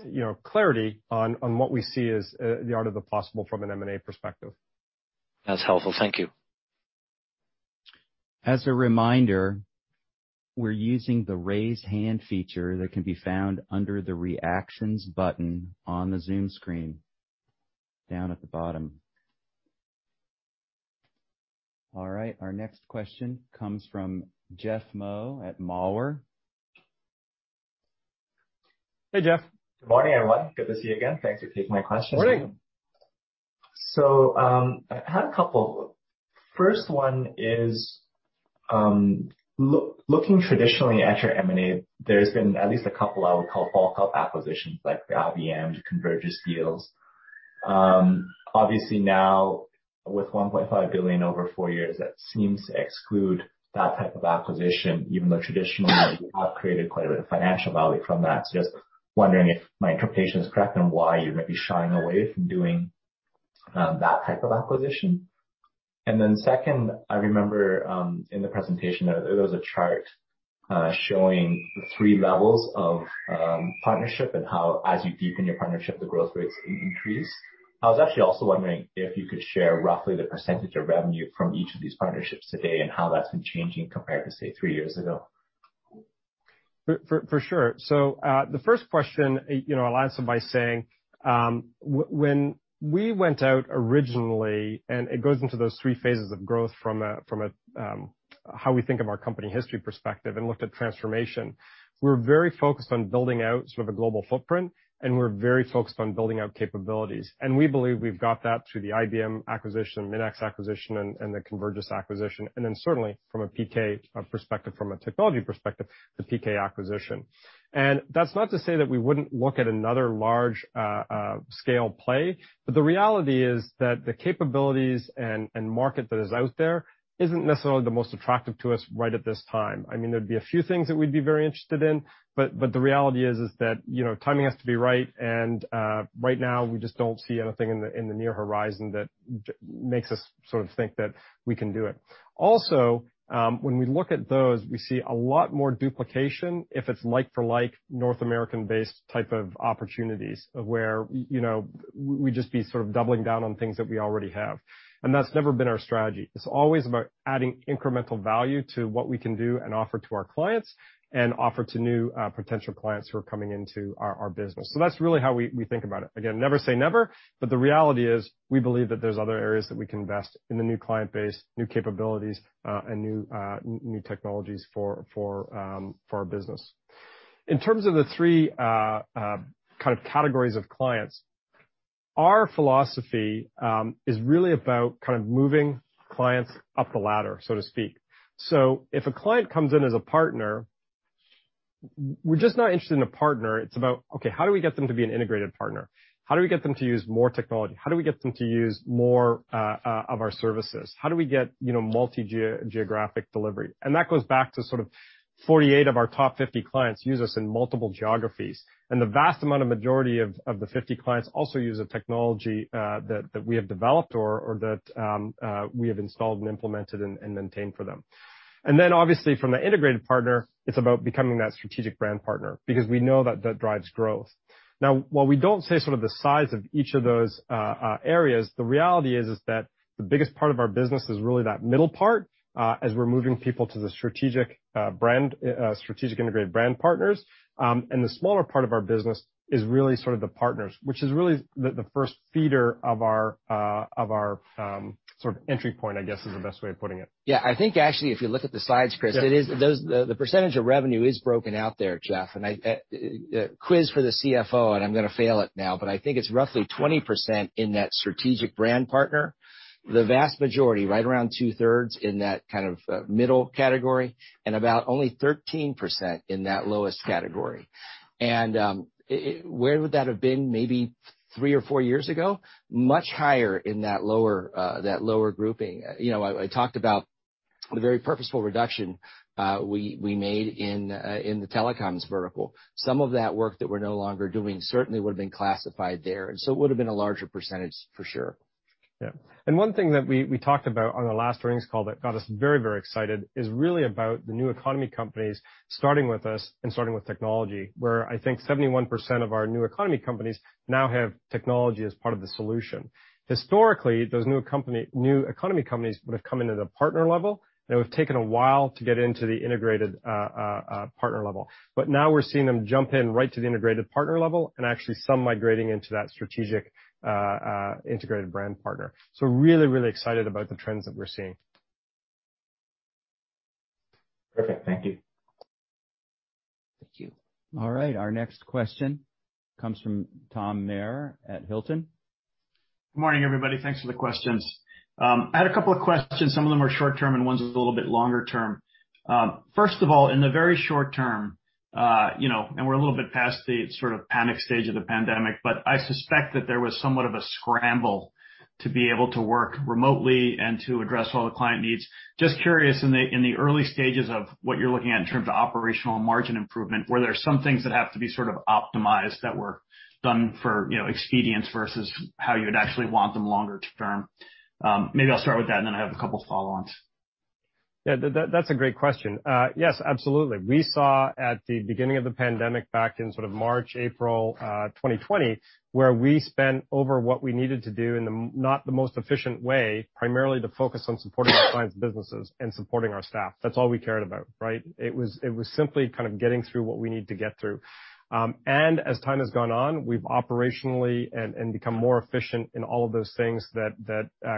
Speaker 2: you know, clarity on what we see as the art of the possible from an M&A perspective.
Speaker 17: That's helpful. Thank you.
Speaker 1: As a reminder, we're using the raise hand feature that can be found under the reactions button on the Zoom screen, down at the bottom. All right, our next question comes from Jeff Mo at Mawer.
Speaker 2: Hey, Jeff.
Speaker 18: Good morning, everyone. Good to see you again. Thanks for taking my questions.
Speaker 2: Morning.
Speaker 18: I had a couple. First one is, looking traditionally at your M&A, there's been at least a couple I would call bulk-up acquisitions like the IBM, the Convergys deals. Obviously now, with $1.5 billion over four years, that seems to exclude that type of acquisition, even though traditionally you have created quite a bit of financial value from that. Just wondering if my interpretation is correct and why you might be shying away from doing that type of acquisition. Second, I remember in the presentation, there was a chart showing the three levels of partnership and how, as you deepen your partnership, the growth rates increase. I was actually also wondering if you could share roughly the percentage of revenue from each of these partnerships today and how that's been changing compared to, say, three years ago.
Speaker 2: For sure. The first question, you know, I'll answer by saying, when we went out originally, and it goes into those three phases of growth from a how we think of our company history perspective and looked at transformation, we're very focused on building out sort of a global footprint, and we're very focused on building out capabilities. We believe we've got that through the IBM acquisition, Minacs acquisition, and the Convergys acquisition, and then certainly from a PK perspective, from a technology perspective, the PK acquisition. That's not to say that we wouldn't look at another large scale play, but the reality is that the capabilities and market that is out there isn't necessarily the most attractive to us right at this time. I mean, there'd be a few things that we'd be very interested in, but the reality is that, you know, timing has to be right. Right now we just don't see anything in the near horizon that makes us sort of think that we can do it. Also, when we look at those, we see a lot more duplication if it's like for like North American-based type of opportunities where you know, we'd just be sort of doubling down on things that we already have. That's never been our strategy. It's always about adding incremental value to what we can do and offer to our clients and offer to new potential clients who are coming into our business. That's really how we think about it. Again, never say never, but the reality is we believe that there's other areas that we can invest in the new client base, new capabilities, and new technologies for our business. In terms of the three kind of categories of clients, our philosophy is really about kind of moving clients up the ladder, so to speak. If a client comes in as a partner, we're just not interested in a partner. It's about, okay, how do we get them to be an integrated partner? How do we get them to use more technology? How do we get them to use more of our services? How do we get, you know, multi-geographic delivery? That goes back to sort of 48 of our top 50 clients use us in multiple geographies. The vast amount of majority of the 50 clients also use a technology that we have developed or that we have installed and implemented and maintained for them. Then obviously from the integrated partner, it's about becoming that strategic brand partner because we know that drives growth. Now, while we don't say sort of the size of each of those areas, the reality is that the biggest part of our business is really that middle part as we're moving people to the strategic brand strategic integrated brand partners. The smaller part of our business is really sort of the partners, which is really the first feeder of our sort of entry point, I guess is the best way of putting it.
Speaker 12: Yeah. I think actually, if you look at the slides, Chris, it is the percentage of revenue is broken out there, Jeff, and a quick quiz for the CFO, and I'm gonna fail it now, but I think it's roughly 20% in that strategic brand partner. The vast majority, right around two-thirds in that kind of middle category and about only 13% in that lowest category. Where would that have been maybe three or four years ago? Much higher in that lower grouping. You know, I talked about the very purposeful reduction we made in the telecoms vertical. Some of that work that we're no longer doing certainly would have been classified there. It would have been a larger percentage for sure.
Speaker 2: Yeah. One thing that we talked about on our last earnings call that got us very excited is really about the new economy companies starting with us and starting with technology, where I think 71% of our new economy companies now have technology as part of the solution. Historically, those new economy companies would have come in at a partner level, and it would have taken a while to get into the integrated partner level. Now we're seeing them jump in right to the integrated partner level and actually some migrating into that strategic integrated brand partner. Really excited about the trends that we're seeing.
Speaker 18: Perfect. Thank you.
Speaker 12: Thank you.
Speaker 1: All right, our next question comes from Tom Maher at Hilton.
Speaker 19: Good morning, everybody. Thanks for the questions. I had a couple of questions. Some of them are short term, and one's a little bit longer term. First of all, in the very short term, you know, and we're a little bit past the sort of panic stage of the pandemic, but I suspect that there was somewhat of a scramble to be able to work remotely and to address all the client needs. Just curious, in the early stages of what you're looking at in terms of operational margin improvement, were there some things that have to be sort of optimized that were done for, you know, expedience versus how you would actually want them longer term? Maybe I'll start with that, and then I have a couple follow-ons.
Speaker 2: Yeah, that's a great question. Yes, absolutely. We saw at the beginning of the pandemic back in sort of March, April, 2020, where we spent over what we needed to do in not the most efficient way, primarily to focus on supporting our clients' businesses and supporting our staff. That's all we cared about, right? It was simply kind of getting through what we need to get through. As time has gone on, we've operationally and become more efficient in all of those things that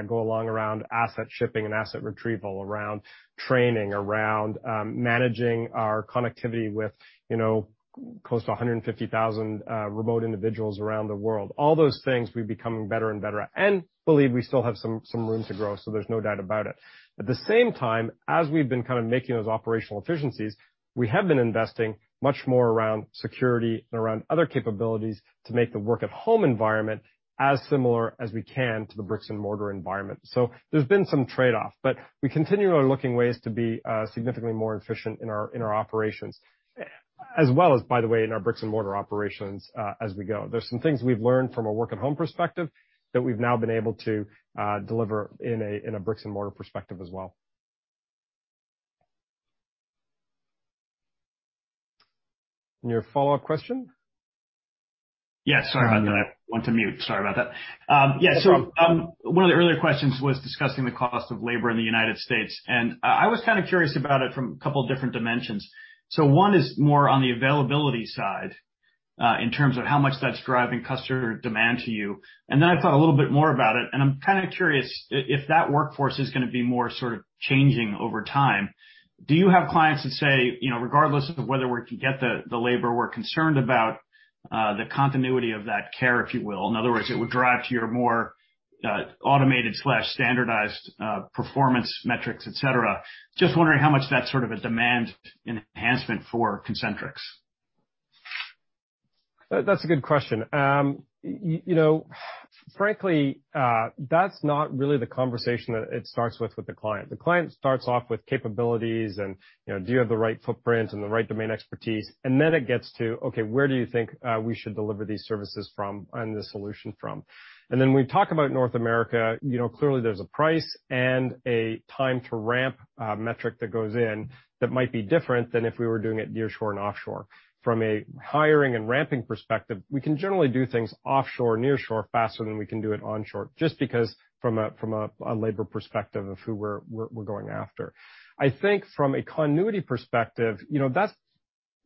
Speaker 2: go along around asset shipping and asset retrieval, around training, around managing our connectivity with, you know, close to 150,000 remote individuals around the world. All those things we're becoming better and better at, and believe we still have some room to grow, so there's no doubt about it. At the same time, as we've been kind of making those operational efficiencies, we have been investing much more around security and around other capabilities to make the work at home environment as similar as we can to the bricks and mortar environment. So there's been some trade-off, but we continually are looking for ways to be significantly more efficient in our operations. As well as by the way, in our bricks and mortar operations, as we go. There's some things we've learned from a work at home perspective that we've now been able to deliver in a bricks and mortar perspective as well. Your follow-up question?
Speaker 19: Yeah, sorry about that. I went to mute. Sorry about that. Yeah, so one of the earlier questions was discussing the cost of labor in the United States, and I was kinda curious about it from a couple different dimensions. One is more on the availability side, in terms of how much that's driving customer demand to you. Then I thought a little bit more about it, and I'm kinda curious if that workforce is gonna be more sort of changing over time. Do you have clients that say, you know, regardless of whether we can get the labor, we're concerned about the continuity of that care, if you will. In other words, it would drive to your more automated/standardized performance metrics, et cetera. Just wondering how much that's sort of a demand enhancement for Concentrix.
Speaker 2: That's a good question. You know, frankly, that's not really the conversation that it starts with with the client. The client starts off with capabilities and, you know, do you have the right footprint and the right domain expertise. Then it gets to, okay, where do you think we should deliver these services from and the solution from? Then when we talk about North America, you know, clearly there's a price and a time to ramp metric that goes in that might be different than if we were doing it near shore and offshore. From a hiring and ramping perspective, we can generally do things offshore, near shore, faster than we can do it on shore, just because from a labor perspective of who we're going after. I think from a continuity perspective, you know, that's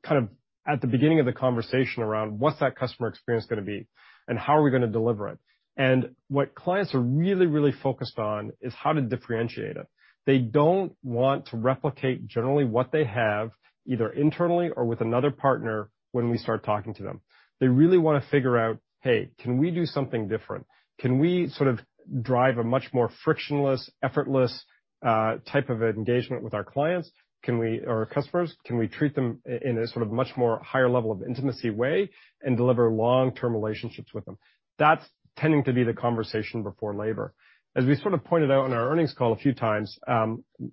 Speaker 2: kind of at the beginning of the conversation around what's that customer experience gonna be and how are we gonna deliver it. What clients are really, really focused on is how to differentiate it. They don't want to replicate generally what they have, either internally or with another partner, when we start talking to them. They really wanna figure out, hey, can we do something different? Can we sort of drive a much more frictionless, effortless, type of engagement with our clients? Or our customers, can we treat them in a sort of much more higher level of intimacy way and deliver long-term relationships with them? That's tending to be the conversation before labor. As we sort of pointed out in our earnings call a few times,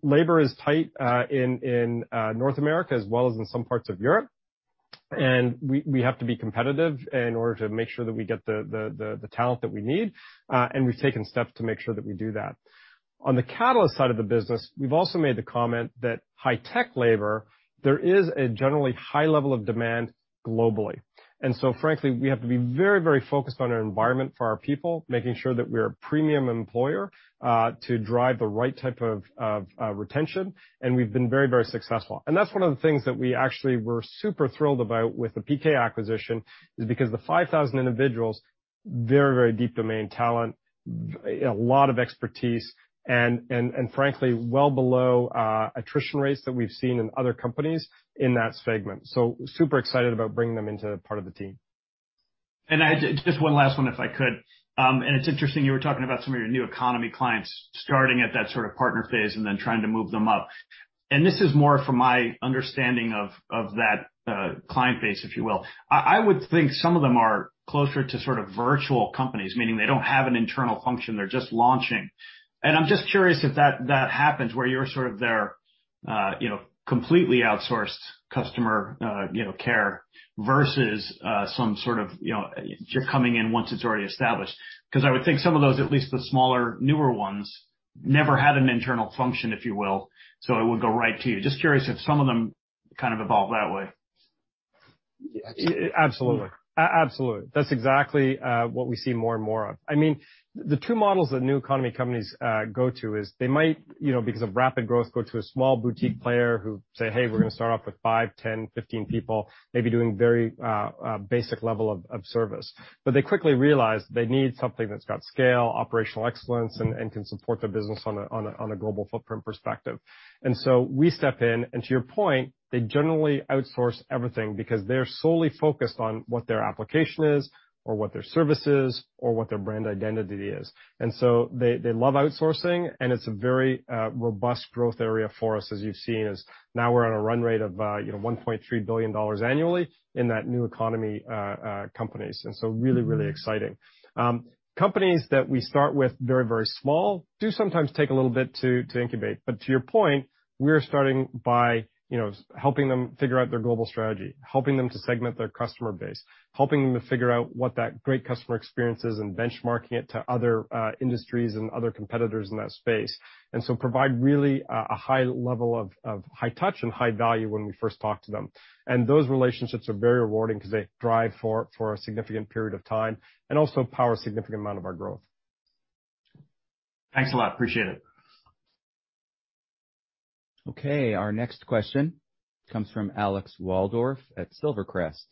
Speaker 2: labor is tight in North America as well as in some parts of Europe, and we have to be competitive in order to make sure that we get the talent that we need, and we've taken steps to make sure that we do that. On the catalyst side of the business, we've also made the comment that high-tech labor, there is a generally high level of demand globally. Frankly, we have to be very, very focused on our environment for our people, making sure that we're a premium employer to drive the right type of retention, and we've been very, very successful. That's one of the things that we actually were super thrilled about with the PK acquisition is because the 5,000 individuals, very deep domain talent, a lot of expertise, and frankly, well below attrition rates that we've seen in other companies in that segment. Super excited about bringing them into part of the team.
Speaker 19: I just one last one, if I could. It's interesting, you were talking about some of your new economy clients starting at that sort of partner phase and then trying to move them up. This is more from my understanding of that client base, if you will. I would think some of them are closer to sort of virtual companies, meaning they don't have an internal function, they're just launching. I'm just curious if that happens, where you're sort of their, you know, completely outsourced customer, you know, care versus, some sort of, you know, you're coming in once it's already established. 'Cause I would think some of those, at least the smaller, newer ones, never had an internal function, if you will, so it would go right to you. Just curious if some of them kind of evolve that way.
Speaker 2: Yeah. Absolutely. That's exactly what we see more and more of. I mean, the two models that new economy companies go to is they might, you know, because of rapid growth, go to a small boutique player who say, "Hey, we're gonna start off with 5, 10, 15 people," maybe doing very basic level of service. But they quickly realize they need something that's got scale, operational excellence, and can support their business on a global footprint perspective. We step in, and to your point, they generally outsource everything because they're solely focused on what their application is or what their service is or what their brand identity is. They love outsourcing, and it's a very robust growth area for us, as you've seen, as now we're on a run rate of, you know, $1.3 billion annually in that new economy companies, and so really exciting. Companies that we start with very small do sometimes take a little bit to incubate. To your point, we're starting by, you know, helping them figure out their global strategy, helping them to segment their customer base, helping them to figure out what that great customer experience is and benchmarking it to other industries and other competitors in that space. Provide really a high level of high touch and high value when we first talk to them. Those relationships are very rewarding because they drive for a significant period of time and also power a significant amount of our growth.
Speaker 19: Thanks a lot. Appreciate it.
Speaker 1: Okay, our next question comes from Alex Waldorf at Silvercrest.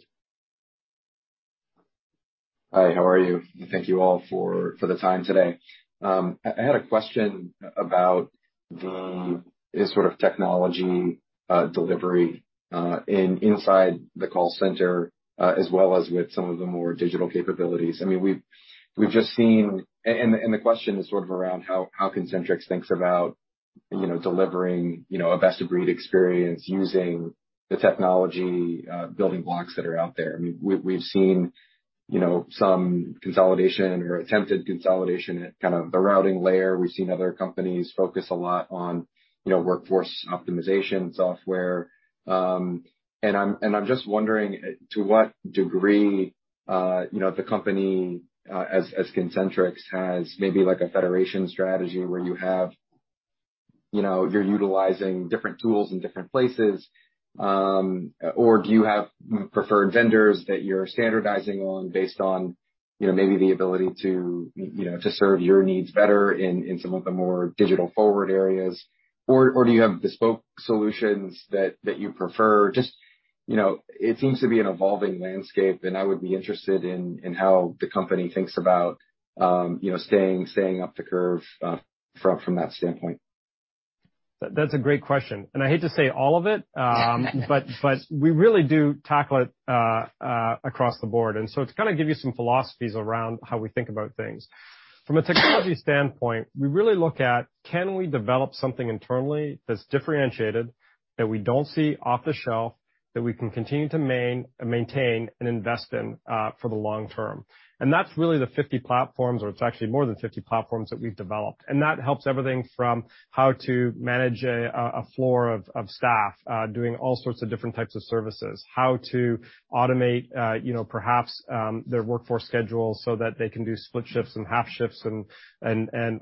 Speaker 20: Hi, how are you? Thank you all for the time today. I had a question about the sort of technology delivery inside the call center as well as with some of the more digital capabilities. I mean, we've just seen. And the question is sort of around how Concentrix thinks about, you know, delivering, you know, a best of breed experience using the technology building blocks that are out there. I mean, we've seen, you know, some consolidation or attempted consolidation at kind of the routing layer. We've seen other companies focus a lot on, you know, workforce optimization software. I'm just wondering to what degree the company, as Concentrix, has maybe like a federation strategy where you have, you know, you're utilizing different tools in different places, or do you have preferred vendors that you're standardizing on based on, you know, maybe the ability to, you know, to serve your needs better in some of the more digital forward areas? Or do you have bespoke solutions that you prefer? Just, you know, it seems to be an evolving landscape, and I would be interested in how the company thinks about, you know, staying ahead of the curve from that standpoint.
Speaker 2: That's a great question, and I hate to say all of it. But we really do tackle it across the board to kind of give you some philosophies around how we think about things. From a technology standpoint, we really look at can we develop something internally that's differentiated, that we don't see off the shelf, that we can continue to maintain and invest in for the long term. That's really the 50 platforms or it's actually more than 50 platforms that we've developed. That helps everything from how to manage a floor of staff doing all sorts of different types of services, how to automate you know perhaps their workforce schedule so that they can do split shifts and half shifts and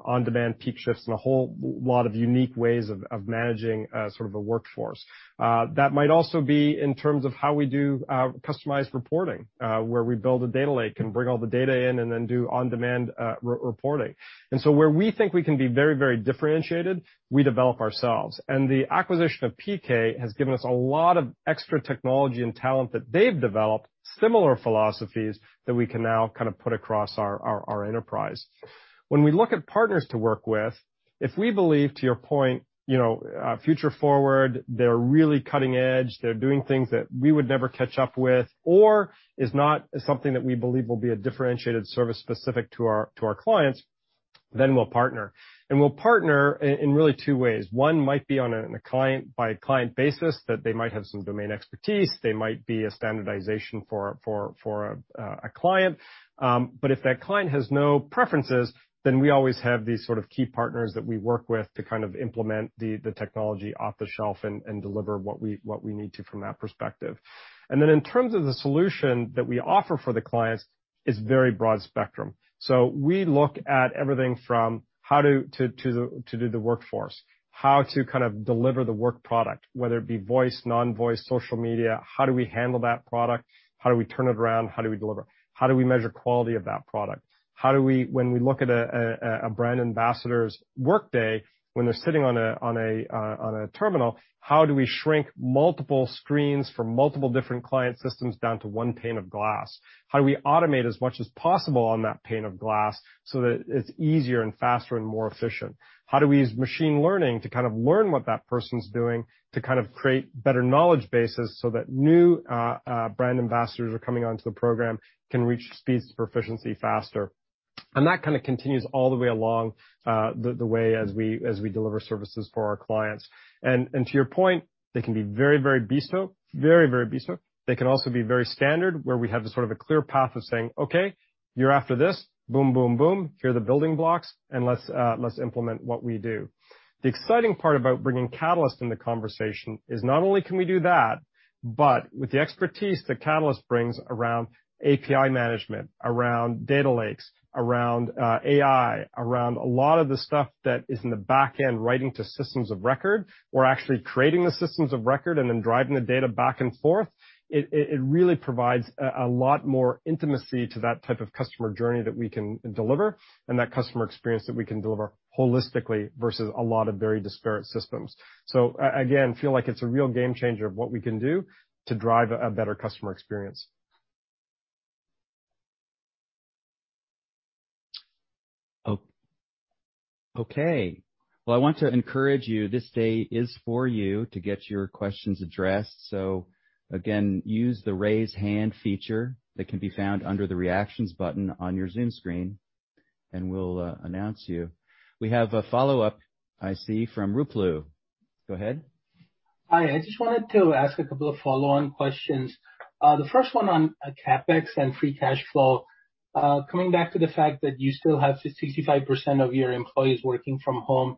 Speaker 2: on-demand peak shifts, and a whole lot of unique ways of managing sort of a workforce. That might also be in terms of how we do customized reporting where we build a data lake and bring all the data in and then do on-demand re-reporting. Where we think we can be very very differentiated, we develop ourselves. The acquisition of PK has given us a lot of extra technology and talent that they've developed similar philosophies that we can now kind of put across our enterprise. When we look at partners to work with, if we believe, to your point, you know, future forward, they're really cutting edge, they're doing things that we would never catch up with or is not something that we believe will be a differentiated service specific to our clients, then we'll partner. We'll partner in really two ways. One might be on a client-by-client basis that they might have some domain expertise, they might be a standardization for a client. If that client has no preferences, then we always have these sort of key partners that we work with to kind of implement the technology off the shelf and deliver what we need to from that perspective. In terms of the solution that we offer for the clients is very broad spectrum. We look at everything from how to do the workforce, how to kind of deliver the work product, whether it be voice, non-voice, social media, how do we handle that product? How do we turn it around? How do we deliver? How do we measure quality of that product? How do we, when we look at a brand ambassador's workday, when they're sitting on a terminal, how do we shrink multiple screens from multiple different client systems down to one pane of glass? How do we automate as much as possible on that pane of glass so that it's easier and faster and more efficient? How do we use machine learning to kind of learn what that person's doing to kind of create better knowledge bases so that new brand ambassadors are coming onto the program can reach speeds to proficiency faster. That kind of continues all the way along the way as we deliver services for our clients. To your point, they can be very bespoke. They can also be very standard, where we have the sort of a clear path of saying, "Okay, you're after this. Boom, boom. Here are the building blocks, and let's implement what we do. The exciting part about bringing Catalyst in the conversation is not only can we do that, but with the expertise that Catalyst brings around API management, around data lakes, around AI, around a lot of the stuff that is in the back end, writing to systems of record. We're actually creating the systems of record and then driving the data back and forth. It really provides a lot more intimacy to that type of customer journey that we can deliver and that customer experience that we can deliver holistically versus a lot of very disparate systems. Again, feel like it's a real game changer of what we can do to drive a better customer experience.
Speaker 1: Okay. Well, I want to encourage you, this day is for you to get your questions addressed. Again, use the Raise Hand feature that can be found under the Reactions button on your Zoom screen, and we'll announce you. We have a follow-up I see from Ruplu. Go ahead.
Speaker 13: Hi. I just wanted to ask a couple of follow-on questions. The first one on CapEx and free cash flow. Coming back to the fact that you still have 65% of your employees working from home,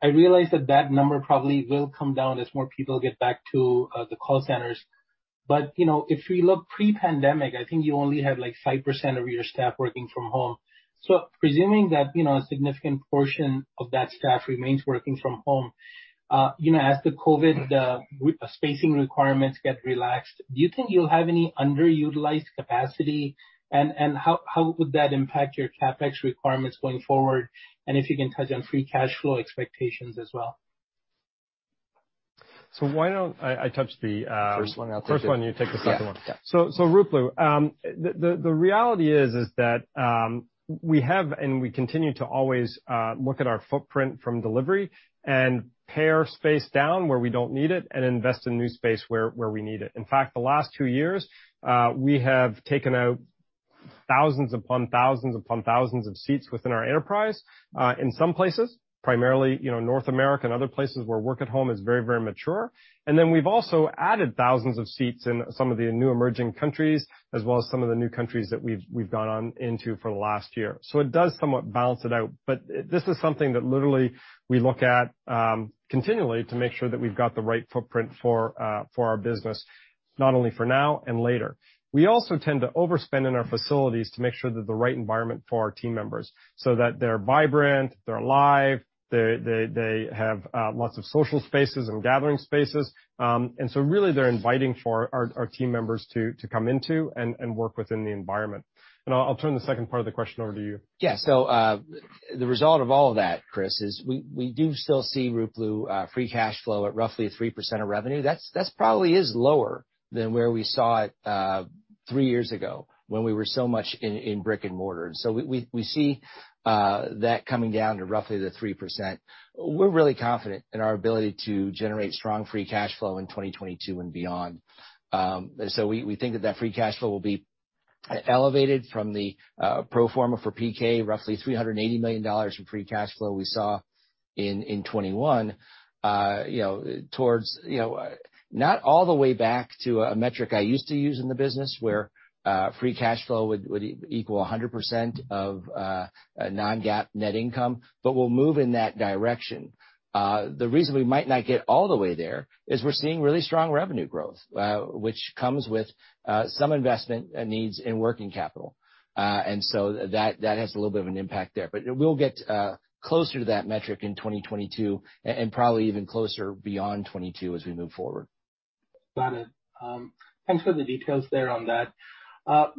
Speaker 13: I realize that that number probably will come down as more people get back to the call centers. You know, if we look pre-pandemic, I think you only have, like, 5% of your staff working from home. Presuming that, you know, a significant portion of that staff remains working from home, you know, as the COVID spacing requirements get relaxed, do you think you'll have any underutilized capacity? And how would that impact your CapEx requirements going forward? And if you can touch on free cash flow expectations as well.
Speaker 2: Why don't I touch the
Speaker 12: First one. I'll take the
Speaker 2: First one, you take the second one.
Speaker 12: Yeah. Yeah.
Speaker 2: Ruplu, the reality is that we have and we continue to always look at our footprint from delivery and pare space down where we don't need it and invest in new space where we need it. In fact, the last two years, we have taken out thousands upon thousands upon thousands of seats within our enterprise, in some places, primarily, you know, North America and other places where work at home is very, very mature. Then we've also added thousands of seats in some of the new emerging countries, as well as some of the new countries that we've gone on into for the last year. It does somewhat balance it out. This is something that literally we look at continually to make sure that we've got the right footprint for our business, not only for now and later. We also tend to overspend in our facilities to make sure that the right environment for our team members, so that they're vibrant, they're alive, they have lots of social spaces and gathering spaces. Really they're inviting for our team members to come into and work within the environment. I'll turn the second part of the question over to you.
Speaker 12: Yeah. The result of all of that, Chris, is we do still see Ruplu free cash flow at roughly 3% of revenue. That's probably is lower than where we saw it three years ago when we were so much in brick and mortar. We see that coming down to roughly the 3%. We're really confident in our ability to generate strong free cash flow in 2022 and beyond. We think that free cash flow will be elevated from the pro forma for PK, roughly $380 million in free cash flow we saw in 2021, you know, towards, you know, not all the way back to a metric I used to use in the business where free cash flow would equal 100% of non-GAAP net income. We'll move in that direction. The reason we might not get all the way there is we're seeing really strong revenue growth, which comes with some investment needs in working capital. That has a little bit of an impact there. We'll get closer to that metric in 2022, and probably even closer beyond 2022 as we move forward.
Speaker 13: Got it. Thanks for the details there on that.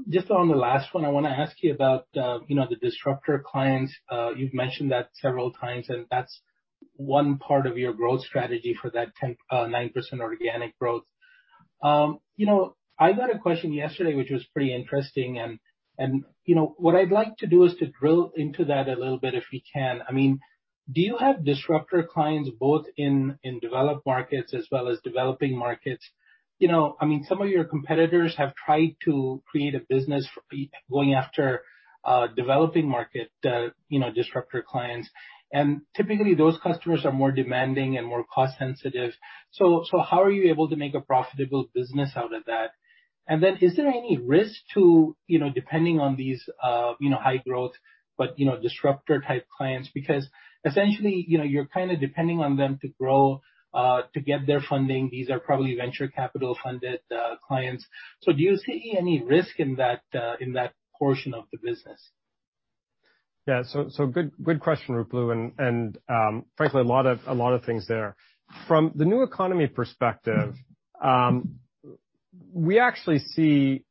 Speaker 13: Just on the last one, I wanna ask you about, you know, the disruptor clients. You've mentioned that several times, and that's one part of your growth strategy for that 9%-10% organic growth. You know, I got a question yesterday, which was pretty interesting and, you know, what I'd like to do is to drill into that a little bit if we can. I mean, do you have disruptor clients both in developed markets as well as developing markets? You know, I mean, some of your competitors have tried to create a business going after developing market, you know, disruptor clients. And typically, those customers are more demanding and more cost sensitive. How are you able to make a profitable business out of that? Then is there any risk to, you know, depending on these, you know, high growth but, you know, disruptor type clients? Because essentially, you know, you're kinda depending on them to grow, to get their funding. These are probably venture capital funded clients. So do you see any risk in that, in that portion of the business?
Speaker 2: Good question, Ruplu. Frankly, a lot of things there. From the new economy perspective, we actually see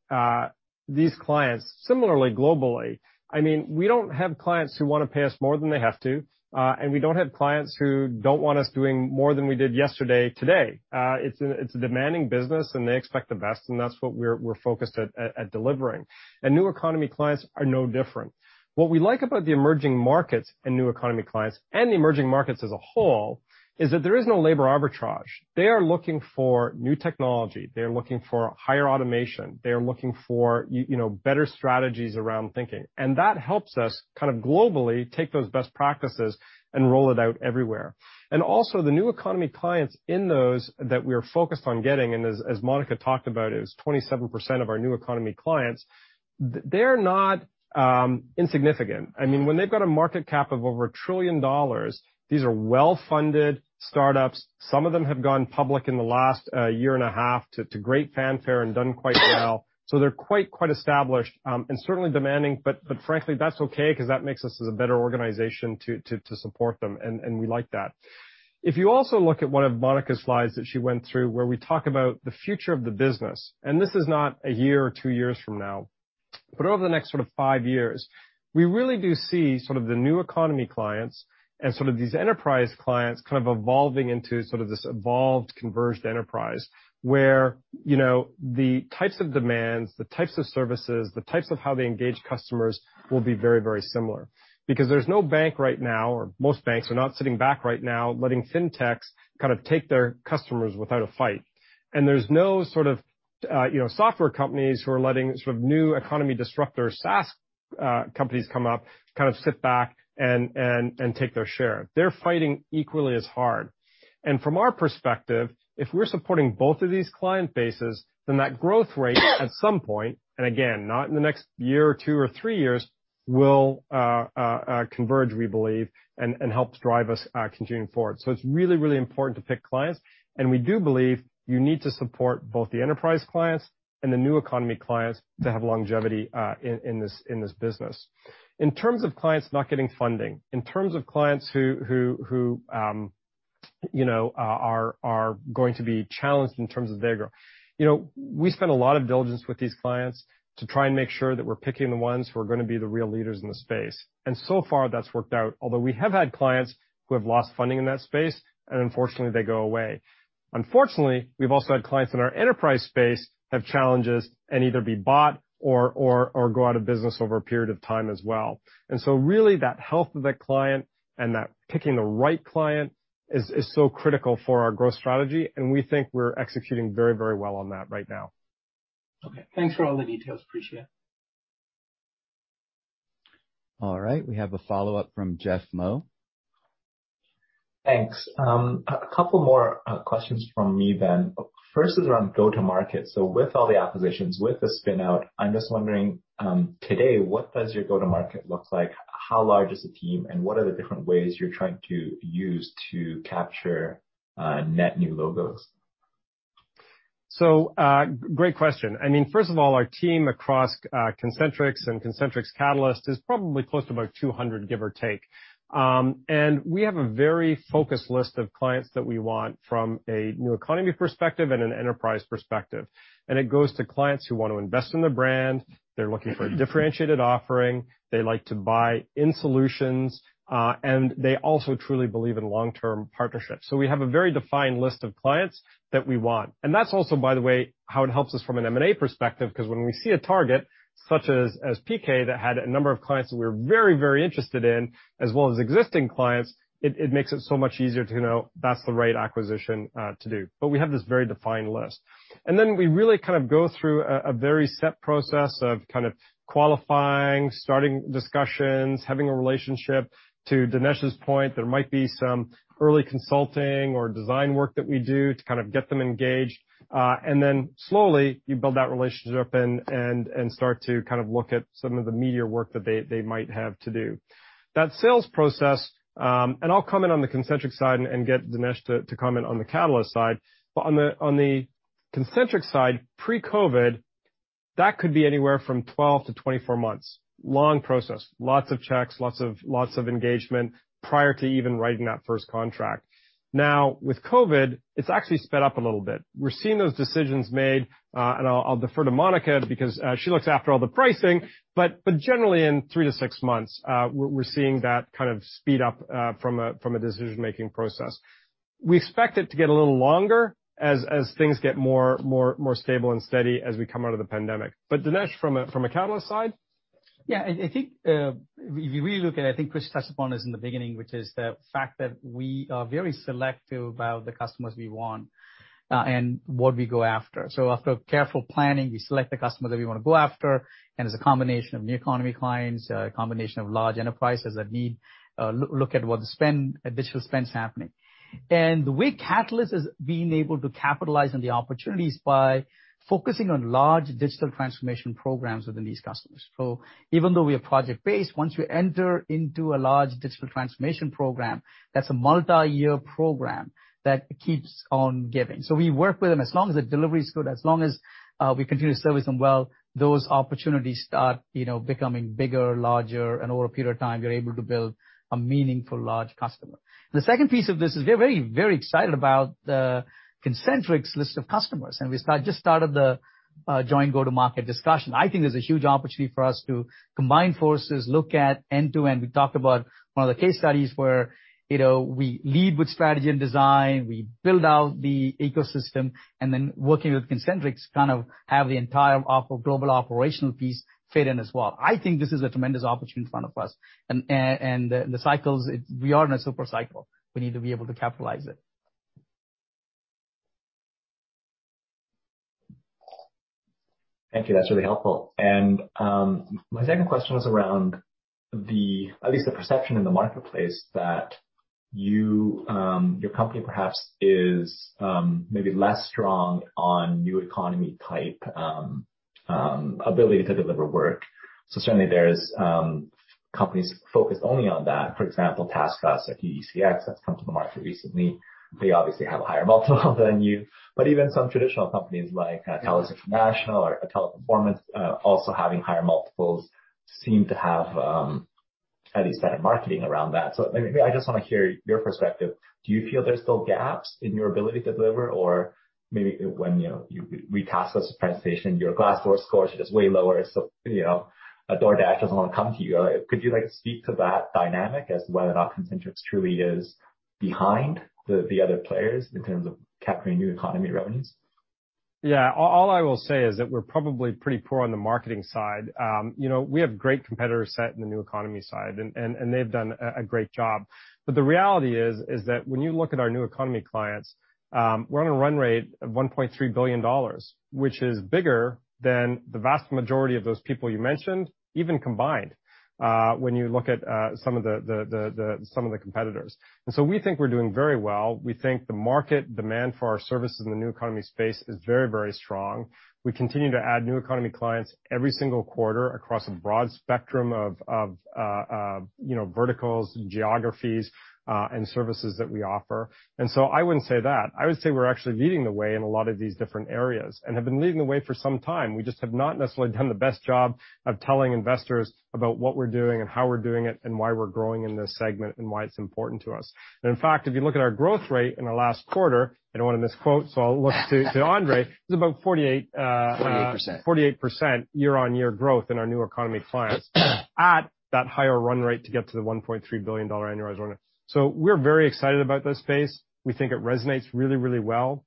Speaker 2: these clients similarly globally. I mean, we don't have clients who wanna pay us more than they have to, and we don't have clients who don't want us doing more than we did yesterday today. It's a demanding business and they expect the best, and that's what we're focused at delivering. New economy clients are no different. What we like about the emerging markets and new economy clients, and the emerging markets as a whole, is that there is no labor arbitrage. They are looking for new technology. They're looking for higher automation. They're looking for you know, better strategies around thinking. That helps us kind of globally take those best practices and roll it out everywhere. Also the new economy clients in those that we are focused on getting, and as Monica talked about, is 27% of our new economy clients, they're not insignificant. I mean, when they've got a market cap of over $1 trillion, these are well-funded startups. Some of them have gone public in the last year and a half to great fanfare and done quite well. They're quite established and certainly demanding. Frankly, that's okay, 'cause that makes us as a better organization to support them, and we like that. If you also look at one of Monica's slides that she went through where we talk about the future of the business, and this is not a year or two years from now, but over the next sort of five years, we really do see sort of the new economy clients and sort of these enterprise clients kind of evolving into sort of this evolved converged enterprise, where, you know, the types of demands, the types of services, the types of how they engage customers will be very, very similar. Because there's no bank right now, or most banks are not sitting back right now letting fintechs kind of take their customers without a fight. And there's no sort of, you know, software companies who are letting sort of new economy disruptor SaaS companies come up, kind of sit back and take their share. They're fighting equally as hard. From our perspective, if we're supporting both of these client bases, then that growth rate at some point, and again, not in the next year or two or three years, will converge, we believe, and helps drive us continuing forward. It's really, really important to pick clients, and we do believe you need to support both the enterprise clients and the new economy clients to have longevity in this business. In terms of clients not getting funding, in terms of clients who you know are going to be challenged in terms of their growth, you know, we spend a lot of diligence with these clients to try and make sure that we're picking the ones who are gonna be the real leaders in the space. So far that's worked out. Although we have had clients who have lost funding in that space and unfortunately they go away. Unfortunately, we've also had clients in our enterprise space have challenges and either be bought or go out of business over a period of time as well. Really that health of the client and that picking the right client is so critical for our growth strategy, and we think we're executing very, very well on that right now.
Speaker 13: Okay. Thanks for all the details. I appreciate it.
Speaker 1: All right, we have a follow-up from Jeff Mo.
Speaker 18: Thanks. A couple more questions from me then. First is around go-to-market. With all the acquisitions, with the spin-out, I'm just wondering, today what does your go-to-market look like? How large is the team, and what are the different ways you're trying to use to capture, net new logos?
Speaker 2: Great question. I mean, first of all, our team across Concentrix and Concentrix Catalyst is probably close to about 200, give or take. We have a very focused list of clients that we want from a new economy perspective and an enterprise perspective. It goes to clients who want to invest in the brand, they're looking for a differentiated offering, they like to buy in solutions, and they also truly believe in long-term partnerships. We have a very defined list of clients that we want. That's also, by the way, how it helps us from an M&A perspective, 'cause when we see a target such as PK that had a number of clients that we're very, very interested in, as well as existing clients, it makes it so much easier to know that's the right acquisition to do. We have this very defined list. Then we really kind of go through a very set process of kind of qualifying, starting discussions, having a relationship. To Dinesh's point, there might be some early consulting or design work that we do to kind of get them engaged. Then slowly, you build that relationship and start to kind of look at some of the meatier work that they might have to do. That sales process, and I'll comment on the Concentrix side and get Dinesh to comment on the Catalyst side. On the Concentrix side, pre-COVID, that could be anywhere from 12 to 24 months. Long process. Lots of checks, lots of engagement prior to even writing that first contract. Now, with COVID, it's actually sped up a little bit. We're seeing those decisions made, and I'll defer to Monica because she looks after all the pricing. Generally in three to six months, we're seeing that kind of speed up from a decision-making process. We expect it to get a little longer as things get more stable and steady as we come out of the pandemic. Dinesh, from a Catalyst side?
Speaker 7: I think if you really look at it, I think Chris touched upon this in the beginning, which is the fact that we are very selective about the customers we want and what we go after. After careful planning, we select the customer that we wanna go after, and it's a combination of new economy clients, a combination of large enterprises that need a look at what spend, additional spend's happening. The way Catalyst is being able to capitalize on the opportunity is by focusing on large digital transformation programs within these customers. Even though we are project-based, once you enter into a large digital transformation program, that's a multiyear program that keeps on giving. We work with them. As long as the delivery is good, as long as we continue to service them well, those opportunities start, you know, becoming bigger, larger, and over a period of time you're able to build a meaningful large customer. The second piece of this is we're very, very excited about the Concentrix list of customers, and we just started the joint go-to-market discussion. I think there's a huge opportunity for us to combine forces, look at end-to-end. We talked about one of the case studies where, you know, we lead with strategy and design, we build out the ecosystem, and then working with Concentrix, kind of have the entire global operational piece fit in as well. I think this is a tremendous opportunity in front of us. The cycles, we are in a super cycle. We need to be able to capitalize it.
Speaker 18: Thank you. That's really helpful. My second question was around at least the perception in the marketplace that you, your company perhaps is, maybe less strong on new economy type ability to deliver work. Certainly there's companies focused only on that. For example, TaskUs or TDCX that's come to the market recently. They obviously have a higher multiple than you. Even some traditional companies like TELUS International or Teleperformance also having higher multiples seem to have at least better marketing around that. Maybe I just wanna hear your perspective. Do you feel there's still gaps in your ability to deliver? Or maybe when, you know, you we TaskUs presentation, your Glassdoor score is just way lower, so, you know, a DoorDash doesn't wanna come to you. Could you like speak to that dynamic as to whether or not Concentrix truly is behind the other players in terms of capturing new economy revenues?
Speaker 2: Yeah. All I will say is that we're probably pretty poor on the marketing side. You know, we have great competitor set in the new economy side and they've done a great job. The reality is that when you look at our new economy clients, we're on a run rate of $1.3 billion, which is bigger than the vast majority of those people you mentioned, even combined, when you look at some of the competitors. We think we're doing very well. We think the market demand for our services in the new economy space is very, very strong. We continue to add new economy clients every single quarter across a broad spectrum of you know verticals, geographies, and services that we offer. I wouldn't say that. I would say we're actually leading the way in a lot of these different areas and have been leading the way for some time. We just have not necessarily done the best job of telling investors about what we're doing and how we're doing it and why we're growing in this segment and why it's important to us. In fact, if you look at our growth rate in our last quarter, I don't wanna misquote, so I'll look to Andre, it's about 48%.
Speaker 12: 48%.
Speaker 2: 48% year-on-year growth in our new economy clients at that higher run rate to get to the $1.3 billion annualized run rate. We're very excited about this space. We think it resonates really, really well.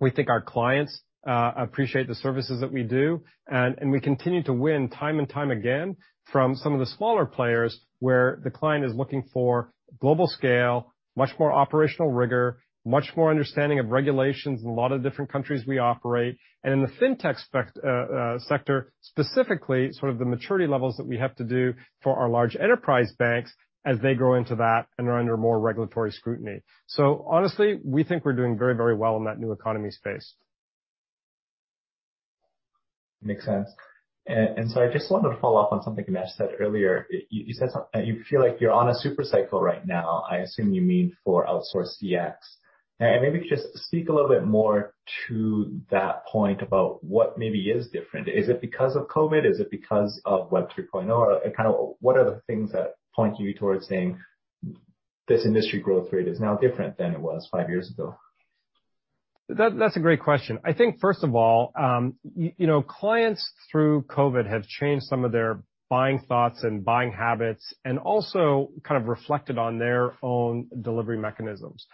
Speaker 2: We think our clients appreciate the services that we do, and we continue to win time and time again from some of the smaller players where the client is looking for global scale, much more operational rigor, much more understanding of regulations in a lot of different countries we operate. In the fintech sector specifically, sort of the maturity levels that we have to do for our large enterprise banks as they grow into that and are under more regulatory scrutiny. Honestly, we think we're doing very, very well in that new economy space.
Speaker 18: Makes sense. I just wanted to follow up on something Dinesh said earlier. You said you feel like you're on a super cycle right now. I assume you mean for outsource CX. Maybe just speak a little bit more to that point about what maybe is different. Is it because of COVID? Is it because of Web 3.0? Kind of what are the things that point you towards saying this industry growth rate is now different than it was five years ago?
Speaker 2: That's a great question. I think first of all, you know, clients through COVID have changed some of their buying thoughts and buying habits and also kind of reflected on their own delivery mechanisms.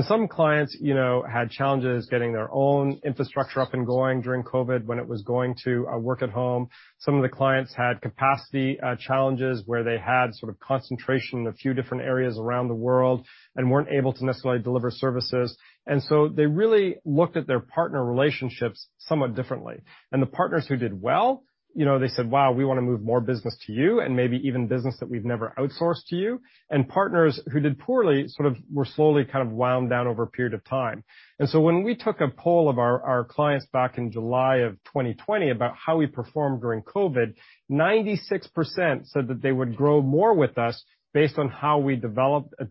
Speaker 2: Some clients, you know, had challenges getting their own infrastructure up and going during COVID when it was going to work at home. Some of the clients had capacity challenges where they had sort of concentration in a few different areas around the world and weren't able to necessarily deliver services. They really looked at their partner relationships somewhat differently. The partners who did well, you know, they said, "Wow, we wanna move more business to you and maybe even business that we've never outsourced to you." Partners who did poorly sort of were slowly kind of wound down over a period of time. When we took a poll of our clients back in July 2020 about how we performed during COVID, 96% said that they would grow more with us based on how we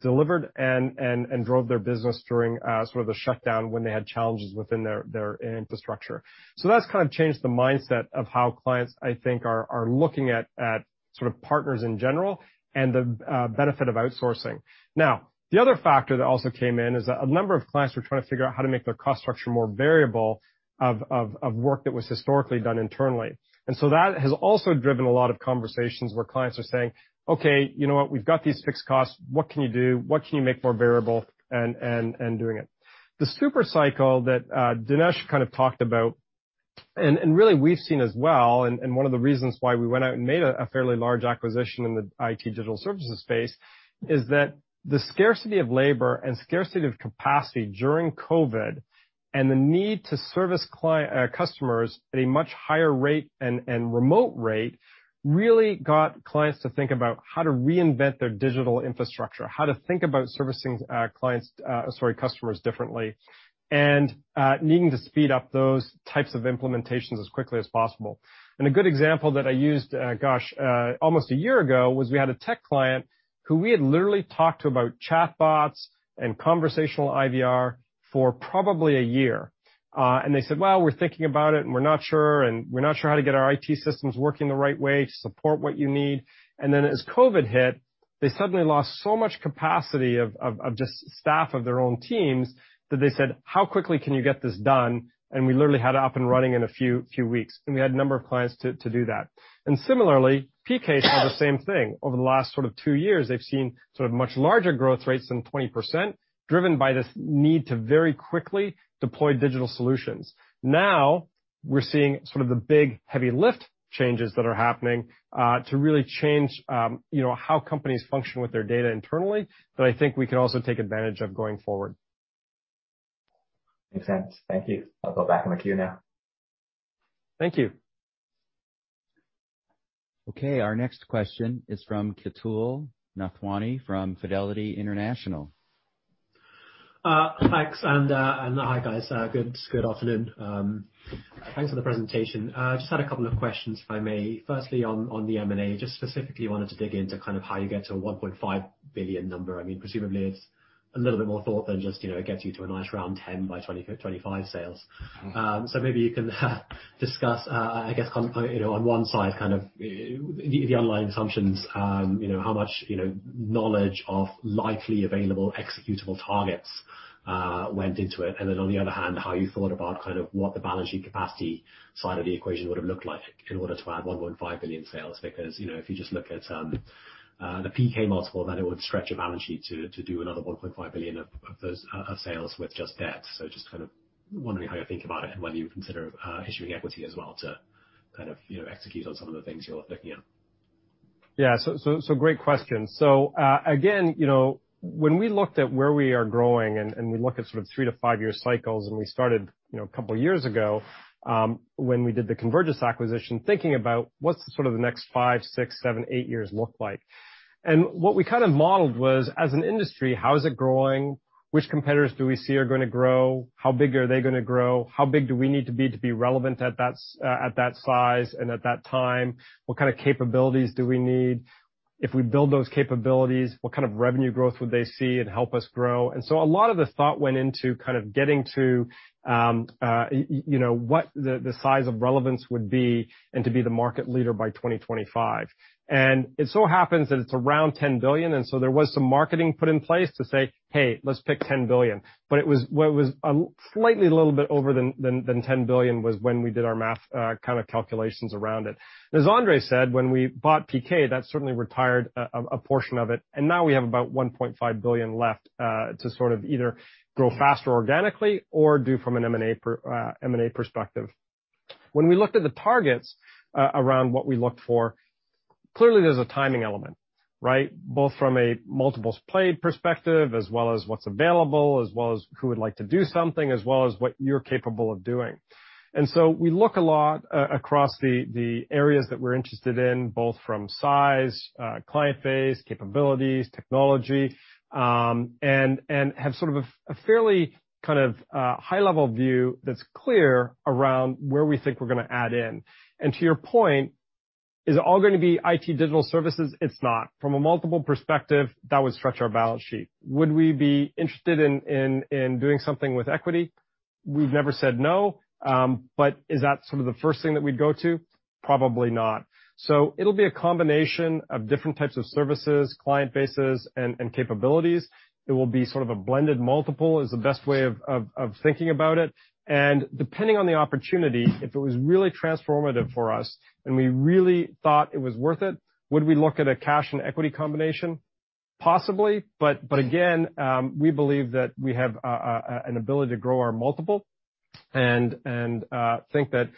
Speaker 2: delivered and drove their business during the shutdown when they had challenges within their infrastructure. That's kind of changed the mindset of how clients, I think, are looking at partners in general and the benefit of outsourcing. Now, the other factor that also came in is a number of clients were trying to figure out how to make their cost structure more variable of work that was historically done internally. That has also driven a lot of conversations where clients are saying, "Okay, you know what? We've got these fixed costs. What can you do? What can you make more variable?" And doing it. The supercycle that Dinesh kind of talked about and really we've seen as well, and one of the reasons why we went out and made a fairly large acquisition in the IT digital services space is that the scarcity of labor and scarcity of capacity during COVID and the need to service customers at a much higher rate and remote rate really got clients to think about how to reinvent their digital infrastructure. How to think about servicing clients, sorry, customers differently, and needing to speed up those types of implementations as quickly as possible. A good example that I used almost a year ago was we had a tech client who we had literally talked to about chatbots and conversational IVR for probably a year. They said, "Well, we're thinking about it, and we're not sure, and we're not sure how to get our IT systems working the right way to support what you need." Then as COVID hit, they suddenly lost so much capacity of just staff of their own teams that they said, "How quickly can you get this done?" We literally had it up and running in a few weeks, and we had a number of clients to do that. Similarly, PK saw the same thing. Over the last sort of two years, they've seen sort of much larger growth rates than 20%, driven by this need to very quickly deploy digital solutions. Now we're seeing sort of the big heavy lift changes that are happening to really change you know how companies function with their data internally that I think we can also take advantage of going forward.
Speaker 18: Makes sense. Thank you. I'll go back in the queue now.
Speaker 2: Thank you.
Speaker 1: Okay, our next question is from Ketul Nathwani from Fidelity International.
Speaker 21: Thanks, and hi, guys. Good afternoon. Thanks for the presentation. I just had a couple of questions, if I may. Firstly, on the M&A, just specifically wanted to dig into kind of how you get to a $1.5 billion number. I mean, presumably it's a little bit more thought than just, you know, it gets you to a nice round 10 by 25 sales. So maybe you can discuss, I guess, kind of, you know, on one side, kind of the underlying assumptions, you know, how much, you know, knowledge of likely available executable targets, went into it. Then, on the other hand, how you thought about kind of what the balance sheet capacity side of the equation would have looked like in order to add $1.5 billion sales. Because, you know, if you just look at the PK multiple, then it would stretch your balance sheet to do another $1.5 billion of those sales with just debt. Just kind of wondering how you think about it and whether you consider issuing equity as well to kind of, you know, execute on some of the things you're looking at.
Speaker 2: Great question. Again, you know, when we looked at where we are growing and we look at sort of three to five-year cycles, and we started, you know, a couple of years ago, when we did the Convergys acquisition, thinking about what sort of the next five, six, seven, eight years look like. What we kind of modeled was, as an industry, how is it growing? Which competitors do we see are gonna grow? How big are they gonna grow? How big do we need to be to be relevant at that size and at that time? What kind of capabilities do we need? If we build those capabilities, what kind of revenue growth would they see and help us grow? A lot of the thought went into kind of getting to you know what the size of relevance would be and to be the market leader by 2025. It so happens that it's around $10 billion. There was some marketing put in place to say, "Hey, let's pick $10 billion." It was what it was, slightly a little bit over than $10 billion was when we did our math kind of calculations around it. As Andre said, when we bought PK, that certainly retired a portion of it, and now we have about $1.5 billion left to sort of either grow faster organically or do from an M&A perspective. When we looked at the targets around what we looked for, clearly there's a timing element, right? Both from a multiples play perspective, as well as what's available, as well as who would like to do something, as well as what you're capable of doing. We look a lot across the areas that we're interested in, both from size, client base, capabilities, technology, and have sort of a fairly kind of high-level view that's clear around where we think we're gonna add in. To your point, is it all gonna be IT digital services? It's not. From a multiple perspective, that would stretch our balance sheet. Would we be interested in doing something with equity? We've never said no, but is that some of the first thing that we'd go to? Probably not. It'll be a combination of different types of services, client bases, and capabilities. It will be sort of a blended multiple is the best way of thinking about it. Depending on the opportunity, if it was really transformative for us and we really thought it was worth it, would we look at a cash and equity combination? Possibly, but again, we believe that we have an ability to grow our multiple and think that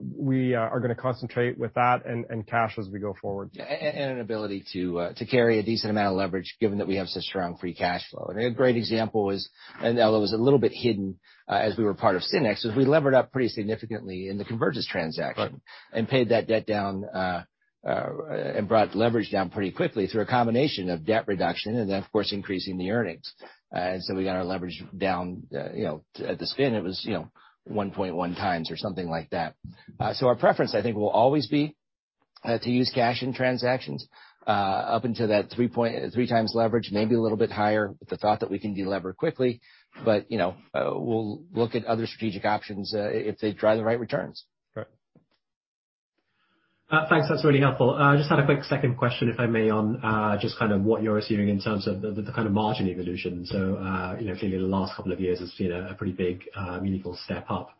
Speaker 2: we are gonna concentrate with that and cash as we go forward.
Speaker 12: an ability to carry a decent amount of leverage given that we have such strong free cash flow. I mean, a great example is, and although it was a little bit hidden, as we were part of SYNNEX, is we levered up pretty significantly in the Convergys transaction.
Speaker 2: Right.
Speaker 12: Paid that debt down and brought leverage down pretty quickly through a combination of debt reduction and then, of course, increasing the earnings. We got our leverage down, you know, at the spin, it was, you know, 1.1x something like that. Our preference, I think, will always be to use cash in transactions up until that 3x leverage, maybe a little bit higher with the thought that we can delever quickly. We'll look at other strategic options if they drive the right returns.
Speaker 2: Right.
Speaker 21: Thanks. That's really helpful. I just had a quick second question, if I may, on just kind of what you're assuming in terms of the kind of margin evolution. You know, clearly the last couple of years has been a pretty big meaningful step up.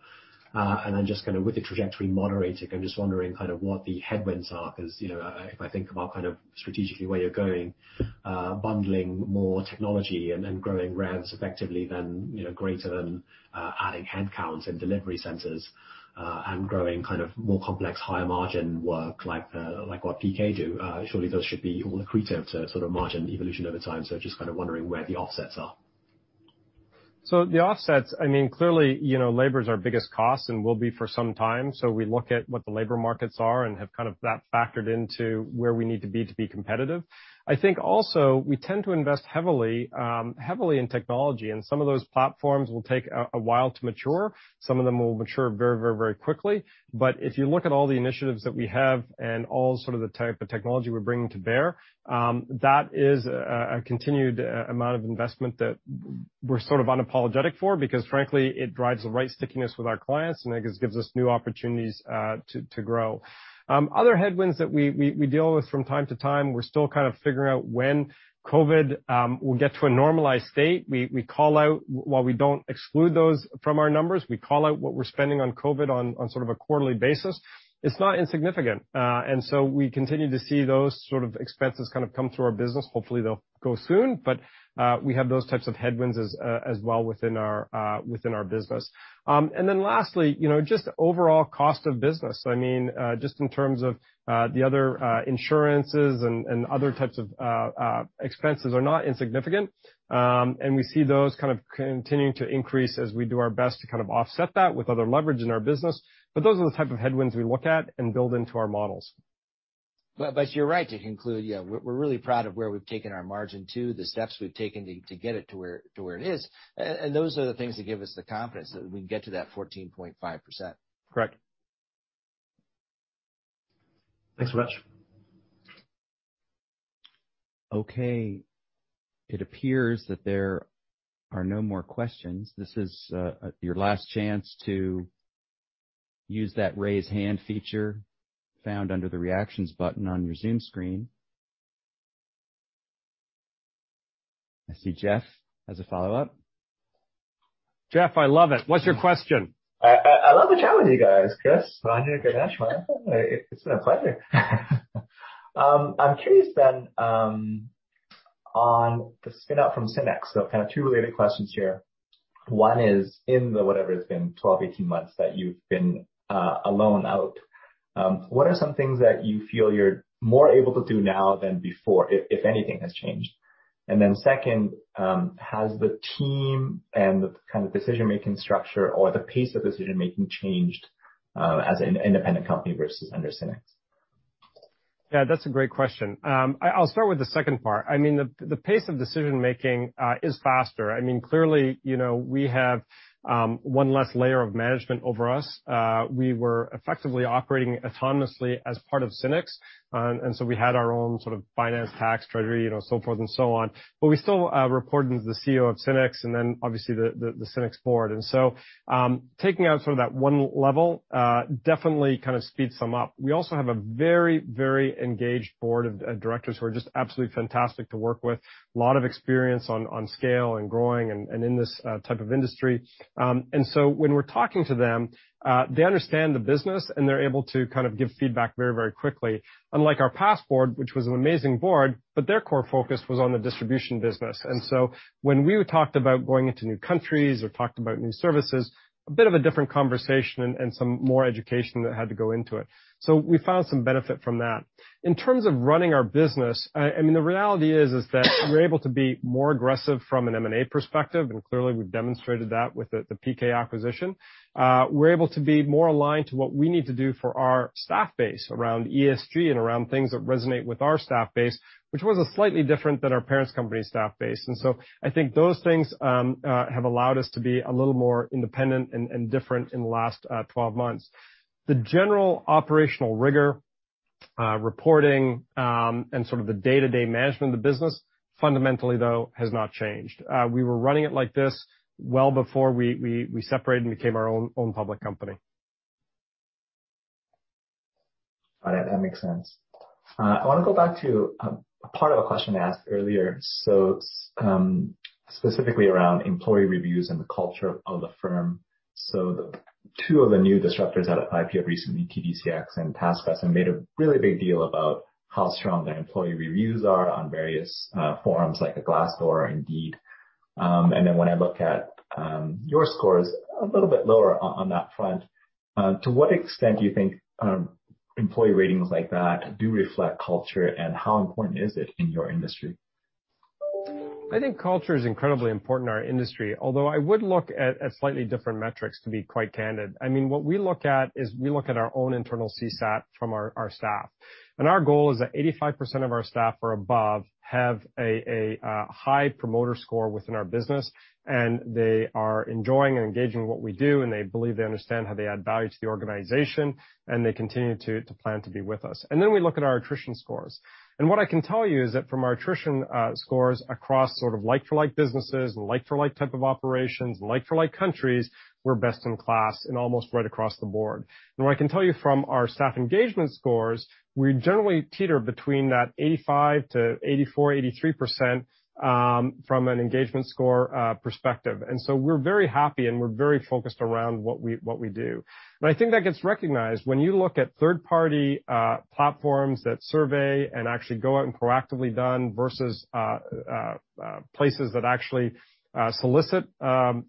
Speaker 21: Then just kinda with the trajectory moderating, I'm just wondering kind of what the headwinds are because, you know, if I think about kind of strategically where you're going, bundling more technology and then growing revenue effectively greater than adding headcounts in delivery centers, and growing kind of more complex, higher margin work like what PK do, surely those should be all accretive to sort of margin evolution over time. Just kind of wondering where the offsets are.
Speaker 2: The offsets, I mean, clearly, you know, labor is our biggest cost and will be for some time. We look at what the labor markets are and have kind of that factored into where we need to be to be competitive. I think also we tend to invest heavily in technology, and some of those platforms will take a while to mature. Some of them will mature very quickly. If you look at all the initiatives that we have and all sort of the type of technology we're bringing to bear, that is a continued amount of investment that we're sort of unapologetic for because frankly, it drives the right stickiness with our clients, and I guess gives us new opportunities to grow. Other headwinds that we deal with from time to time, we're still kind of figuring out when COVID will get to a normalized state. We call out what we're spending on COVID on sort of a quarterly basis. While we don't exclude those from our numbers, it's not insignificant. We continue to see those sort of expenses kind of come through our business. Hopefully, they'll go soon. We have those types of headwinds as well within our business. Lastly, you know, just overall cost of business. I mean, just in terms of the other insurances and other types of expenses are not insignificant. We see those kind of continuing to increase as we do our best to kind of offset that with other leverage in our business. Those are the type of headwinds we look at and build into our models.
Speaker 12: You're right to conclude, yeah, we're really proud of where we've taken our margin to, the steps we've taken to get it to where it is. And those are the things that give us the confidence that we can get to that 14.5%.
Speaker 2: Correct.
Speaker 21: Thanks very much.
Speaker 1: Okay. It appears that there are no more questions. This is your last chance to use that raise hand feature found under the reactions button on your Zoom screen. I see Jeff has a follow-up.
Speaker 2: Jeff, I love it. What's your question?
Speaker 18: I love to chat with you guys. Chris, Rajiv, Ganesh, it's been a pleasure. I'm curious then, on the spin out from SYNNEX. So kind of two related questions here. One is in the whatever it's been 12, 18 months that you've been alone out, what are some things that you feel you're more able to do now than before, if anything has changed? Then second, has the team and the kind of decision-making structure or the pace of decision-making changed, as an independent company versus under SYNNEX?
Speaker 2: Yeah, that's a great question. I'll start with the second part. I mean, the pace of decision-making is faster. I mean, clearly, you know, we have one less layer of management over us. We were effectively operating autonomously as part of SYNNEX, and so we had our own sort of finance, tax, treasury, you know, so forth and so on. But we still reported to the CEO of SYNNEX and then obviously the SYNNEX board. Taking out some of that one level definitely kind of speeds them up. We also have a very engaged board of directors who are just absolutely fantastic to work with. A lot of experience on scale and growing and in this type of industry. When we're talking to them, they understand the business, and they're able to kind of give feedback very, very quickly. Unlike our past board, which was an amazing board, but their core focus was on the distribution business. When we talked about going into new countries or talked about new services, a bit of a different conversation and some more education that had to go into it. We found some benefit from that. In terms of running our business, I mean, the reality is that we're able to be more aggressive from an M&A perspective, and clearly we've demonstrated that with the PK acquisition. We're able to be more aligned to what we need to do for our staff base around ESG and around things that resonate with our staff base, which was a slightly different than our parent company's staff base. I think those things have allowed us to be a little more independent and different in the last 12 months. The general operational rigor, reporting, and sort of the day-to-day management of the business fundamentally though has not changed. We were running it like this well before we separated and became our own public company.
Speaker 18: All right. That makes sense. I wanna go back to a part of a question I asked earlier, so specifically around employee reviews and the culture of the firm. So the two of the new disruptors out of IPO recently, TDCX and TaskUs, have made a really big deal about how strong their employee reviews are on various forums like Glassdoor, Indeed. And then when I look at your scores, a little bit lower on that front. To what extent do you think employee ratings like that do reflect culture, and how important is it in your industry?
Speaker 2: I think culture is incredibly important in our industry, although I would look at slightly different metrics, to be quite candid. I mean, what we look at is we look at our own internal CSAT from our staff. Our goal is that 85% of our staff or above have a high promoter score within our business, and they are enjoying and engaging in what we do, and they believe they understand how they add value to the organization, and they continue to plan to be with us. Then we look at our attrition scores. What I can tell you is that from our attrition scores across sort of like-for-like businesses and like-for-like type of operations, like-for-like countries, we're best in class and almost right across the board. What I can tell you from our staff engagement scores, we generally teeter between 85%-84%, 83% from an engagement score perspective. We're very happy, and we're very focused around what we do. I think that gets recognized when you look at third-party platforms that survey and actually go out and proactively done versus places that actually solicit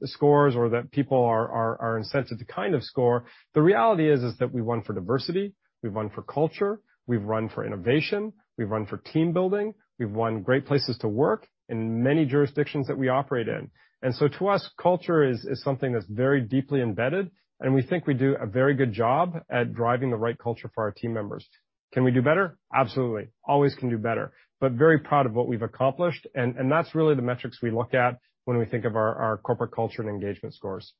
Speaker 2: scores or that people are incented to kind of score. The reality is that we won for diversity, we've won for culture, we've won for innovation, we've won for team building, we've won Great Place to Work in many jurisdictions that we operate in. To us, culture is something that's very deeply embedded, and we think we do a very good job at driving the right culture for our team members. Can we do better? Absolutely. Always can do better. Very proud of what we've accomplished. That's really the metrics we look at when we think of our corporate culture and engagement scores.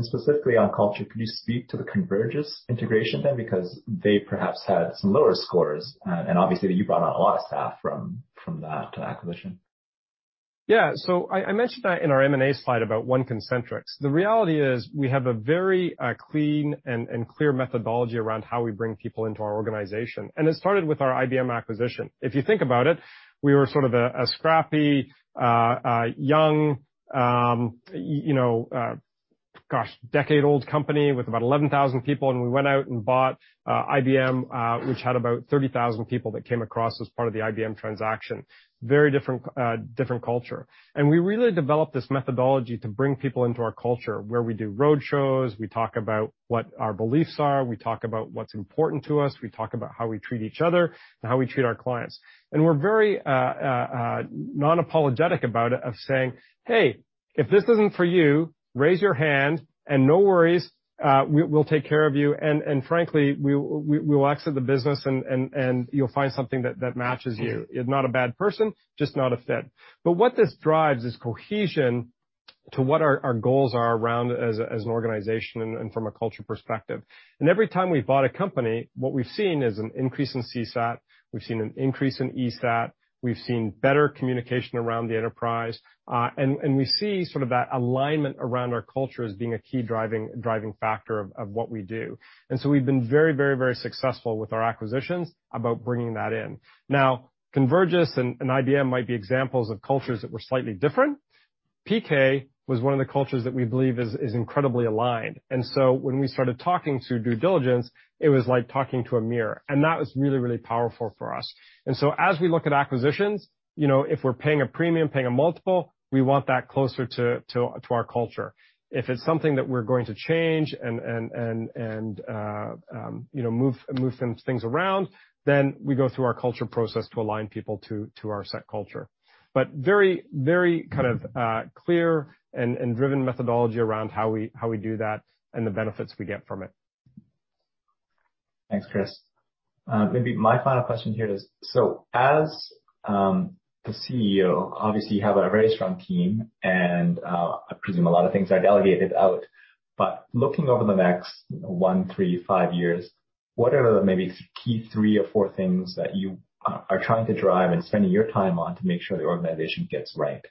Speaker 18: Specifically on culture, can you speak to the Convergys integration then? Because they perhaps had some lower scores. Obviously you brought on a lot of staff from that acquisition.
Speaker 2: I mentioned that in our M&A slide about Concentrix. The reality is we have a very clean and clear methodology around how we bring people into our organization, and it started with our IBM acquisition. If you think about it, we were sort of a scrappy young decade-old company with about 11,000 people, and we went out and bought IBM, which had about 30,000 people that came across as part of the IBM transaction. Very different culture. We really developed this methodology to bring people into our culture, where we do road shows, we talk about what our beliefs are, we talk about what's important to us, we talk about how we treat each other and how we treat our clients. We're very non-apologetic about it, of saying, "Hey, if this isn't for you, raise your hand, and no worries, we'll take care of you. And frankly, we'll exit the business and you'll find something that matches you. You're not a bad person, just not a fit." But what this drives is cohesion to what our goals are around as an organization and from a culture perspective. Every time we've bought a company, what we've seen is an increase in CSAT, we've seen an increase in ESAT, we've seen better communication around the enterprise, and we see sort of that alignment around our culture as being a key driving factor of what we do. We've been very successful with our acquisitions about bringing that in. Now, Convergys and IBM might be examples of cultures that were slightly different. PK was one of the cultures that we believe is incredibly aligned. When we started talking through due diligence, it was like talking to a mirror. That was really powerful for us. As we look at acquisitions, you know, if we're paying a premium, a multiple, we want that closer to our culture. If it's something that we're going to change and you know, move some things around, then we go through our culture process to align people to our set culture. Very kind of clear and driven methodology around how we do that and the benefits we get from it.
Speaker 18: Thanks, Chris. Maybe my final question here is, so as the CEO, obviously you have a very strong team and I presume a lot of things are delegated out. Looking over the next one, three, five years, what are the maybe key three or four things that you are trying to drive and spending your time on to make sure the organization gets right?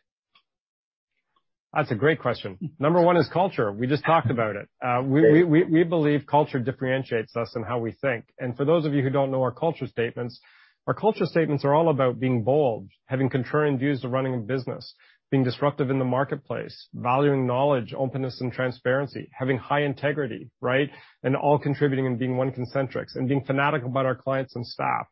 Speaker 2: That's a great question. Number one is culture. We just talked about it. We believe culture differentiates us in how we think. For those of you who don't know our culture statements, our culture statements are all about being bold, having contrarian views to running a business, being disruptive in the marketplace, valuing knowledge, openness and transparency, having high integrity, right? All contributing and being one Concentrix and being fanatic about our clients and staff.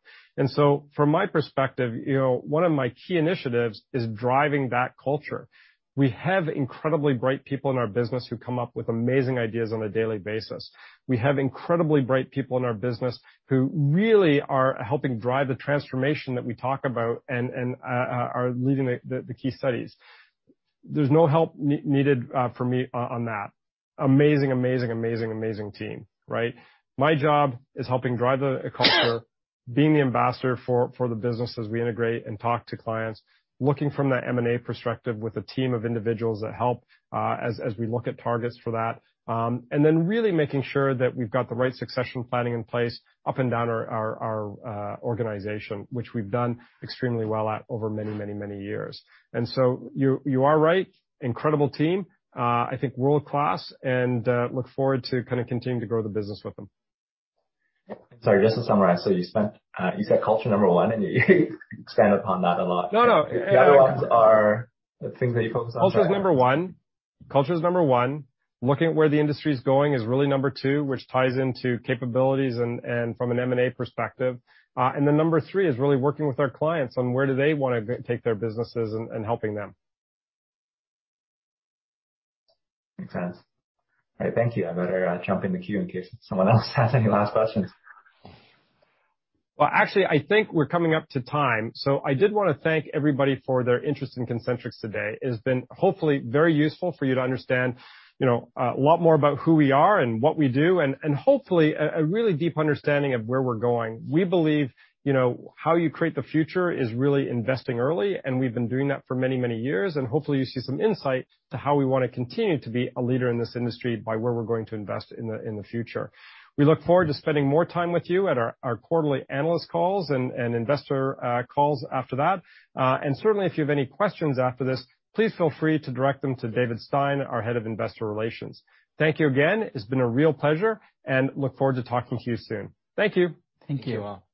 Speaker 2: So from my perspective, you know, one of my key initiatives is driving that culture. We have incredibly bright people in our business who come up with amazing ideas on a daily basis. We have incredibly bright people in our business who really are helping drive the transformation that we talk about and are leading the key studies. There's no help needed from me on that. Amazing team, right? My job is helping drive the culture, being the ambassador for the business as we integrate and talk to clients, looking from that M&A perspective with a team of individuals that help as we look at targets for that. Really making sure that we've got the right succession planning in place up and down our organization, which we've done extremely well at over many years. You are right, incredible team. I think world-class, and look forward to kinda continuing to grow the business with them.
Speaker 18: Sorry, just to summarize, you said culture number one, and you expanded upon that a lot.
Speaker 2: No, no.
Speaker 18: The other ones are the things that you focus on.
Speaker 2: Culture is number 1. Looking at where the industry is going is really number 2, which ties into capabilities and from an M&A perspective. Number 3 is really working with our clients on where do they wanna take their businesses and helping them.
Speaker 18: Makes sense. All right. Thank you. I better jump in the queue in case someone else has any last questions.
Speaker 2: Well, actually, I think we're coming up to time. I did wanna thank everybody for their interest in Concentrix today. It has been hopefully very useful for you to understand, you know, a lot more about who we are and what we do, and hopefully a really deep understanding of where we're going. We believe, you know, how you create the future is really investing early, and we've been doing that for many, many years, and hopefully you see some insight to how we wanna continue to be a leader in this industry by where we're going to invest in the future. We look forward to spending more time with you at our quarterly analyst calls and investor calls after that. Certainly, if you have any questions after this, please feel free to direct them to David Stein, our head of investor relations. Thank you again. It's been a real pleasure, and I look forward to talking to you soon. Thank you.
Speaker 12: Thank you.
Speaker 1: Thank you all.